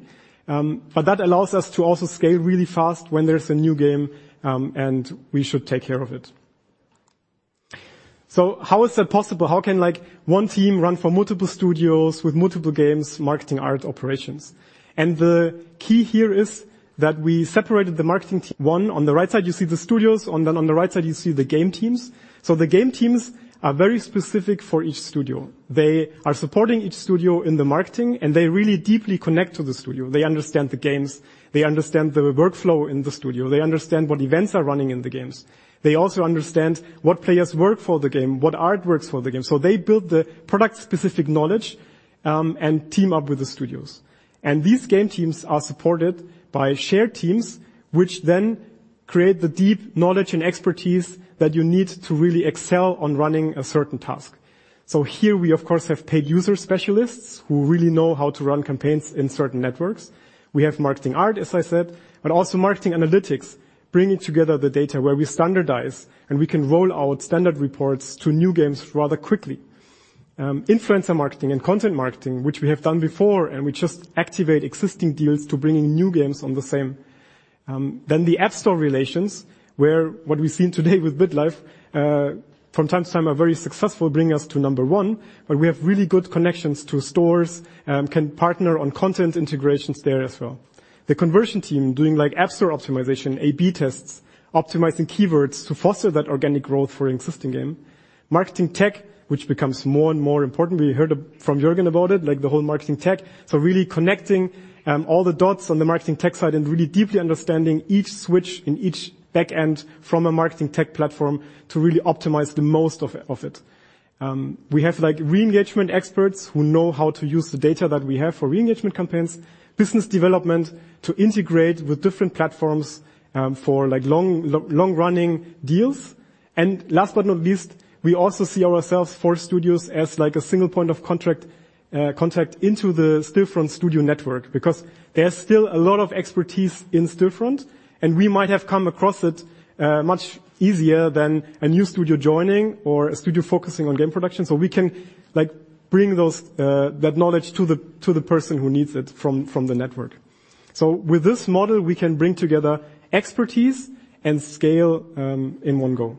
That allows us to also scale really fast when there's a new game, and we should take care of it. How is that possible? How can, like, one team run for multiple studios with multiple games' marketing art operations? The key here is that we separated the marketing team. One, on the right side, you see the studios. On the right side, you see the game teams. The game teams are very specific for each studio. They are supporting each studio in the marketing, and they really deeply connect to the studio. They understand the games, they understand the workflow in the studio, they understand what events are running in the games. They also understand what players work for the game, what art works for the game. They build the product-specific knowledge, and team up with the studios. These game teams are supported by shared teams, which then create the deep knowledge and expertise that you need to really excel on running a certain task. Here we, of course, have paid user specialists who really know how to run campaigns in certain networks. We have marketing art, as I said, but also marketing analytics, bringing together the data where we standardize, and we can roll out standard reports to new games rather quickly. Influencer marketing and content marketing, which we have done before, and we just activate existing deals to bring in new games on the same. The App Store relations, where what we've seen today with BitLife, from time to time are very successful, bring us to number one, but we have really good connections to stores, can partner on content integrations there as well. The conversion team doing like App Store optimization, A/B tests, optimizing keywords to foster that organic growth for existing game. Marketing tech, which becomes more and more important. We heard from Jörgen about it, like the whole marketing tech. Really connecting all the dots on the marketing tech side and really deeply understanding each switch in each back end from a marketing tech platform to really optimize the most of it. We have like re-engagement experts who know how to use the data that we have for re-engagement campaigns. Business development to integrate with different platforms for like long-running deals. Last but not least, we also see ourselves, for studios, as like a single point of contact into the Stillfront studio network because there's still a lot of expertise in Stillfront, and we might have come across it much easier than a new studio joining or a studio focusing on game production. We can, like, bring that knowledge to the person who needs it from the network. With this model, we can bring together expertise and scale in one go.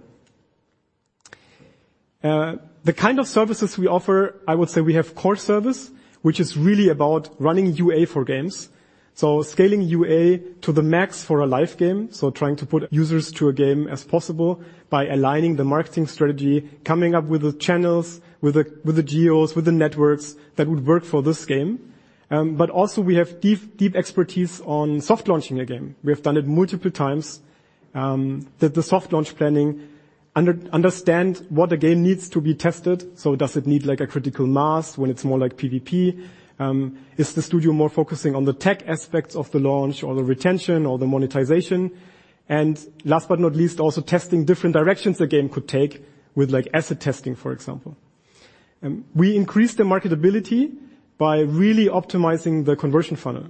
The kind of services we offer, I would say we have core service, which is really about running UA for games. Scaling UA to the max for a live game, trying to put as many users into a game as possible by aligning the marketing strategy, coming up with the channels, with the geos, with the networks that would work for this game. We have deep expertise on soft launching a game. We have done it multiple times, the soft launch planning to understand what a game needs to be tested. Does it need like a critical mass when it's more like PVP? Is the studio more focusing on the tech aspects of the launch or the retention or the monetization? Last but not least, also testing different directions the game could take with like asset testing, for example. We increase the marketability by really optimizing the conversion funnel.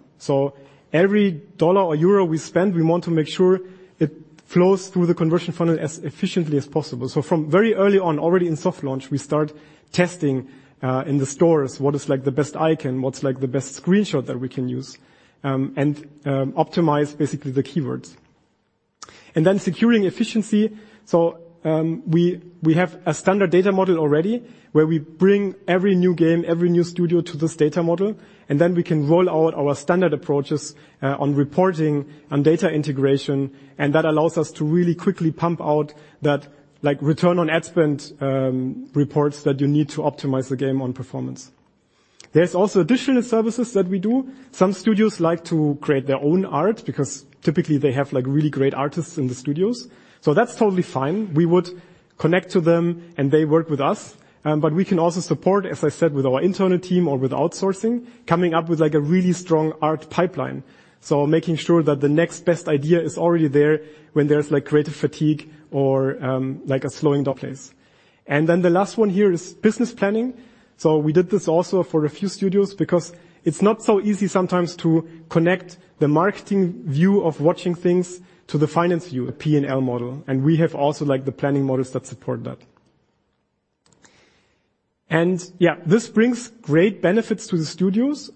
Every dollar or euro we spend, we want to make sure it flows through the conversion funnel as efficiently as possible. From very early on, already in soft launch, we start testing in the stores what is like the best icon, what's like the best screenshot that we can use, and optimize basically the keywords, securing efficiency. We have a standard data model already where we bring every new game, every new studio to this data model, and then we can roll out our standard approaches on reporting, on data integration, and that allows us to really quickly pump out that like return on ad spend reports that you need to optimize the game on performance. There's also additional services that we do. Some studios like to create their own art because typically they have like really great artists in the studios. That's totally fine. We would connect to them, and they work with us. We can also support, as I said, with our internal team or with outsourcing, coming up with like a really strong art pipeline. Making sure that the next best idea is already there when there's like creative fatigue or like a slowing down place. Then the last one here is business planning. We did this also for a few studios because it's not so easy sometimes to connect the marketing view of watching things to the finance view, a P&L model. We have also liked the planning models that support that. Yeah, this brings great benefits to the studios.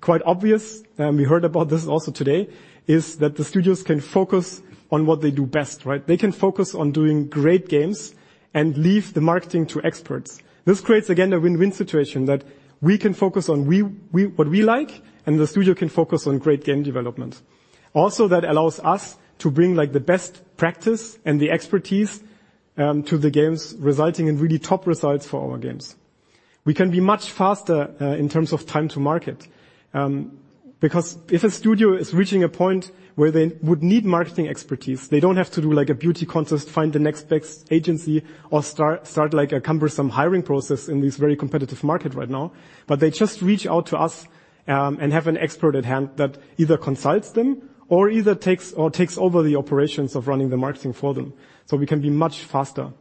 Quite obvious, we heard about this also today, is that the studios can focus on what they do best, right? They can focus on doing great games and leave the marketing to experts. This creates, again, a win-win situation that we can focus on what we like, and the studio can focus on great game development. Also, that allows us to bring like the best practice and the expertise to the games, resulting in really top results for our games. We can be much faster in terms of time to market because if a studio is reaching a point where they would need marketing expertise, they don't have to do like a beauty contest, find the next best agency or start like a cumbersome hiring process in this very competitive market right now. They just reach out to us and have an expert at hand that either consults them or takes over the operations of running the marketing for them. We can be much faster.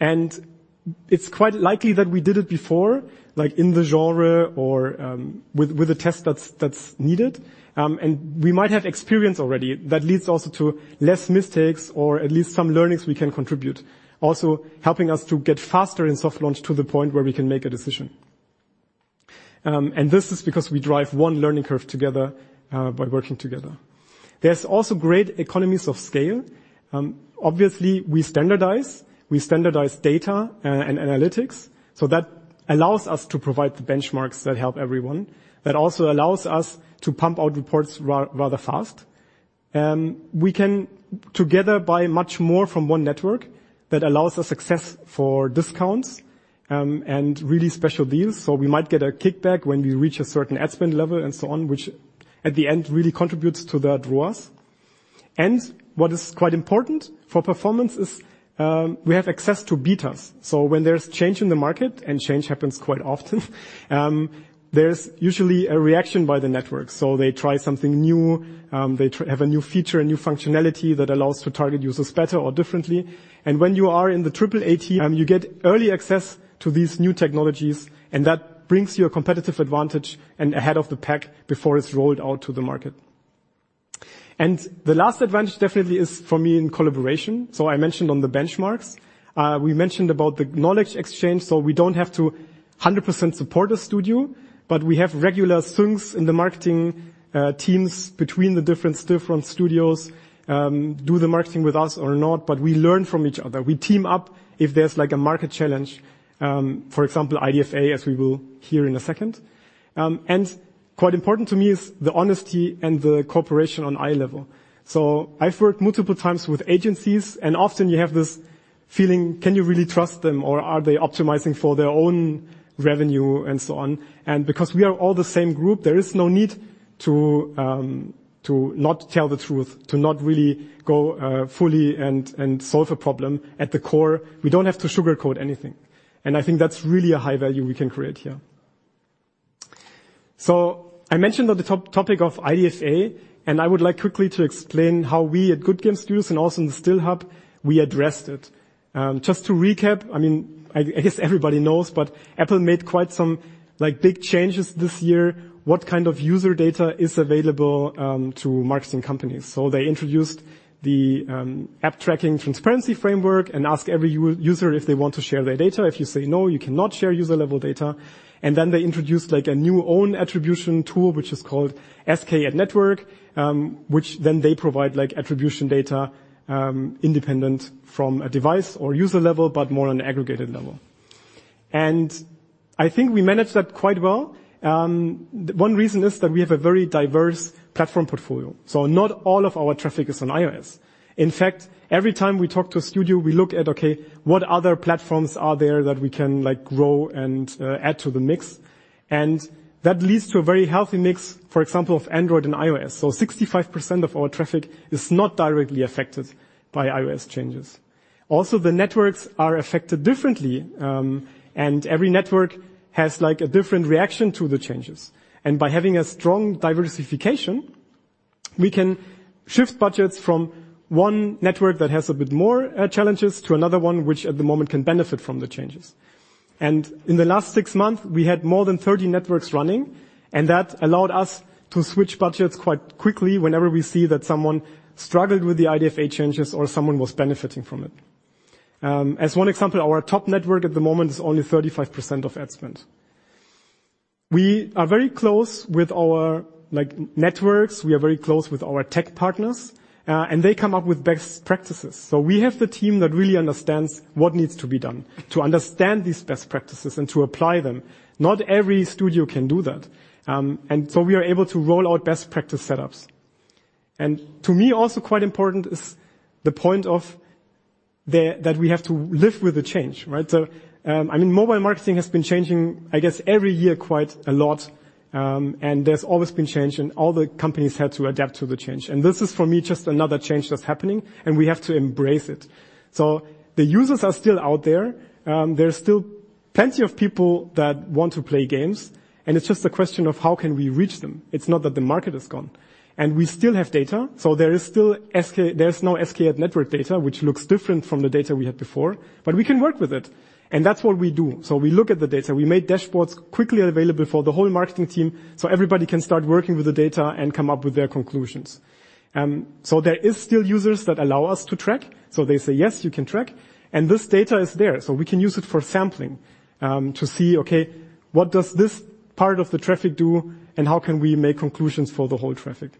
It's quite likely that we did it before, like in the genre or with a test that's needed. We might have experience already that leads also to less mistakes or at least some learnings we can contribute. Also helping us to get faster in soft launch to the point where we can make a decision. This is because we drive one learning curve together by working together. There's also great economies of scale. Obviously, we standardize. We standardize data and analytics, so that allows us to provide the benchmarks that help everyone. That also allows us to pump out reports rather fast. We can together buy much more from one network that allows us access for discounts, and really special deals. We might get a kickback when we reach a certain ad spend level and so on, which at the end really contributes to that ROAS. What is quite important for performance is, we have access to betas. When there's change in the market, and change happens quite often, there's usually a reaction by the network. They try something new, they have a new feature, a new functionality that allows to target users better or differently. When you are in the triple A team, you get early access to these new technologies, and that brings you a competitive advantage and ahead of the pack before it's rolled out to the market. The last advantage definitely is for me in collaboration. I mentioned on the benchmarks, we mentioned about the knowledge exchange, we don't have to 100% support a studio, but we have regular syncs in the marketing teams between the different studios, do the marketing with us or not, but we learn from each other. We team up if there's like a market challenge, for example, IDFA, as we will hear in a second. Quite important to me is the honesty and the cooperation on eye level. I've worked multiple times with agencies, and often you have this feeling, can you really trust them or are they optimizing for their own revenue and so on. Because we are all the same group, there is no need to not tell the truth, to not really go fully and solve a problem at the core. We don't have to sugarcoat anything, and I think that's really a high value we can create here. I mentioned on the top-topic of IDFA, and I would like quickly to explain how we at Goodgame Studios and also in the Stillhub, we addressed it. Just to recap, I mean, I guess everybody knows, but Apple made quite some like, big changes this year, what kind of user data is available, to marketing companies. They introduced the App Tracking Transparency framework and ask every user if they want to share their data. If you say no, you cannot share user level data. They introduced like a new own attribution tool, which is called SKAdNetwork, which then they provide like attribution data, independent from a device or user level, but more on an aggregated level. I think we managed that quite well. One reason is that we have a very diverse platform portfolio, so not all of our traffic is on iOS. In fact, every time we talk to a studio, we look at, okay, what other platforms are there that we can like grow and, add to the mix? That leads to a very healthy mix, for example, of Android and iOS. 65% of our traffic is not directly affected by iOS changes. Also, the networks are affected differently, and every network has like a different reaction to the changes. By having a strong diversification, we can shift budgets from one network that has a bit more, challenges to another one which at the moment can benefit from the changes. In the last six months, we had more than 30 networks running, and that allowed us to switch budgets quite quickly whenever we see that someone struggled with the IDFA changes or someone was benefiting from it. As one example, our top network at the moment is only 35% of ad spend. We are very close with our like, networks. We are very close with our tech partners, and they come up with best practices. We have the team that really understands what needs to be done to understand these best practices and to apply them. Not every studio can do that. We are able to roll out best practice setups. To me, also quite important is the point that we have to live with the change, right? I mean, mobile marketing has been changing, I guess, every year quite a lot. There's always been change, and all the companies had to adapt to the change. This is, for me, just another change that's happening, and we have to embrace it. The users are still out there. There's still plenty of people that want to play games, and it's just a question of how can we reach them. It's not that the market is gone. We still have data, so there is now SKAdNetwork data, which looks different from the data we had before, but we can work with it, and that's what we do. We look at the data. We made dashboards quickly available for the whole marketing team, so everybody can start working with the data and come up with their conclusions. There is still users that allow us to track. They say, "Yes, you can track." This data is there, so we can use it for sampling, to see, okay, what does this part of the traffic do and how can we make conclusions for the whole traffic?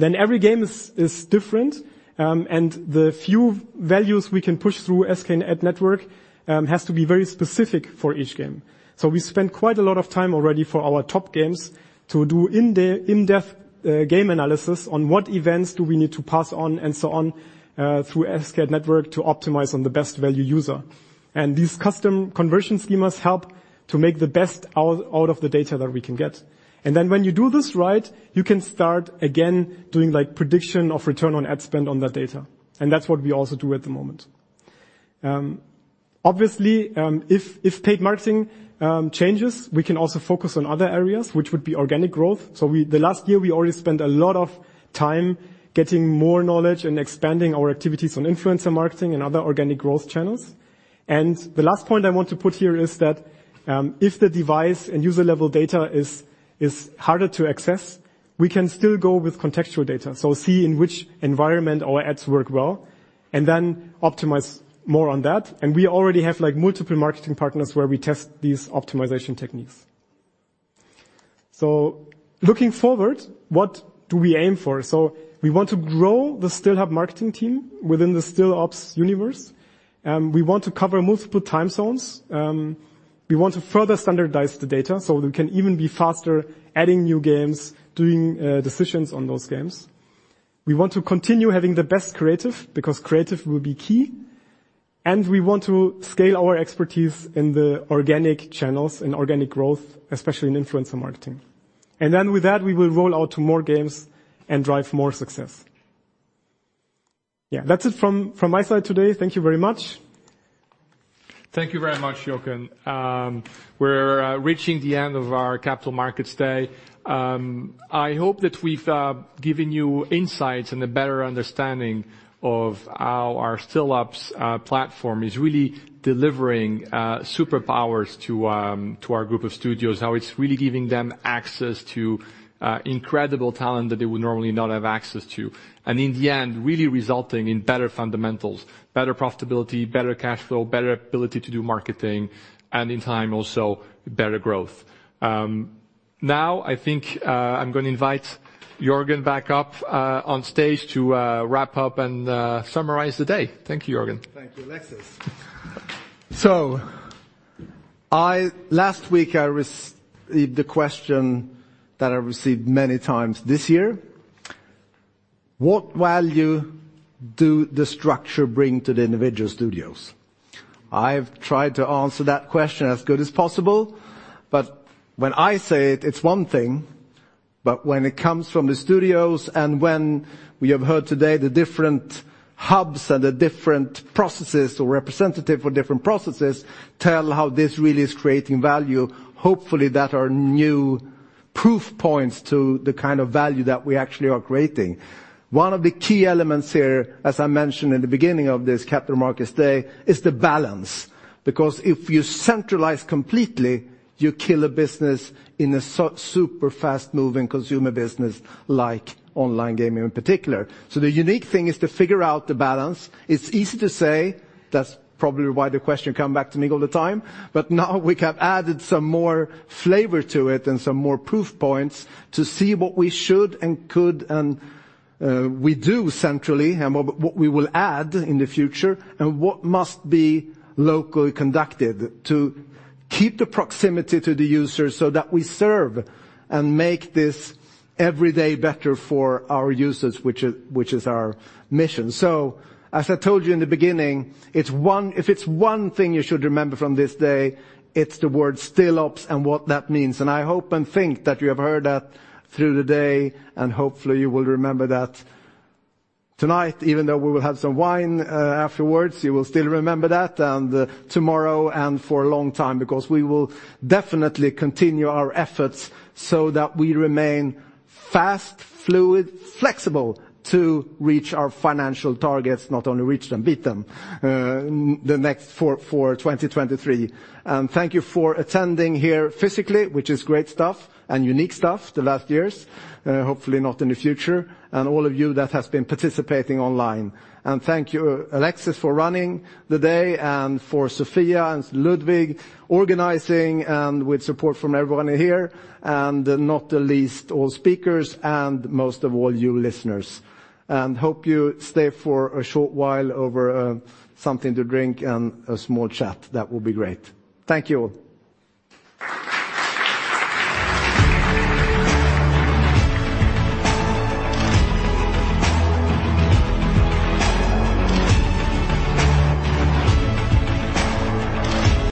Every game is different, and the few values we can push through SKAdNetwork has to be very specific for each game. We spend quite a lot of time already for our top games to do in-depth game analysis on what events do we need to pass on and so on through SKAdNetwork to optimize on the best value user. These custom conversion schemas help to make the best out of the data that we can get. Then when you do this right, you can start again doing like prediction of return on ad spend on that data. That's what we also do at the moment. Obviously, if paid marketing changes, we can also focus on other areas which would be organic growth. The last year we already spent a lot of time getting more knowledge and expanding our activities on influencer marketing and other organic growth channels. The last point I want to put here is that, if the device and user-level data is harder to access, we can still go with contextual data. See in which environment our ads work well and then optimizes more on that. We already have like multiple marketing partners where we test these optimization techniques. Looking forward, what do we aim for? We want to grow the Stillhub marketing team within the Stillops universe. We want to cover multiple time zones. We want to further standardize the data so we can even be faster adding new games, doing decisions on those games. We want to continue having the best creative because creative will be key, and we want to scale our expertise in the organic channels and organic growth, especially in influencer marketing. With that, we will roll out to more games and drive more success. Yeah, that's it from my side today. Thank you very much. Thank you very much, Jochen. We're reaching the end of our Capital Markets Day. I hope that we've given you insights and a better understanding of how our Stillops platform is really delivering superpowers to our group of studios, how it's really giving them access to incredible talent that they would normally not have access to. In the end, really resulting in better fundamentals, better profitability, better cash flow, better ability to do marketing, and in time also better growth. Now I think, I'm gonna invite Jörgen back up on stage to wrap up and summarize the day. Thank you, Jörgen. Thank you, Alexis. Last week I received the question that I received many times this year. What value do the structure bring to the individual studios? I've tried to answer that question as good as possible, but when I say it's one thing, but when it comes from the studios and when we have heard today the different hubs and the different processes, or representative for different processes, tell how this really is creating value, hopefully that are new proof points to the kind of value that we actually are creating. One of the key elements here, as I mentioned in the beginning of this Capital Markets Day, is the balance. Because if you centralize completely, you kill a business in a super fast-moving consumer business like online gaming in particular. The unique thing is to figure out the balance. It's easy to say, that's probably why the question come back to me all the time, but now we have added some more flavor to it and some more proof points to see what we should and could and we do centrally, and what we will add in the future, and what must be locally conducted to keep the proximity to the user so that we serve and make this every day better for our users, which is our mission. As I told you in the beginning, it's one f it's one thing you should remember from this day, it's the word Stillops and what that means. I hope and think that you have heard that through the day, and hopefully you will remember that tonight, even though we will have some wine afterwards, you will still remember that, and tomorrow, and for a long time, because we will definitely continue our efforts so that we remain fast, fluid, flexible to reach our financial targets. Not only reach them, beat them the next four for 2023. Thank you for attending here physically, which is great stuff and unique stuff the last years, hopefully not in the future, and all of you that has been participating online. Thank you, Alexis, for running the day and for Sophia and Ludwig organizing and with support from everyone here, and not the least all speakers and most of all you listeners. I hope you stay for a short while over something to drink and a small chat. That would be great. Thank you all.